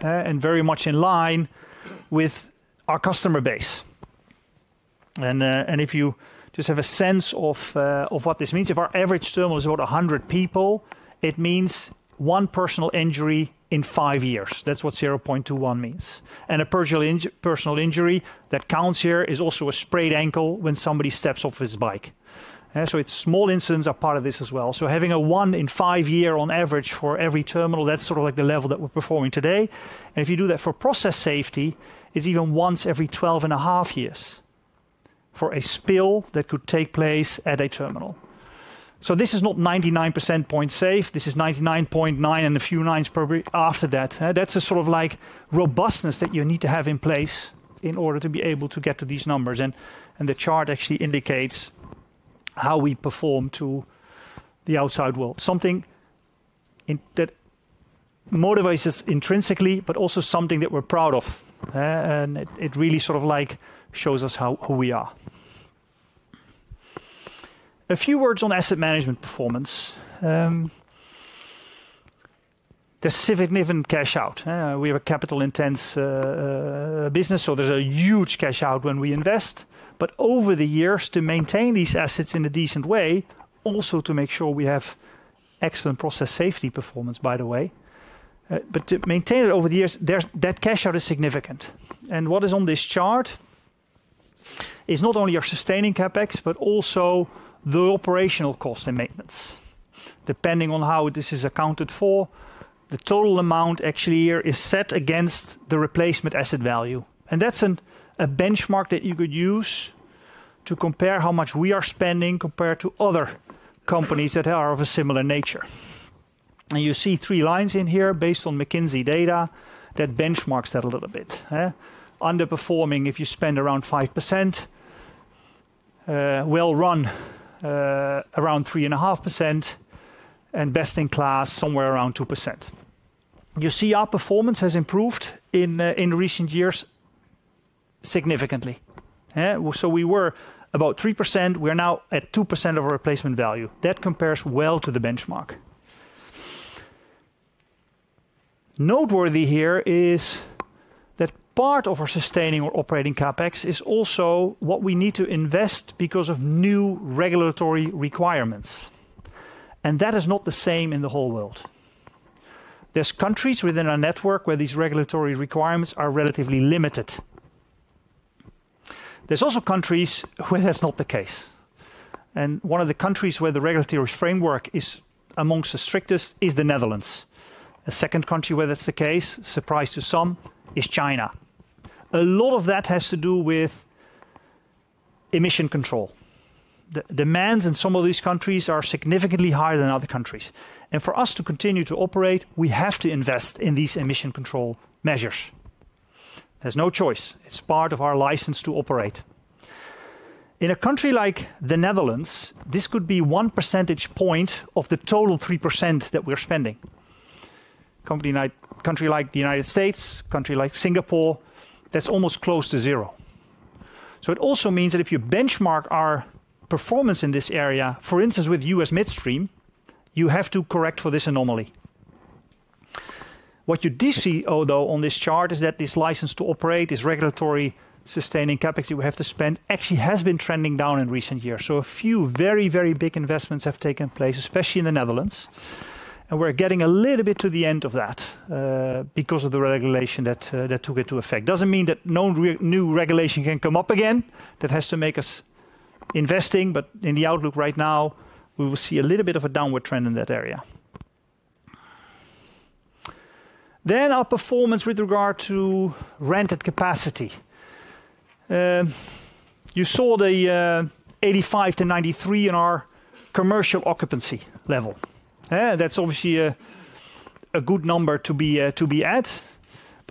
and very much in line with our customer base. If you just have a sense of what this means, if our average terminal is about 100 people, it means one personal injury in five years. That is what 0.21 means. A personal injury that counts here is also a sprained ankle when somebody steps off his bike. Small incidents are part of this as well. Having a one in five year on average for every terminal, that's sort of like the level that we're performing today. If you do that for process safety, it's even once every 12.5 years for a spill that could take place at a terminal. This is not 99% point safe. This is 99.9% and a few nines after that. That's a sort of like robustness that you need to have in place in order to be able to get to these numbers. The chart actually indicates how we perform to the outside world, something that motivates us intrinsically, but also something that we're proud of. It really sort of like shows us who we are. A few words on asset management performance. The significant cash out. We have a capital-intense business, so there's a huge cash out when we invest. Over the years, to maintain these assets in a decent way, also to make sure we have excellent process safety performance, by the way. To maintain it over the years, that cash out is significant. What is on this chart is not only our sustaining CapEx, but also the operational cost and maintenance. Depending on how this is accounted for, the total amount actually here is set against the replacement asset value. That is a benchmark that you could use to compare how much we are spending compared to other companies that are of a similar nature. You see three lines in here based on McKinsey data that benchmarks that a little bit. Underperforming if you spend around 5%, well-run around 3.5%, and best in class somewhere around 2%. You see our performance has improved in recent years significantly. We were about 3%. We are now at 2% of our replacement value. That compares well to the benchmark. Noteworthy here is that part of our sustaining or operating CapEx is also what we need to invest because of new regulatory requirements. That is not the same in the whole world. There are countries within our network where these regulatory requirements are relatively limited. There are also countries where that is not the case. One of the countries where the regulatory framework is amongst the strictest is the Netherlands. A second country where that is the case, surprised to some, is China. A lot of that has to do with emission control. The demands in some of these countries are significantly higher than other countries. For us to continue to operate, we have to invest in these emission control measures. There is no choice. It is part of our license to operate. In a country like the Netherlands, this could be one percentage point of the total 3% that we're spending. Country like the United States, country like Singapore, that's almost close to zero. It also means that if you benchmark our performance in this area, for instance, with US midstream, you have to correct for this anomaly. What you do see, although on this chart, is that this license to operate, this regulatory sustaining CapEx that we have to spend actually has been trending down in recent years. A few very, very big investments have taken place, especially in the Netherlands. We're getting a little bit to the end of that because of the regulation that took into effect. It does not mean that no new regulation can come up again. That has to make us investing. In the outlook right now, we will see a little bit of a downward trend in that area. Our performance with regard to rented capacity, you saw the 85-93 in our commercial occupancy level. That's obviously a good number to be at.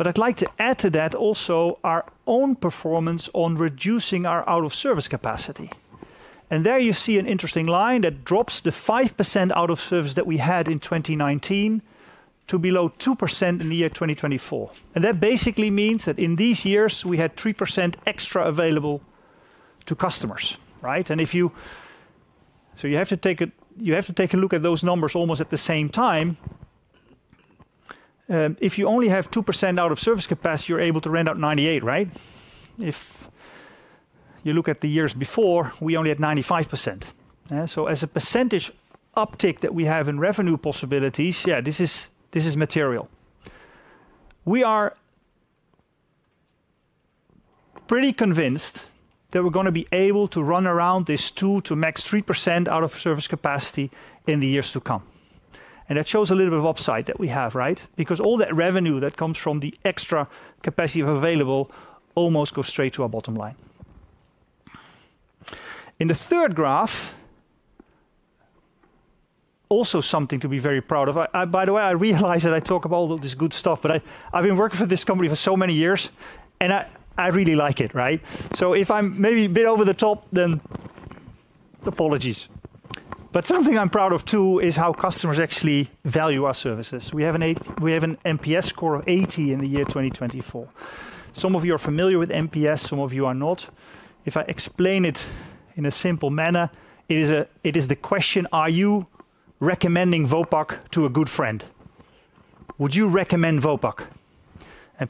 I'd like to add to that also our own performance on reducing our out-of-service capacity. There you see an interesting line that drops the 5% out-of-service that we had in 2019 to below 2% in the year 2024. That basically means that in these years, we had 3% extra available to customers. You have to take a look at those numbers almost at the same time. If you only have 2% out-of-service capacity, you're able to rent out 98%, right? If you look at the years before, we only had 95%. As a percentage uptick that we have in revenue possibilities, yeah, this is material. We are pretty convinced that we're going to be able to run around this 2% to max 3% out-of-service capacity in the years to come. That shows a little bit of upside that we have, right? Because all that revenue that comes from the extra capacity available almost goes straight to our bottom line. In the third graph, also something to be very proud of. By the way, I realize that I talk about all this good stuff, but I've been working for this company for so many years, and I really like it, right? If I'm maybe a bit over the top, then apologies. Something I'm proud of too is how customers actually value our services. We have an NPS score of 80 in the year 2024. Some of you are familiar with NPS. Some of you are not. If I explain it in a simple manner, it is the question, are you recommending Vopak to a good friend? Would you recommend Vopak?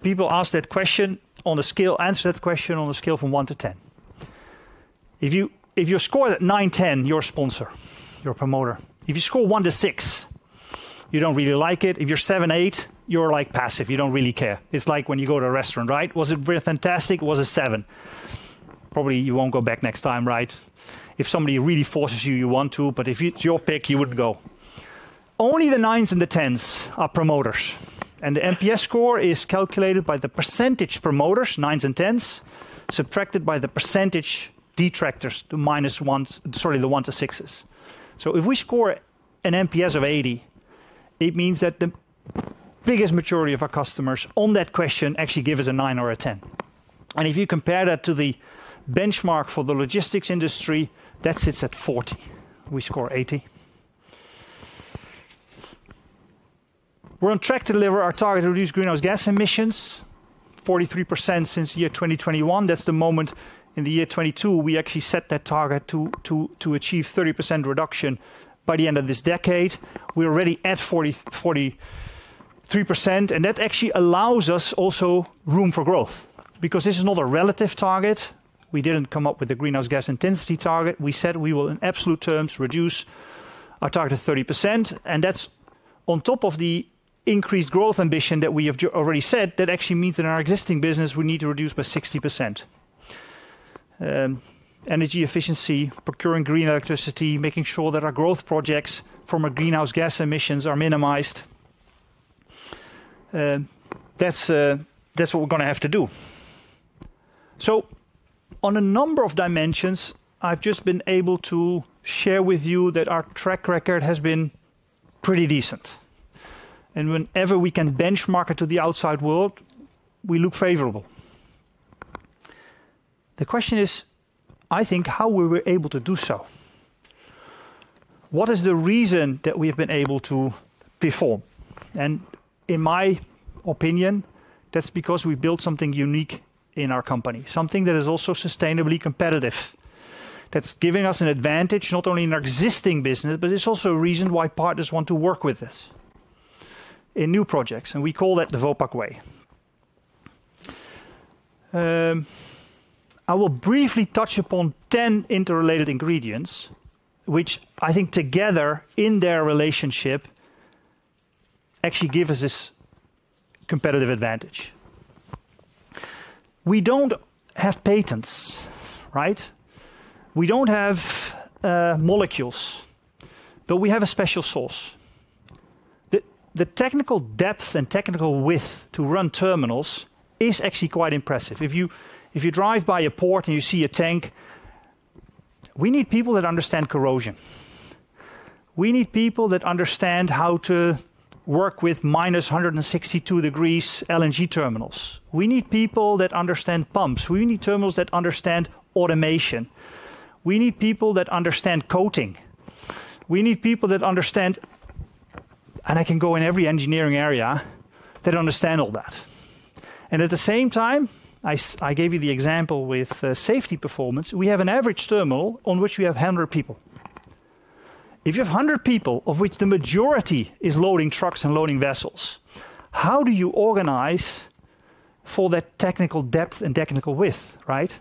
People ask that question on a scale, answer that question on a scale from 1-10. If you score 9-10, you're a sponsor, you're a promoter. If you score 1-6, you don't really like it. If you're 7-8, you're passive. You don't really care. It's like when you go to a restaurant, right? Was it really fantastic? It was a seven. Probably you won't go back next time, right? If somebody really forces you, you want to, but if it's your pick, you wouldn't go. Only the nines and the 10s are promoters. The NPS score is calculated by the percentage promoters, 9% and 10%, subtracted by the percentage detractors, the 1%-6%. If we score an NPS of 80%, it means that the biggest majority of our customers on that question actually give us a 9%or a 10%. If you compare that to the benchmark for the logistics industry, that sits at 40%. We score 80%. We're on track to deliver our target to reduce greenhouse gas emissions, 43% since year 2021. That's the moment in the year 2022 we actually set that target to achieve 30% reduction by the end of this decade. We're already at 43%. That actually allows us also room for growth because this is not a relative target. We didn't come up with the greenhouse gas intensity target. We said we will, in absolute terms, reduce our target to 30%. That is on top of the increased growth ambition that we have already said that actually means that in our existing business, we need to reduce by 60%. Energy efficiency, procuring green electricity, making sure that our growth projects from our greenhouse gas emissions are minimized. That is what we are going to have to do. On a number of dimensions, I have just been able to share with you that our track record has been pretty decent. Whenever we can benchmark it to the outside world, we look favorable. The question is, I think, how were we able to do so? What is the reason that we have been able to perform? In my opinion, that is because we built something unique in our company, something that is also sustainably competitive. That's giving us an advantage not only in our existing business, but it's also a reason why partners want to work with us in new projects. We call that the Vopak way. I will briefly touch upon 10 interrelated ingredients, which I think together in their relationship actually give us this competitive advantage. We don't have patents, right? We don't have molecules, but we have a special source. The technical depth and technical width to run terminals is actually quite impressive. If you drive by a port and you see a tank, we need people that understand corrosion. We need people that understand how to work with minus 162 degrees LNG terminals. We need people that understand pumps. We need terminals that understand automation. We need people that understand coating. We need people that understand, and I can go in every engineering area, that understand all that. At the same time, I gave you the example with safety performance. We have an average terminal on which we have 100 people. If you have 100 people, of which the majority is loading trucks and loading vessels, how do you organize for that technical depth and technical width, right?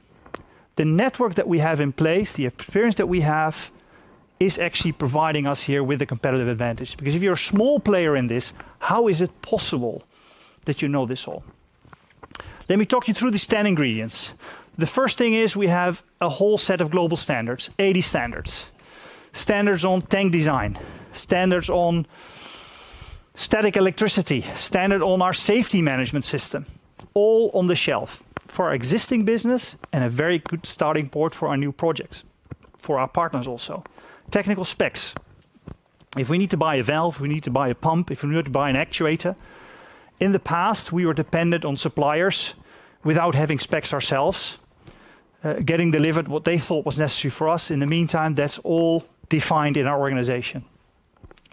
The network that we have in place, the experience that we have is actually providing us here with a competitive advantage. Because if you're a small player in this, how is it possible that you know this all? Let me talk you through the 10 ingredients. The first thing is we have a whole set of global standards, 80 standards. Standards on tank design, standards on static electricity, standard on our safety management system, all on the shelf for our existing business and a very good starting point for our new projects, for our partners also. Technical specs. If we need to buy a valve, we need to buy a pump. If we need to buy an actuator, in the past, we were dependent on suppliers without having specs ourselves, getting delivered what they thought was necessary for us. In the meantime, that's all defined in our organization.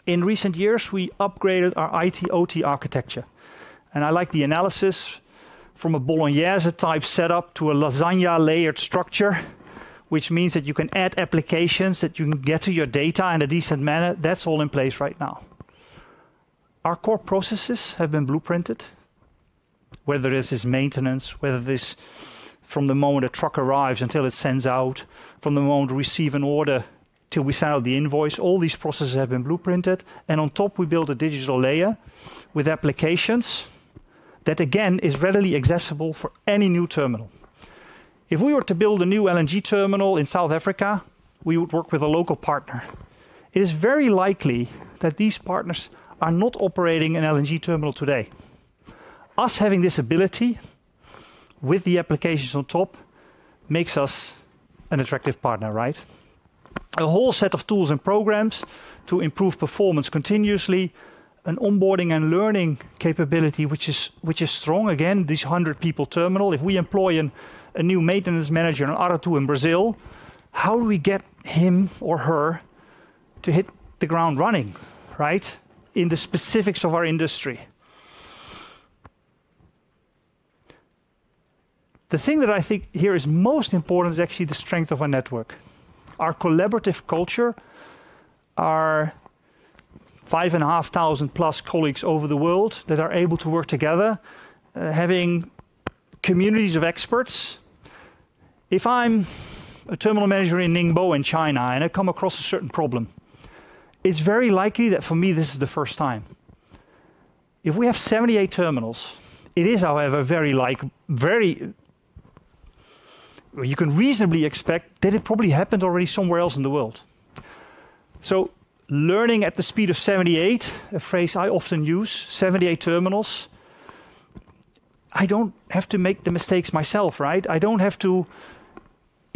In recent years, we upgraded our IT OT architecture. I like the analysis from a Bolognese type setup to a lasagna layered structure, which means that you can add applications, that you can get to your data in a decent manner. That's all in place right now. Our core processes have been blueprinted, whether this is maintenance, whether this is from the moment a truck arrives until it sends out, from the moment we receive an order till we send out the invoice. All these processes have been blueprinted. On top, we build a digital layer with applications that, again, is readily accessible for any new terminal. If we were to build a new LNG terminal in South Africa, we would work with a local partner. It is very likely that these partners are not operating an LNG terminal today. Us having this ability with the applications on top makes us an attractive partner, right? A whole set of tools and programs to improve performance continuously, an onboarding and learning capability, which is strong again, this 100-people terminal. If we employ a new maintenance manager, an auto tool in Brazil, how do we get him or her to hit the ground running, right, in the specifics of our industry? The thing that I think here is most important is actually the strength of our network, our collaborative culture, our 5,500-plus colleagues over the world that are able to work together, having communities of experts. If I'm a terminal manager in Ningbo in China and I come across a certain problem, it's very likely that for me, this is the first time. If we have 78 terminals, it is, however, very likely, very you can reasonably expect that it probably happened already somewhere else in the world. Learning at the speed of 78, a phrase I often use, 78 terminals, I don't have to make the mistakes myself, right? I don't have to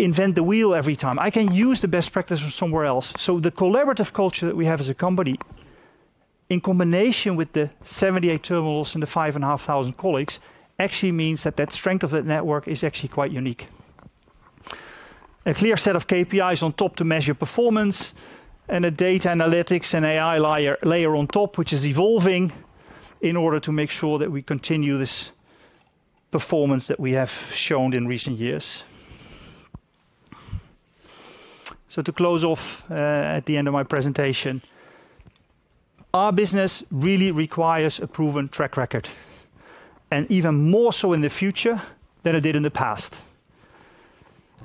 invent the wheel every time. I can use the best practices from somewhere else. The collaborative culture that we have as a company, in combination with the 78 terminals and the 5,500 colleagues, actually means that that strength of that network is actually quite unique. A clear set of KPIs on top to measure performance and a data analytics and AI layer on top, which is evolving in order to make sure that we continue this performance that we have shown in recent years. To close off at the end of my presentation, our business really requires a proven track record, and even more so in the future than it did in the past.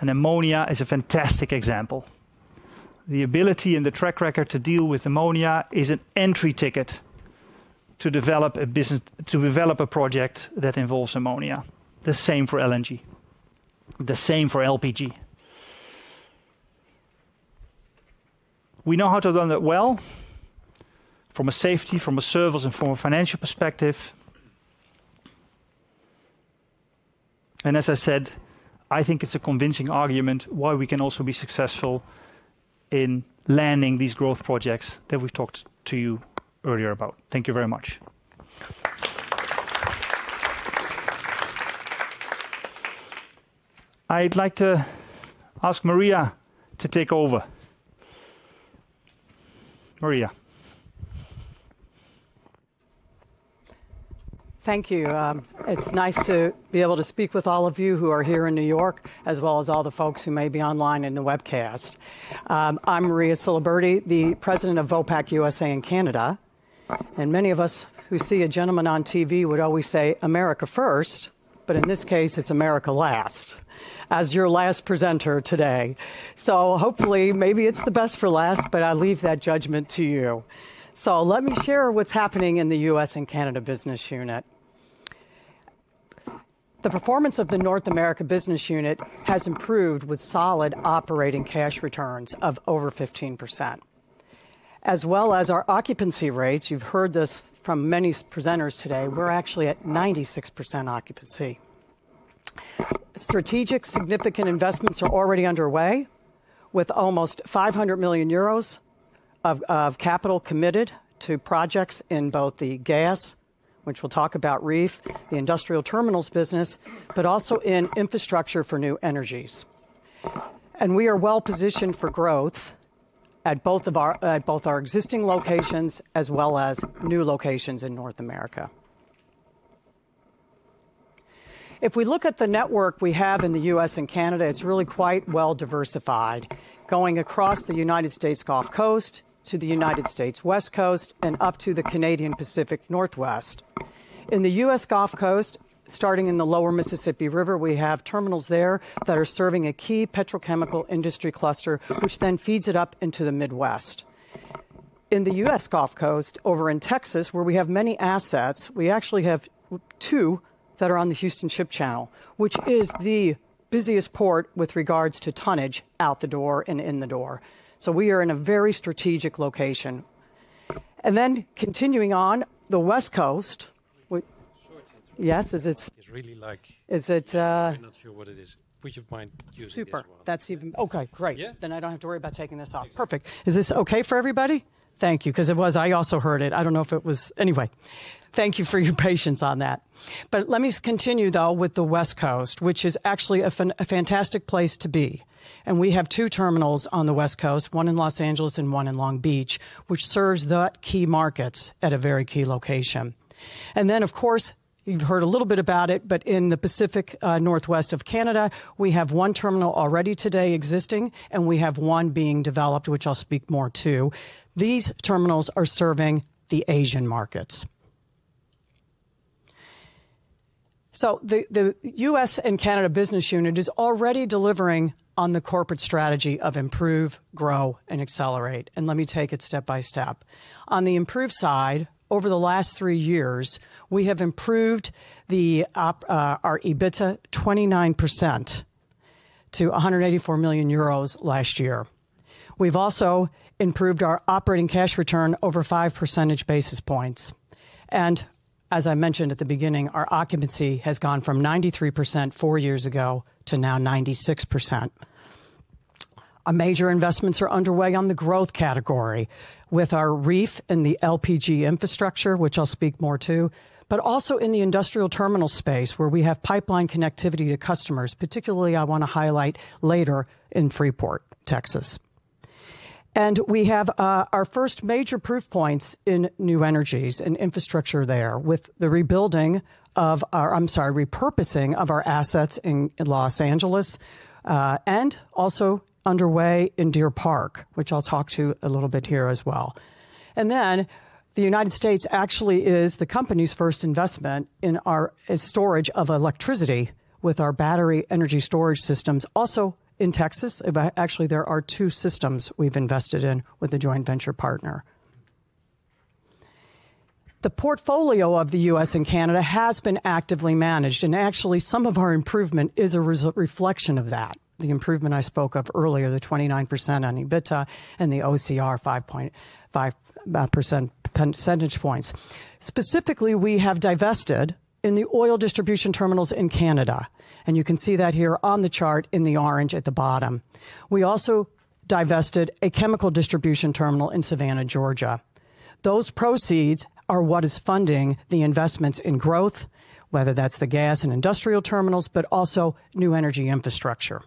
Ammonia is a fantastic example. The ability in the track record to deal with ammonia is an entry ticket to develop a project that involves ammonia. The same for LNG. The same for LPG. We know how to run that well from a safety, from a service, and from a financial perspective. As I said, I think it's a convincing argument why we can also be successful in landing these growth projects that we've talked to you earlier about. Thank you very much. I'd like to ask Maria to take over. Maria. Thank you. It's nice to be able to speak with all of you who are here in New York, as well as all the folks who may be online in the webcast. I'm Maria Ciliberti, the President of Vopak USA and Canada. Many of us who see a gentleman on TV would always say, "America first," but in this case, it's "America last" as your last presenter today. Hopefully, maybe it's the best for last, but I leave that judgment to you. Let me share what's happening in the US and Canada business unit. The performance of the North America business unit has improved with solid operating cash returns of over 15%, as well as our occupancy rates. You've heard this from many presenters today. We're actually at 96% occupancy. Strategic significant investments are already underway with almost 500 million euros of capital committed to projects in both the gas, which we'll talk about, REEF, the industrial terminals business, but also in infrastructure for new energies. We are well positioned for growth at both our existing locations as well as new locations in North America. If we look at the network we have in the U.S. and Canada, it's really quite well diversified, going across the U.S. Gulf Coast to the U.S. West Coast and up to the Canadian Pacific Northwest. In the U.S. Gulf Coast, starting in the lower Mississippi River, we have terminals there that are serving a key petrochemical industry cluster, which then feeds it up into the Midwest. In the US Gulf Coast, over in Texas, where we have many assets, we actually have two that are on the Houston Ship Channel, which is the busiest port with regards to tonnage out the door and in the door. We are in a very strategic location. Continuing on the West Coast, yes. It's really like. I'm not sure what it is. Would you mind using that one? Super. That's even. Okay. Great. I do not have to worry about taking this off. Perfect. Is this okay for everybody? Thank you. Because it was, I also heard it. I do not know if it was. Anyway, thank you for your patience on that. Let me continue, though, with the West Coast, which is actually a fantastic place to be. We have two terminals on the West Coast, one in Los Angeles and one in Long Beach, which serves the key markets at a very key location. Of course, you have heard a little bit about it, but in the Pacific Northwest of Canada, we have one terminal already today existing, and we have one being developed, which I will speak more to. These terminals are serving the Asian markets. The US and Canada business unit is already delivering on the corporate strategy of improve, grow, and accelerate. Let me take it step by step. On the improve side, over the last three years, we have improved our EBITDA 29% to 184 million euros last year. We have also improved our operating cash return over five percentage basis points. As I mentioned at the beginning, our occupancy has gone from 93% four years ago to now 96%. Major investments are underway on the growth category with our REEF and the LPG infrastructure, which I will speak more to, but also in the industrial terminal space where we have pipeline connectivity to customers. Particularly, I want to highlight later in Freeport, Texas. We have our first major proof points in new energies and infrastructure there with the rebuilding of our, I am sorry, repurposing of our assets in Los Angeles and also underway in Deer Park, which I will talk to a little bit here as well. The United States actually is the company's first investment in our storage of electricity with our battery energy storage systems also in Texas. Actually, there are two systems we've invested in with a joint venture partner. The portfolio of the U.S. and Canada has been actively managed, and actually some of our improvement is a reflection of that, the improvement I spoke of earlier, the 29% on EBITDA and the OCR 5 percentage points. Specifically, we have divested in the oil distribution terminals in Canada, and you can see that here on the chart in the orange at the bottom. We also divested a chemical distribution terminal in Savannah, Georgia. Those proceeds are what is funding the investments in growth, whether that's the gas and industrial terminals, but also new energy infrastructure.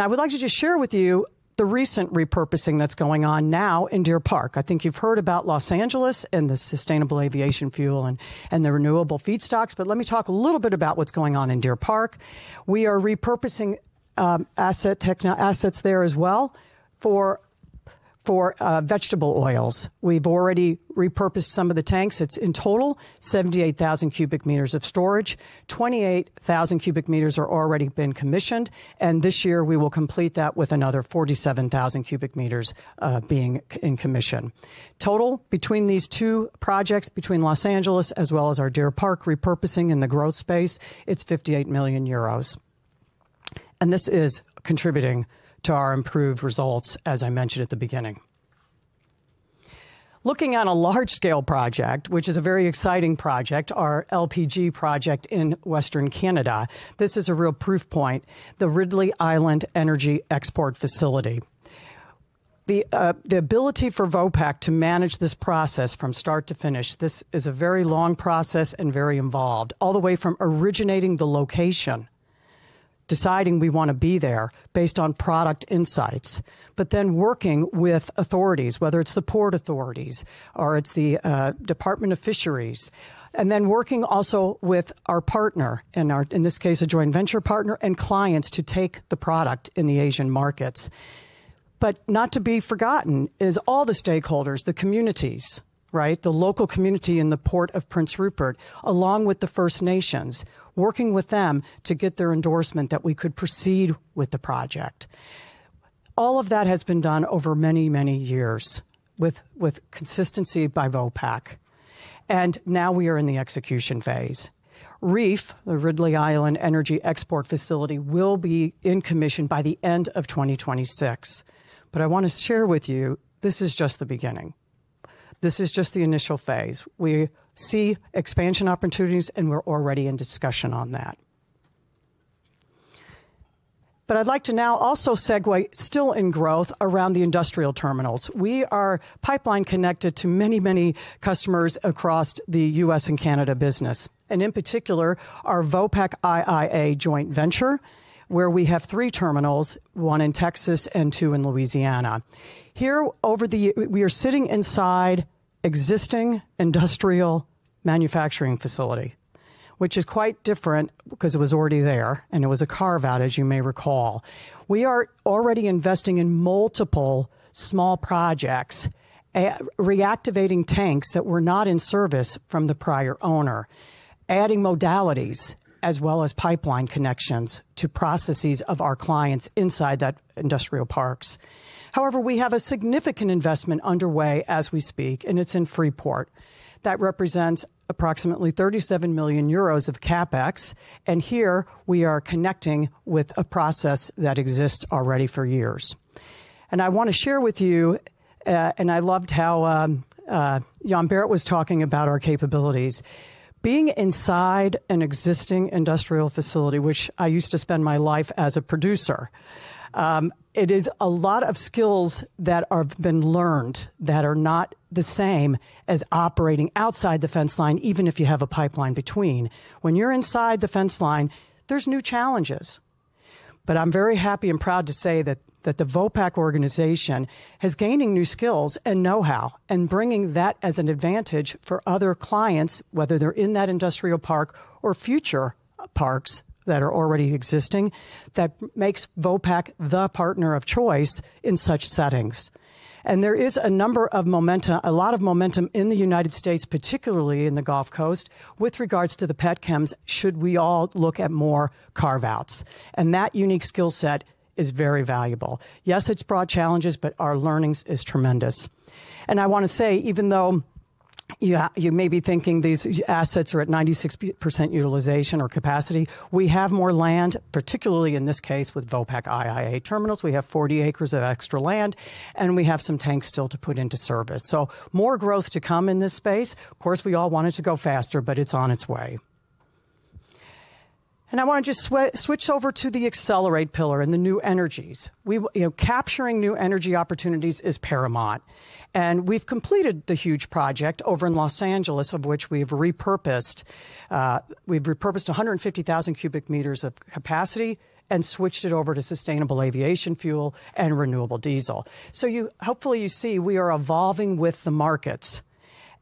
I would like to just share with you the recent repurposing that's going on now in Deer Park. I think you've heard about Los Angeles and the sustainable aviation fuel and the renewable feedstocks, but let me talk a little bit about what's going on in Deer Park. We are repurposing assets there as well for vegetable oils. We've already repurposed some of the tanks. It's in total cubic meters of storage. cubic meters are already been commissioned, and this year we will complete that with another cubic meters being in commission. Total between these two projects, between Los Angeles as well as our Deer Park repurposing in the growth space, it's 58 million euros. This is contributing to our improved results, as I mentioned at the beginning. Looking at a large-scale project, which is a very exciting project, our LPG project in Western Canada, this is a real proof point, the Ridley Island Energy Export Facility. The ability for Vopak to manage this process from start to finish, this is a very long process and very involved, all the way from originating the location, deciding we want to be there based on product insights, but then working with authorities, whether it's the port authorities or it's the Department of Fisheries, and then working also with our partner and our, in this case, a joint venture partner and clients to take the product in the Asian markets. Not to be forgotten is all the stakeholders, the communities, right, the local community in the Port of Prince Rupert, along with the First Nations, working with them to get their endorsement that we could proceed with the project. All of that has been done over many, many years with consistency by Vopak. Now we are in the execution phase. REEF, the Ridley Island Energy Export Facility, will be in commission by the end of 2026. I want to share with you, this is just the beginning. This is just the initial phase. We see expansion opportunities, and we're already in discussion on that. I'd like to now also segue, still in growth, around the industrial terminals. We are pipeline connected to many, many customers across the US and Canada business, and in particular, our Vopak IIA joint venture, where we have three terminals, one in Texas and two in Louisiana. Here, we are sitting inside existing industrial manufacturing facility, which is quite different because it was already there and it was a carve-out, as you may recall. We are already investing in multiple small projects, reactivating tanks that were not in service from the prior owner, adding modalities as well as pipeline connections to processes of our clients inside that industrial parks. However, we have a significant investment underway as we speak, and it is in Freeport. That represents approximately 37 million euros of CapEx. Here we are connecting with a process that exists already for years. I want to share with you, and I loved how Jan Bert was talking about our capabilities. Being inside an existing industrial facility, which I used to spend my life as a producer, it is a lot of skills that have been learned that are not the same as operating outside the fence line, even if you have a pipeline between. When you are inside the fence line, there are new challenges. I'm very happy and proud to say that the Vopak organization has gained new skills and know-how and bringing that as an advantage for other clients, whether they're in that industrial park or future parks that are already existing, that makes Vopak the partner of choice in such settings. There is a number of momentum, a lot of momentum in the United States, particularly in the Gulf Coast, with regards to the pet chems, should we all look at more carve-outs. That unique skill set is very valuable. Yes, it's brought challenges, but our learning is tremendous. I want to say, even though you may be thinking these assets are at 96% utilization or capacity, we have more land, particularly in this case with Vopak IIA terminals. We have 40 acres of extra land, and we have some tanks still to put into service. More growth to come in this space. Of course, we all want it to go faster, but it's on its way. I want to just switch over to the accelerate pillar and the new energies. Capturing new energy opportunities is paramount. We've completed the huge project over in Los Angeles, of which we've repurposed. We've repurposed cubic meters of capacity and switched it over to sustainable aviation fuel and renewable diesel. Hopefully you see we are evolving with the markets.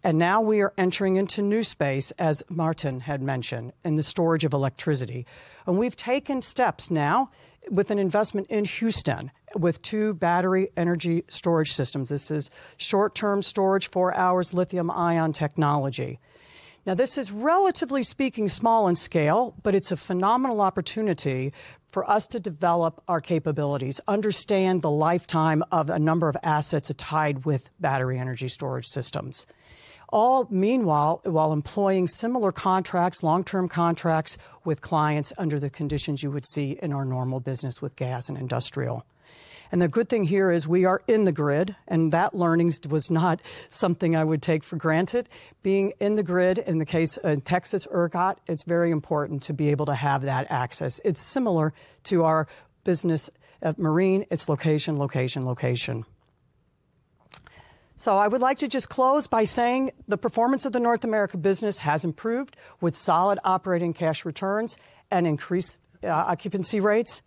Now we are entering into new space, as Maarten had mentioned, in the storage of electricity. We've taken steps now with an investment in Houston with two battery energy storage systems. This is short-term storage, four hours lithium-ion technology. Now, this is relatively speaking small in scale, but it's a phenomenal opportunity for us to develop our capabilities, understand the lifetime of a number of assets tied with battery energy storage systems, all meanwhile while employing similar contracts, long-term contracts with clients under the conditions you would see in our normal business with gas and industrial. The good thing here is we are in the grid, and that learning was not something I would take for granted. Being in the grid, in the case of Texas ERCOT, it's very important to be able to have that access. It's similar to our business at Marine. It's location, location, location. I would like to just close by saying the performance of the North America business has improved with solid operating cash returns and increased occupancy rates.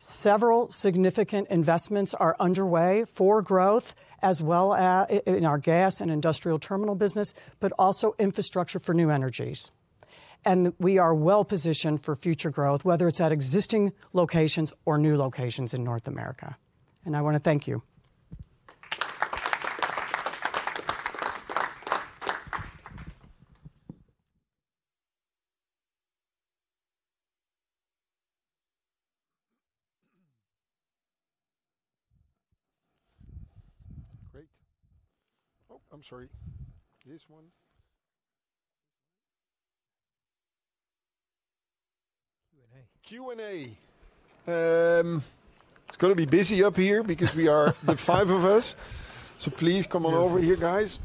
Several significant investments are underway for growth as well as in our gas and industrial terminal business, but also infrastructure for new energies. We are well positioned for future growth, whether it's at existing locations or new locations in North America. I want to thank you. Great. Oh, I'm sorry. This one. Q&A. Q&A. It's going to be busy up here because we are the five of us. Please come on over here, guys,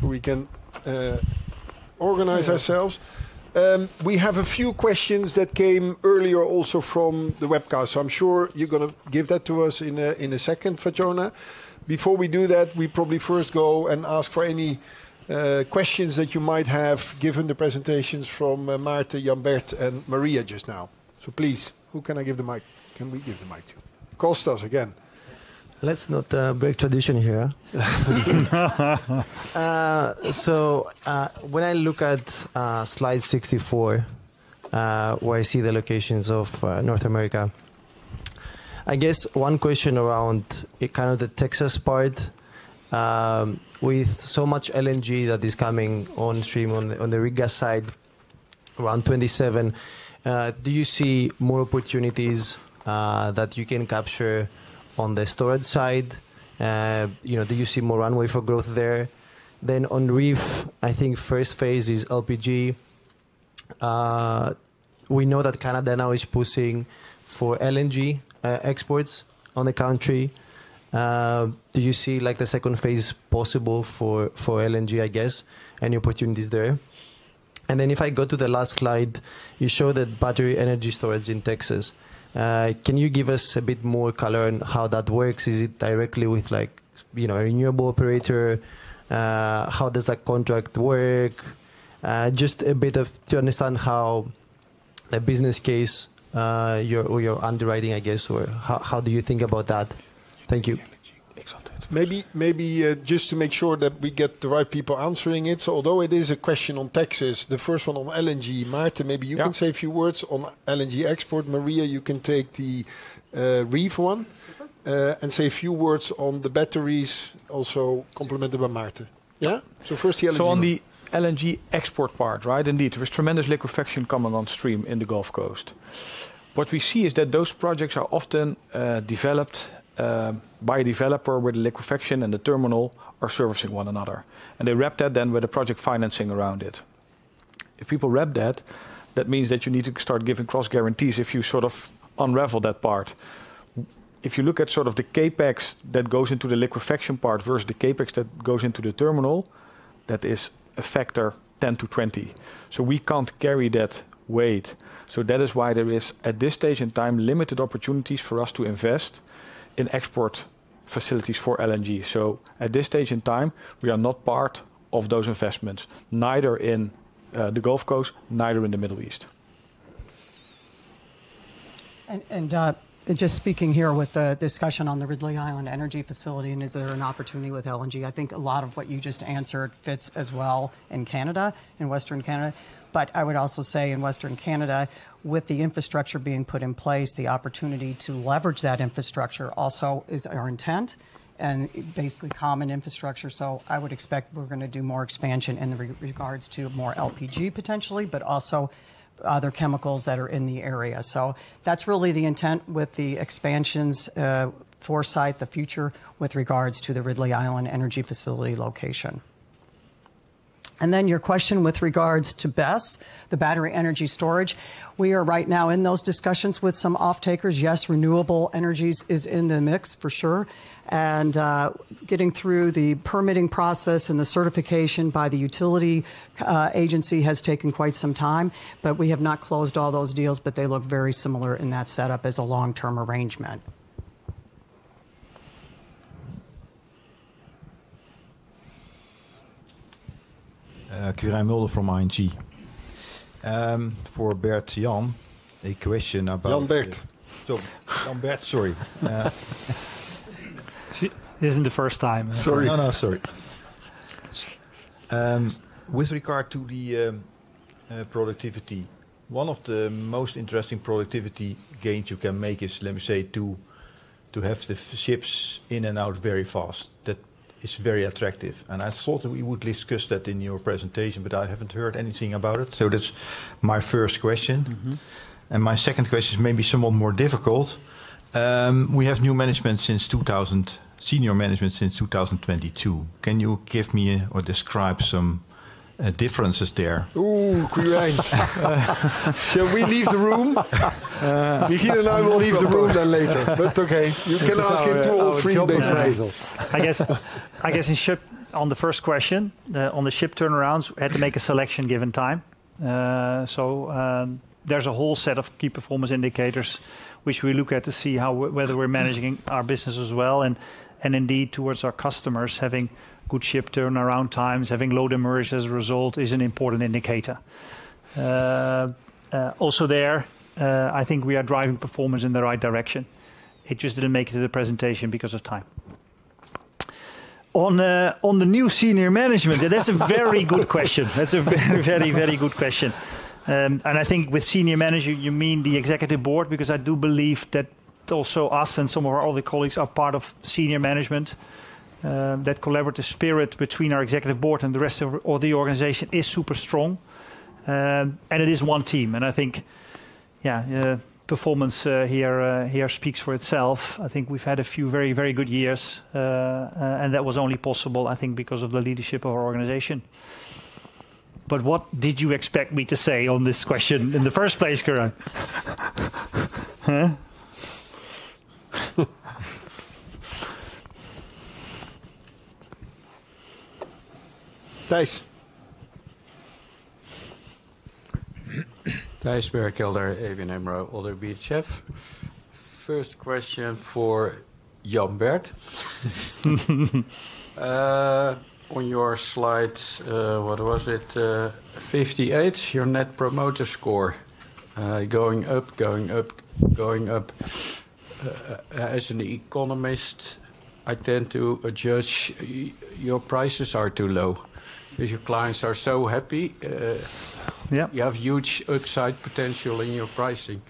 so we can organize ourselves. We have a few questions that came earlier also from the webcast. I'm sure you're going to give that to us in a second, Fatjona. Before we do that, we probably first go and ask for any questions that you might have given the presentations from Maarten, Jan Bert, and Maria just now. Please, who can I give the mic? Can we give the mic to Kostas again? Let's not break tradition here. When I look at slide 64, where I see the locations of North America, I guess one question around kind of the Texas part, with so much LNG that is coming on stream on the re-gas side, around 27, do you see more opportunities that you can capture on the storage side? Do you see more runway for growth there? On REEF, I think first phase is LPG. We know that Canada now is pushing for LNG exports on the country. Do you see the second phase possible for LNG, I guess, any opportunities there? If I go to the last slide, you show that battery energy storage in Texas. Can you give us a bit more color on how that works? Is it directly with a renewable operator? How does that contract work? Just a bit of to understand how a business case you're underwriting, I guess, or how do you think about that? Thank you. Maybe just to make sure that we get the right people answering it. Although it is a question on Texas, the first one on LNG, Maarten, maybe you can say a few words on LNG export. Maria, you can take the REEF one and say a few words on the batteries, also complemented by Maarten. Yeah? First the LNG. On the LNG export part, right? Indeed, there is tremendous liquefaction coming on stream in the Gulf Coast. What we see is that those projects are often developed by a developer where the liquefaction and the terminal are servicing one another. They wrap that then with the project financing around it. If people wrap that, that means that you need to start giving cross guarantees if you sort of unravel that part. If you look at sort of the CapEx that goes into the liquefaction part versus the CapEx that goes into the terminal, that is a factor 10-20. We can't carry that weight. That is why there is, at this stage in time, limited opportunities for us to invest in export facilities for LNG. At this stage in time, we are not part of those investments, neither in the Gulf Coast, neither in the Middle East. Just speaking here w`ith the discussion on the Ridley Island Energy Facility and is there an opportunity with LNG, I think a lot of what you just answered fits as well in Canada, in Western Canada. I would also say in Western Canada, with the infrastructure being put in place, the opportunity to leverage that infrastructure also is our intent and basically common infrastructure. I would expect we're going to do more expansion in regards to more LPG potentially, but also other chemicals that are in the area. That is really the intent with the expansions, foresight, the future with regards to the Ridley Island Energy Facility location. Your question with regards to BESS, the battery energy storage, we are right now in those discussions with some off-takers. Yes, renewable energies is in the mix for sure. Getting through the permitting process and the certification by the utility agency has taken quite some time, but we have not closed all those deals, but they look very similar in that setup as a long-term arrangement. Quirijn Mulder from ING. For Bert, Jan, a question about. Jan Bert. Jan Bert, sorry. This isn't the first time. Sorry. No, no, sorry. With regard to the productivity, one of the most interesting productivity gains you can make is, let me say, to have the ships in and out very fast. That is very attractive. I thought we would discuss that in your presentation, but I have not heard anything about it. That is my first question. My second question is maybe somewhat more difficult. We have new management since 2000, senior management since 2022. Can you give me or describe some differences there? Oh, Kiran. Shall we leave the room? Kiran and I will leave the room then later. Okay, you can ask him two or three things. I guess on the first question, on the ship turnarounds, we had to make a selection given time. There is a whole set of key performance indicators, which we look at to see how, whether we're managing our business as well. Indeed, towards our customers, having good ship turnaround times, having low demurrage as a result is an important indicator. Also there, I think we are driving performance in the right direction. It just did not make it to the presentation because of time. On the new senior management, that is a very good question. That is a very, very good question. I think with senior manager, you mean the executive board, because I do believe that also us and some of our other colleagues are part of senior management. That collaborative spirit between our executive board and the rest of the organization is super strong. It is one team. I think, yeah, performance here speaks for itself. I think we've had a few very, very good years, and that was only possible, I think, because of the leadership of our organization. What did you expect me to say on this question in the first place, Kiran? Thanks. Thijs Berkelder, ABN AMRO oddo BHF. First question for Jan Bert. On your slides, what was it? 58, your net promoter score going up, going up, going up. As an economist, I tend to judge your prices are too low because your clients are so happy. You have huge upside potential in your pricing.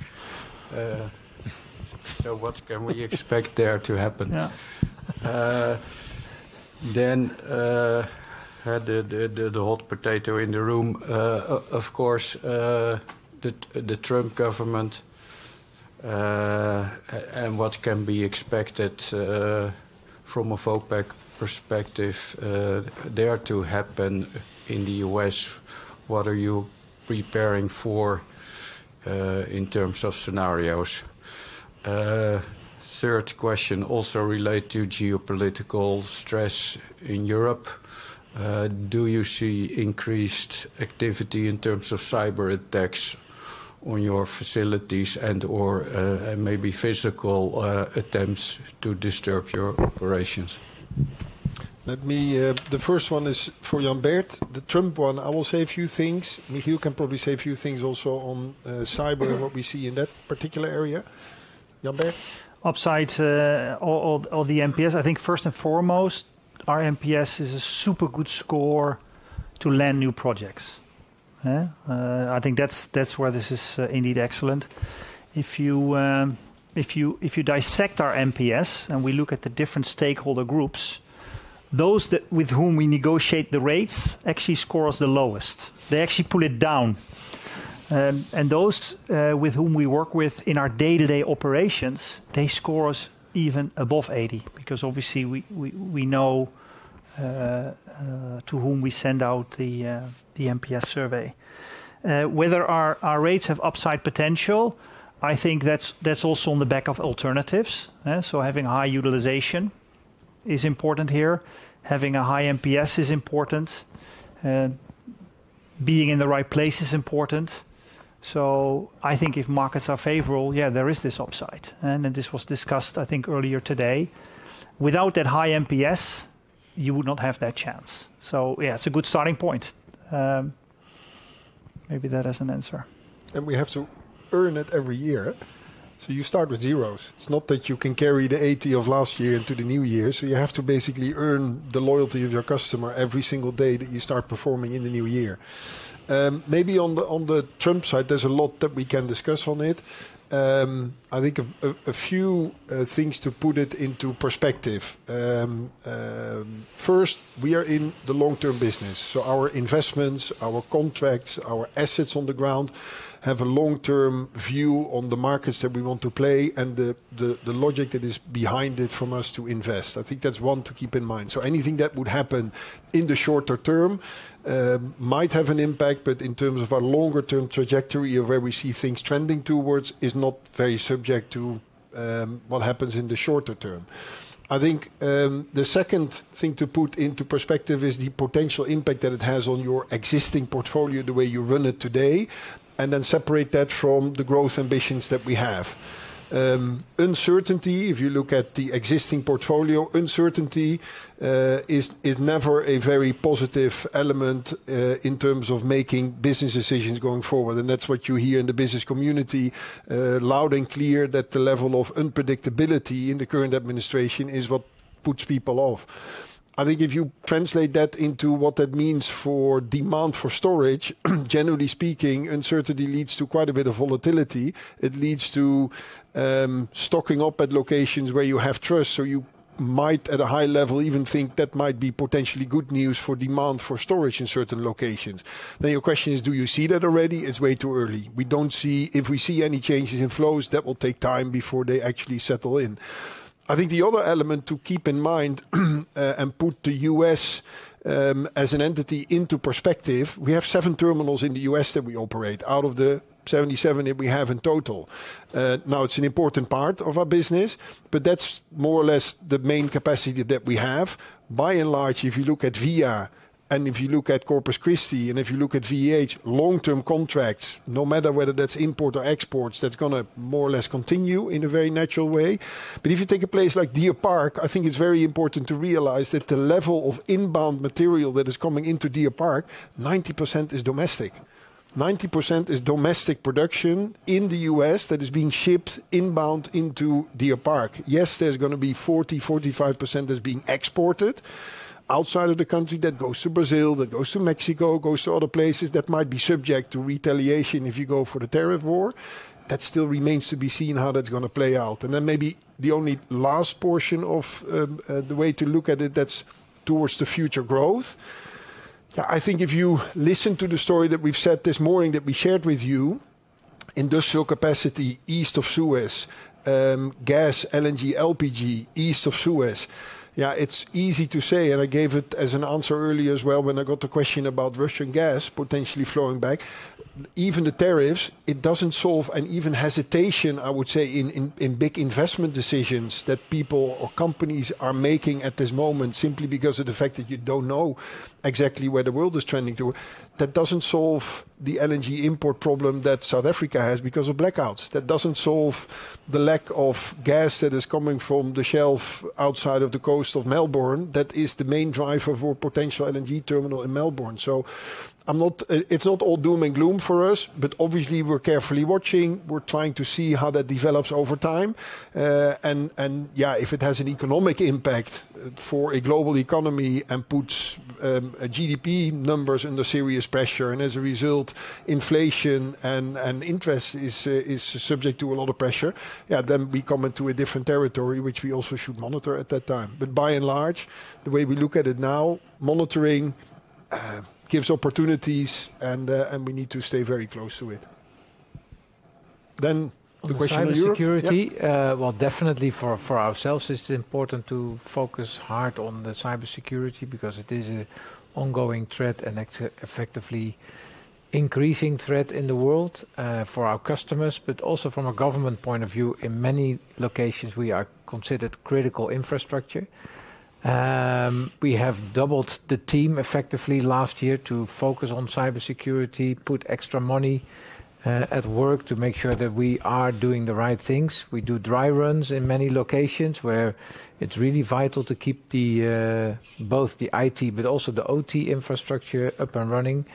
What can we expect there to happen? The hot potato in the room, of course, the Trump government and what can be expected from a Vopak perspective there to happen in the U.S.? What are you preparing for in terms of scenarios? Third question also relates to geopolitical stress in Europe. Do you see increased activity in terms of cyber attacks on your facilities and/or maybe physical attempts to disturb your operations? Let me, the first one is for Jan Bert. The Trump one, I will say a few things. Michiel can probably say a few things also on cyber and what we see in that particular area. Jan Bert. Upside of the MPS, I think first and foremost, our MPS is a super good score to land new projects. I think that's where this is indeed excellent. If you dissect our MPS and we look at the different stakeholder groups, those with whom we negotiate the rates actually score us the lowest. They actually pull it down. Those with whom we work with in our day-to-day operations, they score us even above 80 because obviously we know to whom we send out the MPS survey. Whether our rates have upside potential, I think that's also on the back of alternatives. Having high utilization is important here. Having a high MPS is important. Being in the right place is important. I think if markets are favorable, yeah, there is this upside. This was discussed, I think, earlier today. Without that high MPS, you would not have that chance. Yeah, it's a good starting point. Maybe that has an answer. We have to earn it every year. You start with zeros. It's not that you can carry the 80 of last year into the new year. You have to basically earn the loyalty of your customer every single day that you start performing in the new year. Maybe on the Trump side, there's a lot that we can discuss on it. I think a few things to put it into perspective. First, we are in the long-term business. Our investments, our contracts, our assets on the ground have a long-term view on the markets that we want to play and the logic that is behind it from us to invest. I think that's one to keep in mind. Anything that would happen in the shorter term might have an impact, but in terms of our longer-term trajectory or where we see things trending towards is not very subject to what happens in the shorter term. I think the second thing to put into perspective is the potential impact that it has on your existing portfolio, the way you run it today, and then separate that from the growth ambitions that we have. Uncertainty, if you look at the existing portfolio, uncertainty is never a very positive element in terms of making business decisions going forward. That is what you hear in the business community loud and clear, that the level of unpredictability in the current administration is what puts people off. I think if you translate that into what that means for demand for storage, generally speaking, uncertainty leads to quite a bit of volatility. It leads to stocking up at locations where you have trust. You might at a high level even think that might be potentially good news for demand for storage in certain locations. Your question is, do you see that already? It's way too early. We don't see, if we see any changes in flows, that will take time before they actually settle in. I think the other element to keep in mind and put the U.S. as an entity into perspective, we have seven terminals in the U.S. that we operate out of the 77 that we have in total. Now it's an important part of our business, but that's more or less the main capacity that we have. By and large, if you look at VIA and if you look at Corpus Christi and if you look at VEH, long-term contracts, no matter whether that's import or exports, that's going to more or less continue in a very natural way. If you take a place like Deer Park, I think it's very important to realize that the level of inbound material that is coming into Deer Park, 90% is domestic. 90% is domestic production in the U.S. that is being shipped inbound into Deer Park. Yes, there's going to be 40%-45% that's being exported outside of the country that goes to Brazil, that goes to Mexico, goes to other places that might be subject to retaliation if you go for the tariff war. That still remains to be seen how that's going to play out. Maybe the only last portion of the way to look at it that's towards the future growth. Yeah, I think if you listen to the story that we've said this morning that we shared with you, industrial capacity east of Suez, gas, LNG, LPG east of Suez, yeah, it's easy to say, and I gave it as an answer earlier as well when I got the question about Russian gas potentially flowing back. Even the tariffs, it doesn't solve an even hesitation, I would say, in big investment decisions that people or companies are making at this moment simply because of the fact that you don't know exactly where the world is trending to. That doesn't solve the LNG import problem that South Africa has because of blackouts. That does not solve the lack of gas that is coming from the shelf outside of the coast of Melbourne that is the main driver for potential LNG terminal in Melbourne. It is not all doom and gloom for us, but obviously we are carefully watching. We are trying to see how that develops over time. Yeah, if it has an economic impact for a global economy and puts GDP numbers under serious pressure and as a result, inflation and interest is subject to a lot of pressure, yeah, then we come into a different territory, which we also should monitor at that time. By and large, the way we look at it now, monitoring gives opportunities and we need to stay very close to it. The question is yours. Cybersecurity, well, definitely for ourselves, it's important to focus hard on the cybersecurity because it is an ongoing threat and effectively increasing threat in the world for our customers, but also from a government point of view, in many locations, we are considered critical infrastructure. We have doubled the team effectively last year to focus on cybersecurity, put extra money at work to make sure that we are doing the right things. We do dry runs in many locations where it's really vital to keep both the IT, but also the OT infrastructure up and running.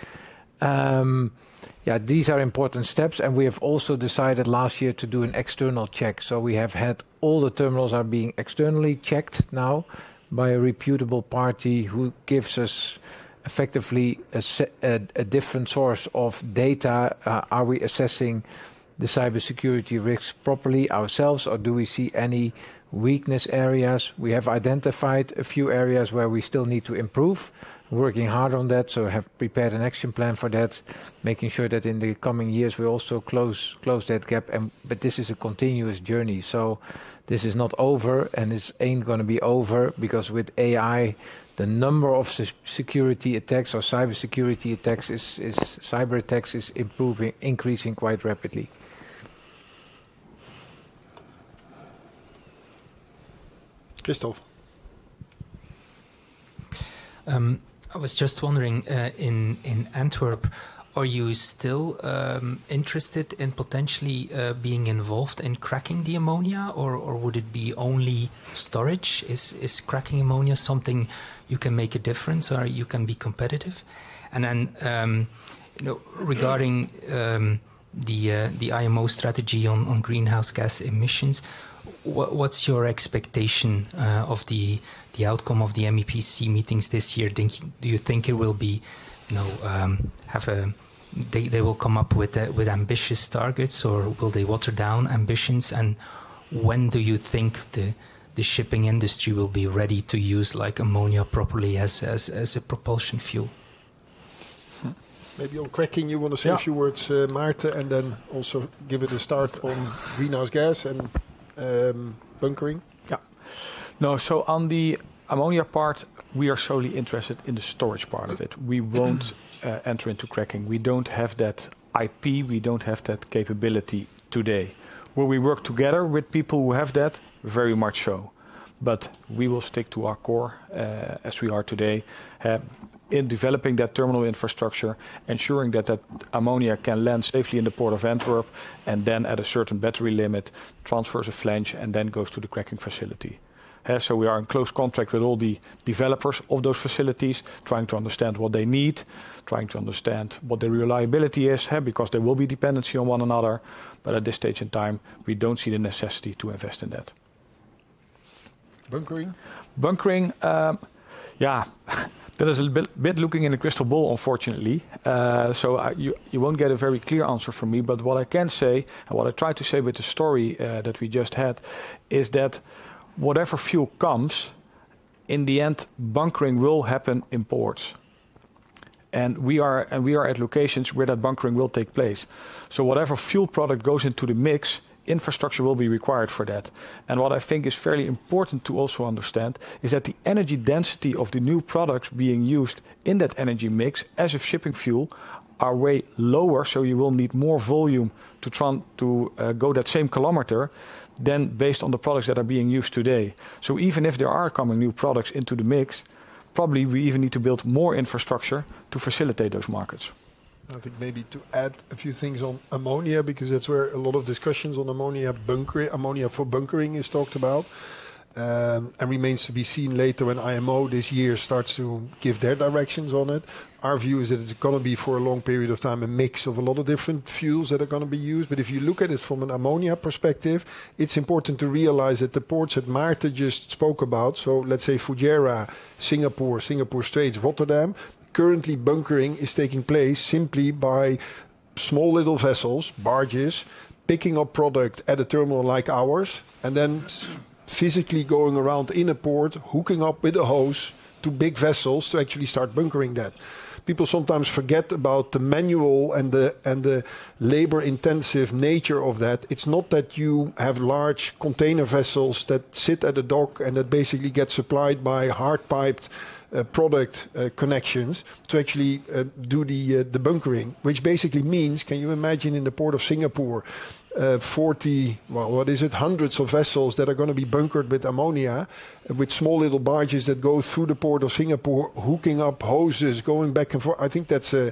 Yeah, these are important steps. We have also decided last year to do an external check. We have had all the terminals being externally checked now by a reputable party who gives us effectively a different source of data. Are we assessing the cybersecurity risks properly ourselves or do we see any weakness areas? We have identified a few areas where we still need to improve. We're working hard on that. We have prepared an action plan for that, making sure that in the coming years, we also close that gap. This is a continuous journey. This is not over and it's not going to be over because with AI, the number of security attacks or cybersecurity attacks, cyber attacks, is increasing quite rapidly. Christoph. I was just wondering, in Antwerp, are you still interested in potentially being involved in cracking the ammonia or would it be only storage? Is cracking ammonia something you can make a difference or you can be competitive? Regarding the IMO strategy on greenhouse gas emissions, what's your expectation of the outcome of the MEPC meetings this year? Do you think they will come up with ambitious targets or will they water down ambitions? When do you think the shipping industry will be ready to use ammonia properly as a propulsion fuel? Maybe on cracking, you want to say a few words, Maarten, and then also give it a start on greenhouse gas and bunkering. Yeah. No, on the ammonia part, we are solely interested in the storage part of it. We won't enter into cracking. We don't have that IP. We don't have that capability today. Will we work together with people who have that? Very much so. We will stick to our core as we are today in developing that terminal infrastructure, ensuring that that ammonia can land safely in the port of Antwerp and then at a certain battery limit, transfers a flange and then goes to the cracking facility. We are in close contact with all the developers of those facilities, trying to understand what they need, trying to understand what their reliability is, because there will be dependency on one another. At this stage in time, we don't see the necessity to invest in that. Bunkering? Bunkering, yeah. That is a bit looking in a crystal ball, unfortunately. You will not get a very clear answer from me, but what I can say and what I tried to say with the story that we just had is that whatever fuel comes, in the end, bunkering will happen in ports. We are at locations where that bunkering will take place. Whatever fuel product goes into the mix, infrastructure will be required for that. What I think is fairly important to also understand is that the energy density of the new products being used in that energy mix as of shipping fuel are way lower. You will need more volume to go that same kilometer than based on the products that are being used today. Even if there are coming new products into the mix, probably we even need to build more infrastructure to facilitate those markets. I think maybe to add a few things on ammonia because that's where a lot of discussions on ammonia, ammonia for bunkering is talked about and remains to be seen later when IMO this year starts to give their directions on it. Our view is that it's going to be for a long period of time a mix of a lot of different fuels that are going to be used. If you look at it from an ammonia perspective, it's important to realize that the ports that Maarten just spoke about, so let's say Fujairah, Singapore, Singapore Straits, Rotterdam, currently bunkering is taking place simply by small little vessels, barges, picking up product at a terminal like ours, and then physically going around in a port, hooking up with a hose to big vessels to actually start bunkering that. People sometimes forget about the manual and the labor-intensive nature of that. It's not that you have large container vessels that sit at a dock and that basically get supplied by hard-piped product connections to actually do the bunkering, which basically means, can you imagine in the port of Singapore, 40, well, what is it, hundreds of vessels that are going to be bunkered with ammonia with small little barges that go through the port of Singapore, hooking up hoses, going back and forth. I think that's a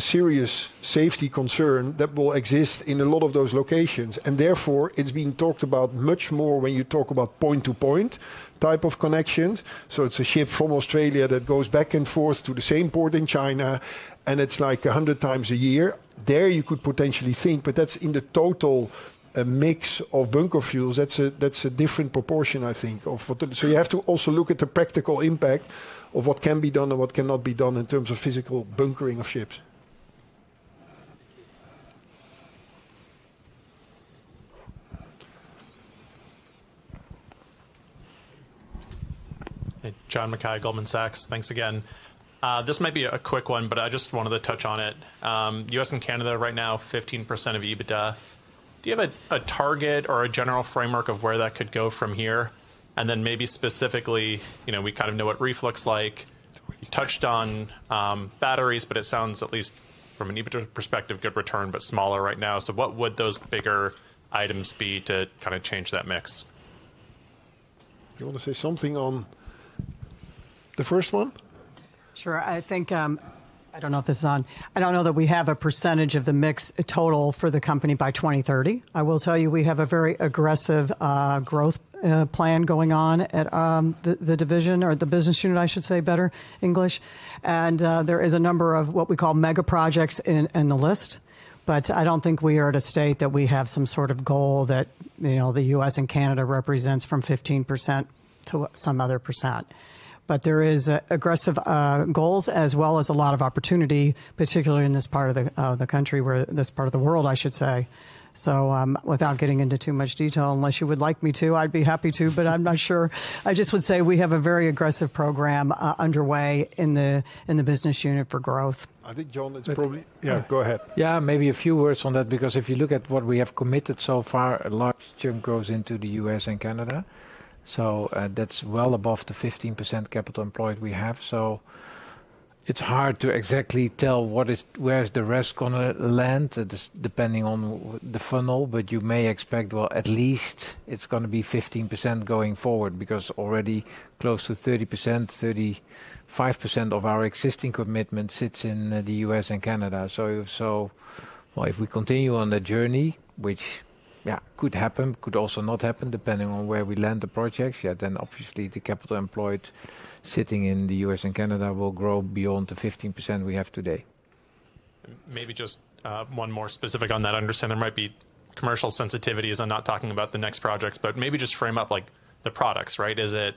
serious safety concern that will exist in a lot of those locations. Therefore, it's being talked about much more when you talk about point-to-point type of connections. It's a ship from Australia that goes back and forth to the same port in China, and it's like 100x a year. There you could potentially think, but that is in the total mix of bunker fuels. That is a different proportion, I think, of what the... You have to also look at the practical impact of what can be done and what cannot be done in terms of physical bunkering of ships. Hey, John Mackay, Goldman Sachs, thanks again. This might be a quick one, but I just wanted to touch on it. US and Canada right now, 15% of EBITDA. Do you have a target or a general framework of where that could go from here? Then maybe specifically, we kind of know what REEF looks like. You touched on batteries, but it sounds at least from an EBITDA perspective, good return, but smaller right now. What would those bigger items be to kind of change that mix? Do you want to say something on the first one? Sure. I think, I don't know if this is on. I don't know that we have a percentage of the mix total for the company by 2030. I will tell you we have a very aggressive growth plan going on at the division or the business unit, I should say, better English. There is a number of what we call mega projects in the list, but I don't think we are at a state that we have some sort of goal that the US and Canada represents from 15% to some other percent. There are aggressive goals as well as a lot of opportunity, particularly in this part of the country where this part of the world, I should say. Without getting into too much detail, unless you would like me to, I'd be happy to, but I'm not sure. I just would say we have a very aggressive program underway in the business unit for growth. I think, John, it's probably... Yeah, go ahead. Yeah, maybe a few words on that because if you look at what we have committed so far, a large chunk goes into the U.S. and Canada. That's well above the 15% capital employed we have. It's hard to exactly tell where the rest is going to land depending on the funnel, but you may expect, at least, it's going to be 15% going forward because already close to 30%-35% of our existing commitment sits in the U.S. and Canada. If we continue on the journey, which could happen, could also not happen depending on where we land the projects, yeah, then obviously the capital employed sitting in the U.S. and Canada will grow beyond the 15% we have today. Maybe just one more specific on that. I understand there might be commercial sensitivity as I'm not talking about the next projects, but maybe just frame up the products, right? Is it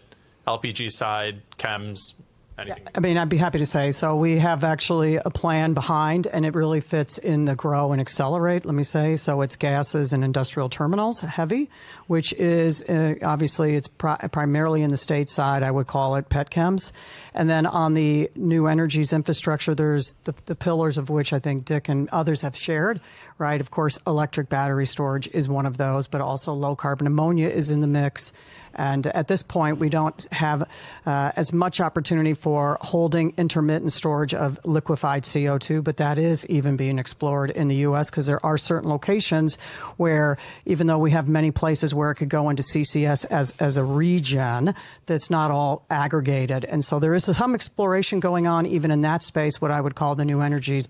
LPG side, chems, anything? I mean, I'd be happy to say. We have actually a plan behind, and it really fits in the grow and accelerate, let me say. It's gases and industrial terminals heavy, which is obviously primarily in the state side, I would call it pet chems. On the new energies infrastructure, there's the pillars of which I think Dick and others have shared, right? Of course, electric battery storage is one of those, but also low carbon ammonia is in the mix. At this point, we don't have as much opportunity for holding intermittent storage of liquefied CO2, but that is even being explored in the US because there are certain locations where even though we have many places where it could go into CCS as a region, that's not all aggregated. There is some exploration going on even in that space, what I would call the new energies.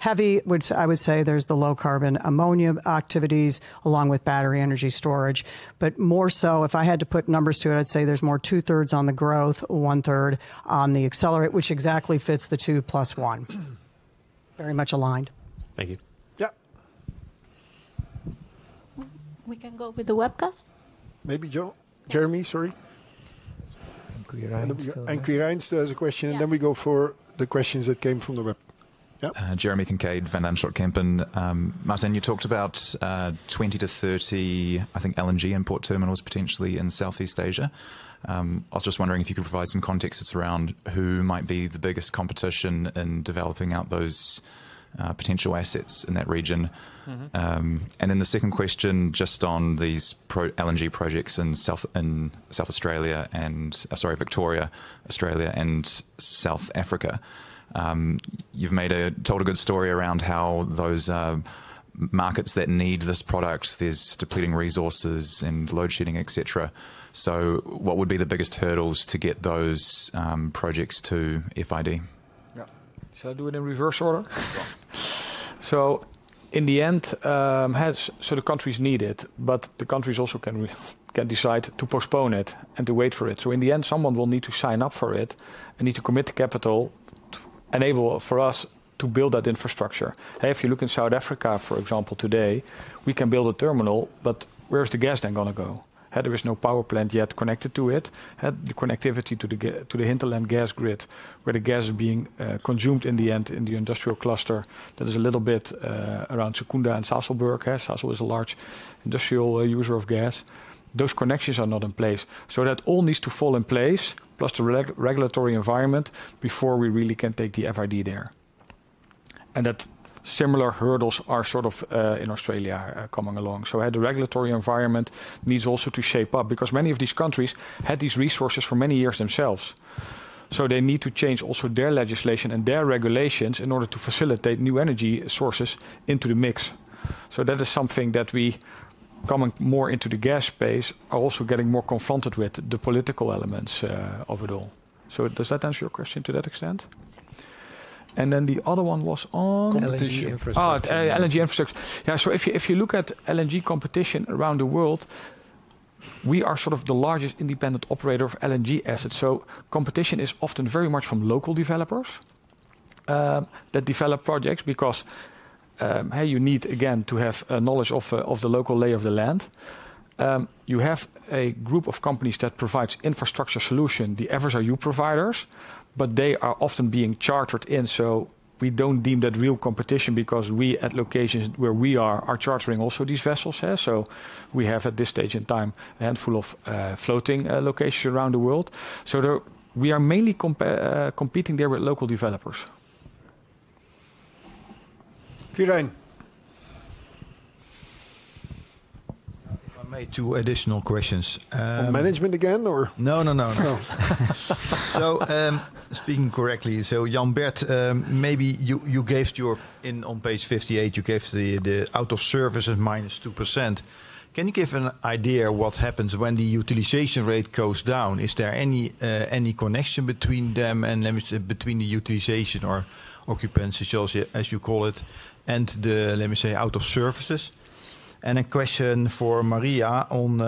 Heavy, I would say there's the low carbon ammonia activities along with battery energy storage. More so, if I had to put numbers to it, I'd say there's more two-thirds on the growth, one-third on the accelerate, which exactly fits the two plus one. Very much aligned. Thank you. Yeah. We can go with the webcast? Maybe, John. Jeremy, sorry. And Quirijn Mulder has a question, and then we go for the questions that came from the web. Yeah. Jeremy Kincaid, Van Lanschot Kempen. Maarten, you talked about 20-30, I think, LNG and port terminals potentially in Southeast Asia. I was just wondering if you could provide some context around who might be the biggest competition in developing out those potential assets in that region. The second question just on these LNG projects in South Australia and, sorry, Victoria, Australia, and South Africa. You've told a good story around how those markets that need this product, there's depleting resources and load shedding, etc. What would be the biggest hurdles to get those projects to FID? Yeah. Shall I do it in reverse order? In the end, the countries need it, but the countries also can decide to postpone it and to wait for it. In the end, someone will need to sign up for it and need to commit capital to enable for us to build that infrastructure. If you look in South Africa, for example, today, we can build a terminal, but where is the gas then going to go? There is no power plant yet connected to it. The connectivity to the hinterland gas grid where the gas is being consumed in the end in the industrial cluster that is a little bit around Secunda and Sasolburg. Sasol is a large industrial user of gas. Those connections are not in place. That all needs to fall in place, plus the regulatory environment, before we really can take the FID there. Similar hurdles are sort of in Australia coming along. The regulatory environment needs also to shape up because many of these countries had these resources for many years themselves. They need to change also their legislation and their regulations in order to facilitate new energy sources into the mix. That is something that we coming more into the gas space are also getting more confronted with, the political elements of it all. Does that answer your question to that extent? The other one was on... Competition. Oh, energy infrastructure. Yeah. If you look at LNG competition around the world, we are sort of the largest independent operator of LNG assets. Competition is often very much from local developers that develop projects because you need again to have knowledge of the local lay of the land. You have a group of companies that provides infrastructure solution, the FSRU providers, but they are often being chartered in. We do not deem that real competition because we at locations where we are are chartering also these vessels. We have at this stage in time a handful of floating locations around the world. We are mainly competing there with local developers. Quirijn. If I may, two additional questions. On management again or? No, no, no. Speaking correctly, Jan Bert, maybe you gave your in on page 58, you gave the out of service as minus 2%. Can you give an idea what happens when the utilization rate goes down? Is there any connection between them and between the utilization or occupancy, as you call it, and the, let me say, out of services? A question for Maria on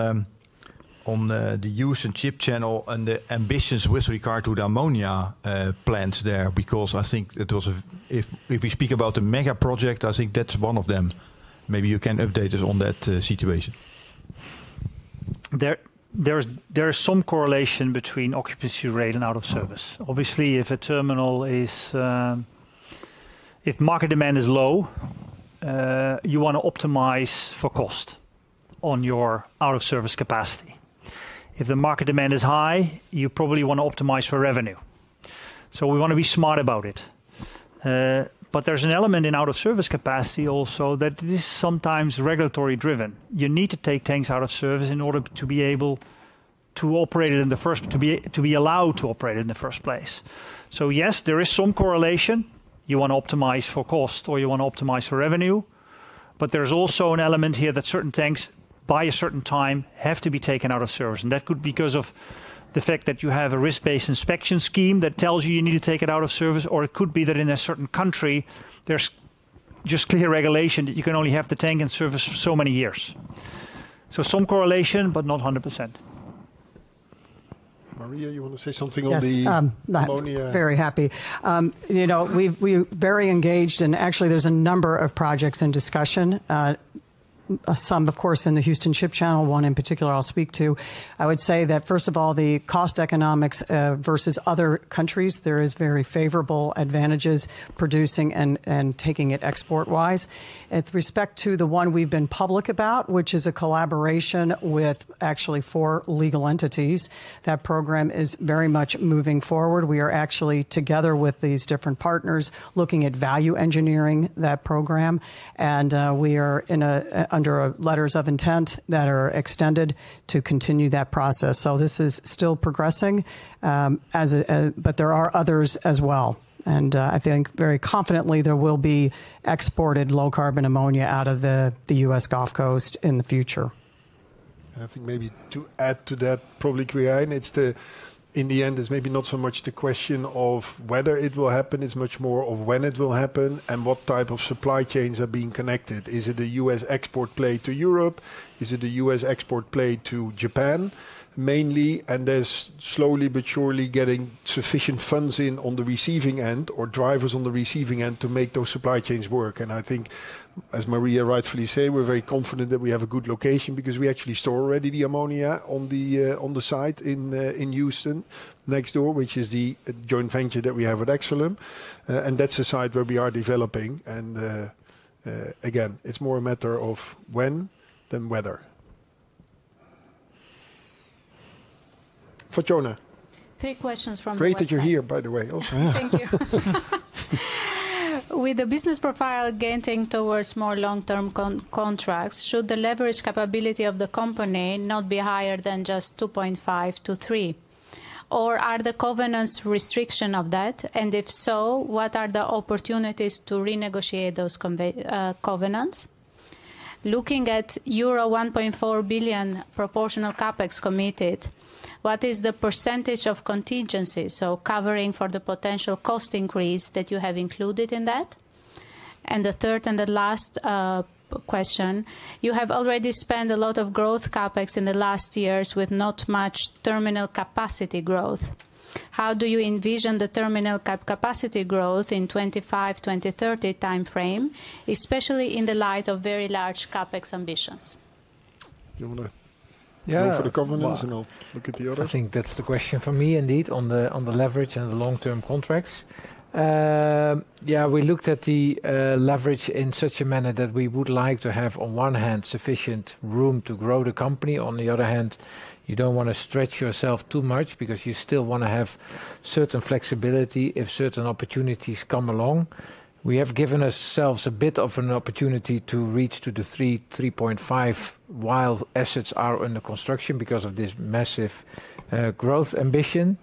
the use and chip channel and the ambitions with regard to the ammonia plants there because I think that was, if we speak about the mega project, I think that's one of them. Maybe you can update us on that situation. There is some correlation between occupancy rate and out of service. Obviously, if a terminal is, if market demand is low, you want to optimize for cost on your out of service capacity. If the market demand is high, you probably want to optimize for revenue. We want to be smart about it. There is an element in out of service capacity also that is sometimes regulatory driven. You need to take things out of service in order to be able to operate it in the first, to be allowed to operate it in the first place. Yes, there is some correlation. You want to optimize for cost or you want to optimize for revenue. There is also an element here that certain tanks by a certain time have to be taken out of service. That could be because of the fact that you have a risk-based inspection scheme that tells you you need to take it out of service. It could be that in a certain country, there's just clear regulation that you can only have the tank in service for so many years. Some correlation, but not 100%. Maria, you want to say something on the ammonia? Yes, very happy. We're very engaged and actually there's a number of projects in discussion. Some, of course, in the Houston Ship Channel, one in particular I'll speak to. I would say that first of all, the cost economics versus other countries, there are very favorable advantages producing and taking it export-wise. With respect to the one we've been public about, which is a collaboration with actually four legal entities, that program is very much moving forward. We are actually together with these different partners looking at value engineering that program. We are under letters of intent that are extended to continue that process. This is still progressing, but there are others as well. I think very confidently there will be exported low carbon ammonia out of the US Gulf Coast in the future. I think maybe to add to that, probably Quirijn, in the end, it's maybe not so much the question of whether it will happen, it's much more of when it will happen and what type of supply chains are being connected. Is it a US export play to Europe? Is it a US export play to Japan mainly? There's slowly but surely getting sufficient funds in on the receiving end or drivers on the receiving end to make those supply chains work. I think, as Maria rightfully says, we're very confident that we have a good location because we actually store already the ammonia on the site in Houston next door, which is the joint venture that we have at Exolum. That's a site where we are developing. Again, it's more a matter of when than whether. Fatjona?. Three questions from Maria. Great that you're here, by the way. Thank you. With the business profile getting towards more long-term contracts, should the leverage capability of the company not be higher than just 2.5x-3x? Are the covenants restriction of that? If so, what are the opportunities to renegotiate those covenants? Looking at your euro 1.4 billion proportional CapEx committed, what is the percentage of contingencies, so covering for the potential cost increase that you have included in that? The third and the last question, you have already spent a lot of growth CapEx in the last years with not much terminal capacity growth. How do you envision the terminal capacity growth in 2025-2030 timeframe, especially in the light of very large CapEx ambitions? Do you want to go for the covenants and look at the other? I think that's the question for me indeed on the leverage and the long-term contracts. Yeah, we looked at the leverage in such a manner that we would like to have on one hand sufficient room to grow the company. On the other hand, you don't want to stretch yourself too much because you still want to have certain flexibility if certain opportunities come along. We have given ourselves a bit of an opportunity to reach to the 3.5x while assets are under construction because of this massive growth ambition.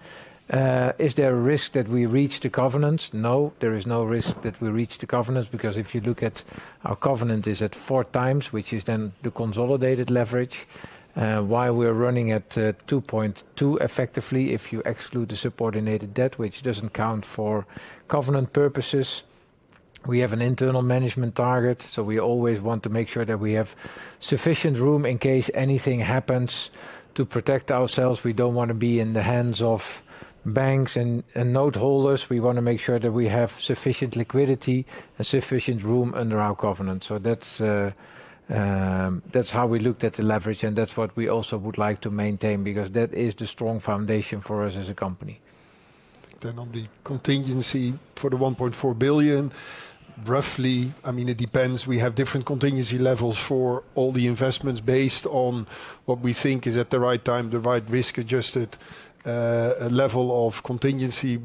Is there a risk that we reach the covenants? No, there is no risk that we reach the covenants because if you look at our covenant, it is at 4x, which is then the consolidated leverage. While we're running at 2.2x effectively if you exclude the subordinated debt, which doesn't count for covenant purposes. We have an internal management target, so we always want to make sure that we have sufficient room in case anything happens to protect ourselves. We don't want to be in the hands of banks and noteholders. We want to make sure that we have sufficient liquidity and sufficient room under our covenants. That's how we looked at the leverage, and that's what we also would like to maintain because that is the strong foundation for us as a company. On the contingency for the 1.4 billion, roughly, I mean, it depends. We have different contingency levels for all the investments based on what we think is at the right time, the right risk-adjusted level of contingency.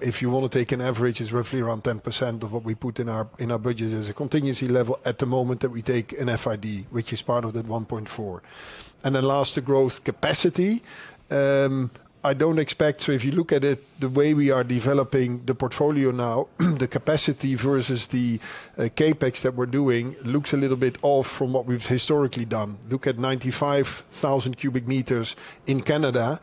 If you want to take an average, it's roughly around 10% of what we put in our budgets as a contingency level at the moment that we take an FID, which is part of that 1.4 billion. Last, the growth capacity. I don't expect, so if you look at it the way we are developing the portfolio now, the capacity versus the CapEx that we're doing looks a little bit off from what we've historically done. Look at cubic meters in Canada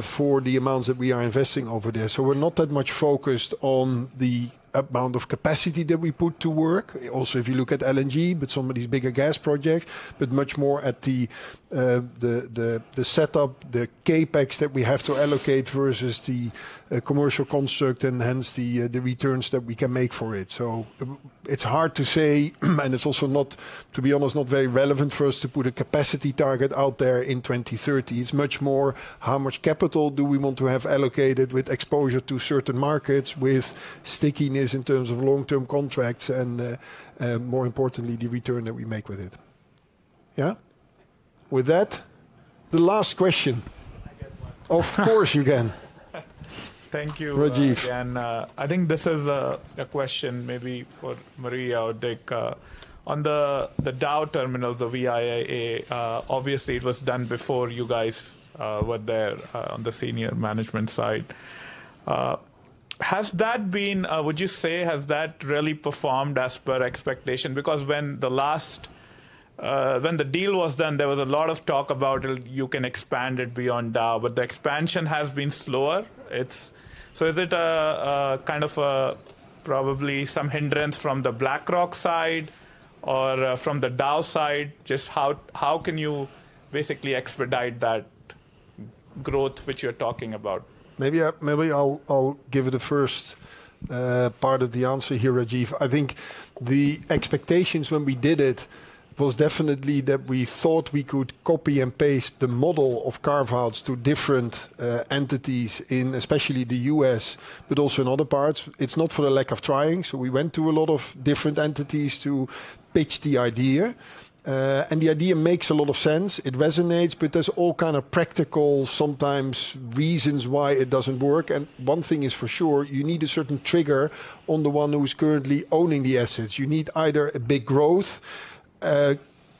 for the amounts that we are investing over there. We're not that much focused on the amount of capacity that we put to work. Also, if you look at LNG, but some of these bigger gas projects, but much more at the setup, the CapEx that we have to allocate versus the commercial construct and hence the returns that we can make for it. It is hard to say, and it is also not, to be honest, not very relevant for us to put a capacity target out there in 2030. It is much more how much capital do we want to have allocated with exposure to certain markets, with stickiness in terms of long-term contracts, and more importantly, the return that we make with it. Yeah? With that, the last question. Of course, you can. Thank you, Rajeev. I think this is a question maybe for Maria or Dick. On the Dow terminal, the VIIA, obviously it was done before you guys were there on the senior management side. Has that been, would you say, has that really performed as per expectation? Because when the last, when the deal was done, there was a lot of talk about you can expand it beyond Dow, but the expansion has been slower. Is it a kind of probably some hindrance from the BlackRock side or from the Dow side? Just how can you basically expedite that growth which you're talking about? Maybe I'll give you the first part of the answer here, Rajeev. I think the expectations when we did it was definitely that we thought we could copy and paste the model of carve-outs to different entities in especially the US, but also in other parts. It's not for the lack of trying. We went to a lot of different entities to pitch the idea. The idea makes a lot of sense. It resonates, but there's all kinds of practical sometimes reasons why it doesn't work. One thing is for sure, you need a certain trigger on the one who's currently owning the assets. You need either a big growth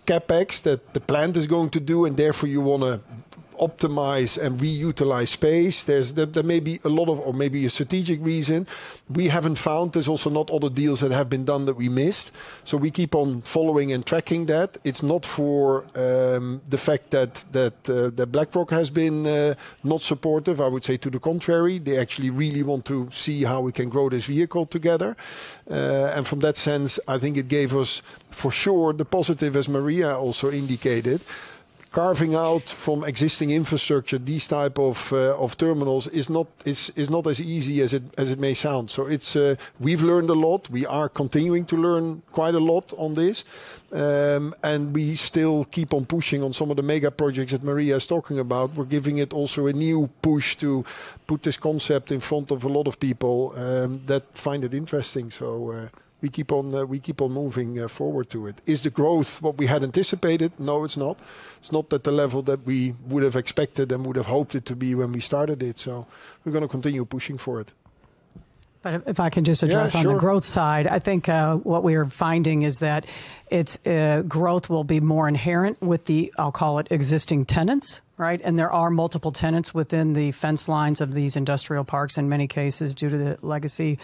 CapEx that the plant is going to do, and therefore you want to optimize and reutilize space. There may be a lot of, or maybe a strategic reason. We haven't found. There's also not other deals that have been done that we missed. We keep on following and tracking that. It's not for the fact that BlackRock has been not supportive. I would say to the contrary, they actually really want to see how we can grow this vehicle together. From that sense, I think it gave us for sure the positive, as Maria also indicated, carving out from existing infrastructure, these type of terminals is not as easy as it may sound. We've learned a lot. We are continuing to learn quite a lot on this. We still keep on pushing on some of the mega projects that Maria is talking about. We're giving it also a new push to put this concept in front of a lot of people that find it interesting. We keep on moving forward to it. Is the growth what we had anticipated? No, it's not. It's not at the level that we would have expected and would have hoped it to be when we started it. We are going to continue pushing for it. If I can just address on the growth side, I think what we are finding is that growth will be more inherent with the, I'll call it existing tenants, right? There are multiple tenants within the fence lines of these industrial parks in many cases due to the legacy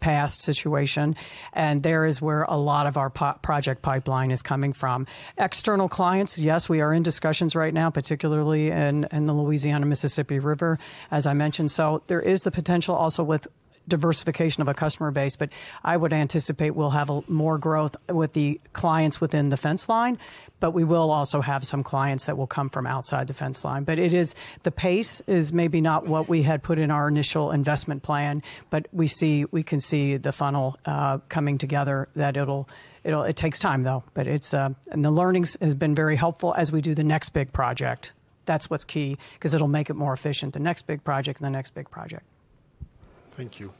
past situation. There is where a lot of our project pipeline is coming from. External clients, yes, we are in discussions right now, particularly in the Louisiana-Mississippi River, as I mentioned. There is the potential also with diversification of a customer base, but I would anticipate we'll have more growth with the clients within the fence line, but we will also have some clients that will come from outside the fence line. The pace is maybe not what we had put in our initial investment plan, but we can see the funnel coming together that it'll, it takes time though. The learnings have been very helpful as we do the next big project. That's what's key because it'll make it more efficient, the next big project and the next big project. Thank you.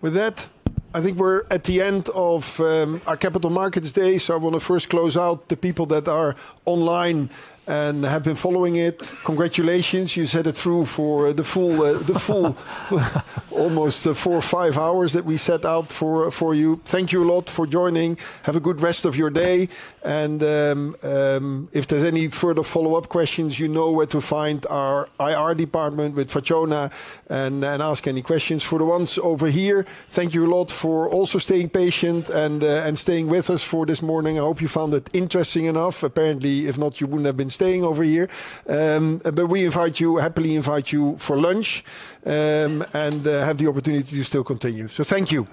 With that, I think we're at the end of our Capital Markets Day. I want to first close out the people that are online and have been following it. Congratulations. You sat it through for the full, almost four or five hours that we set out for you. Thank you a lot for joining. Have a good rest of your day. If there's any further follow-up questions, you know where to find our IR department with Fatjona and ask any questions. For the ones over here, thank you a lot for also staying patient and staying with us for this morning. I hope you found it interesting enough. Apparently, if not, you wouldn't have been staying over here. We happily invite you for lunch and have the opportunity to still continue. Thank you.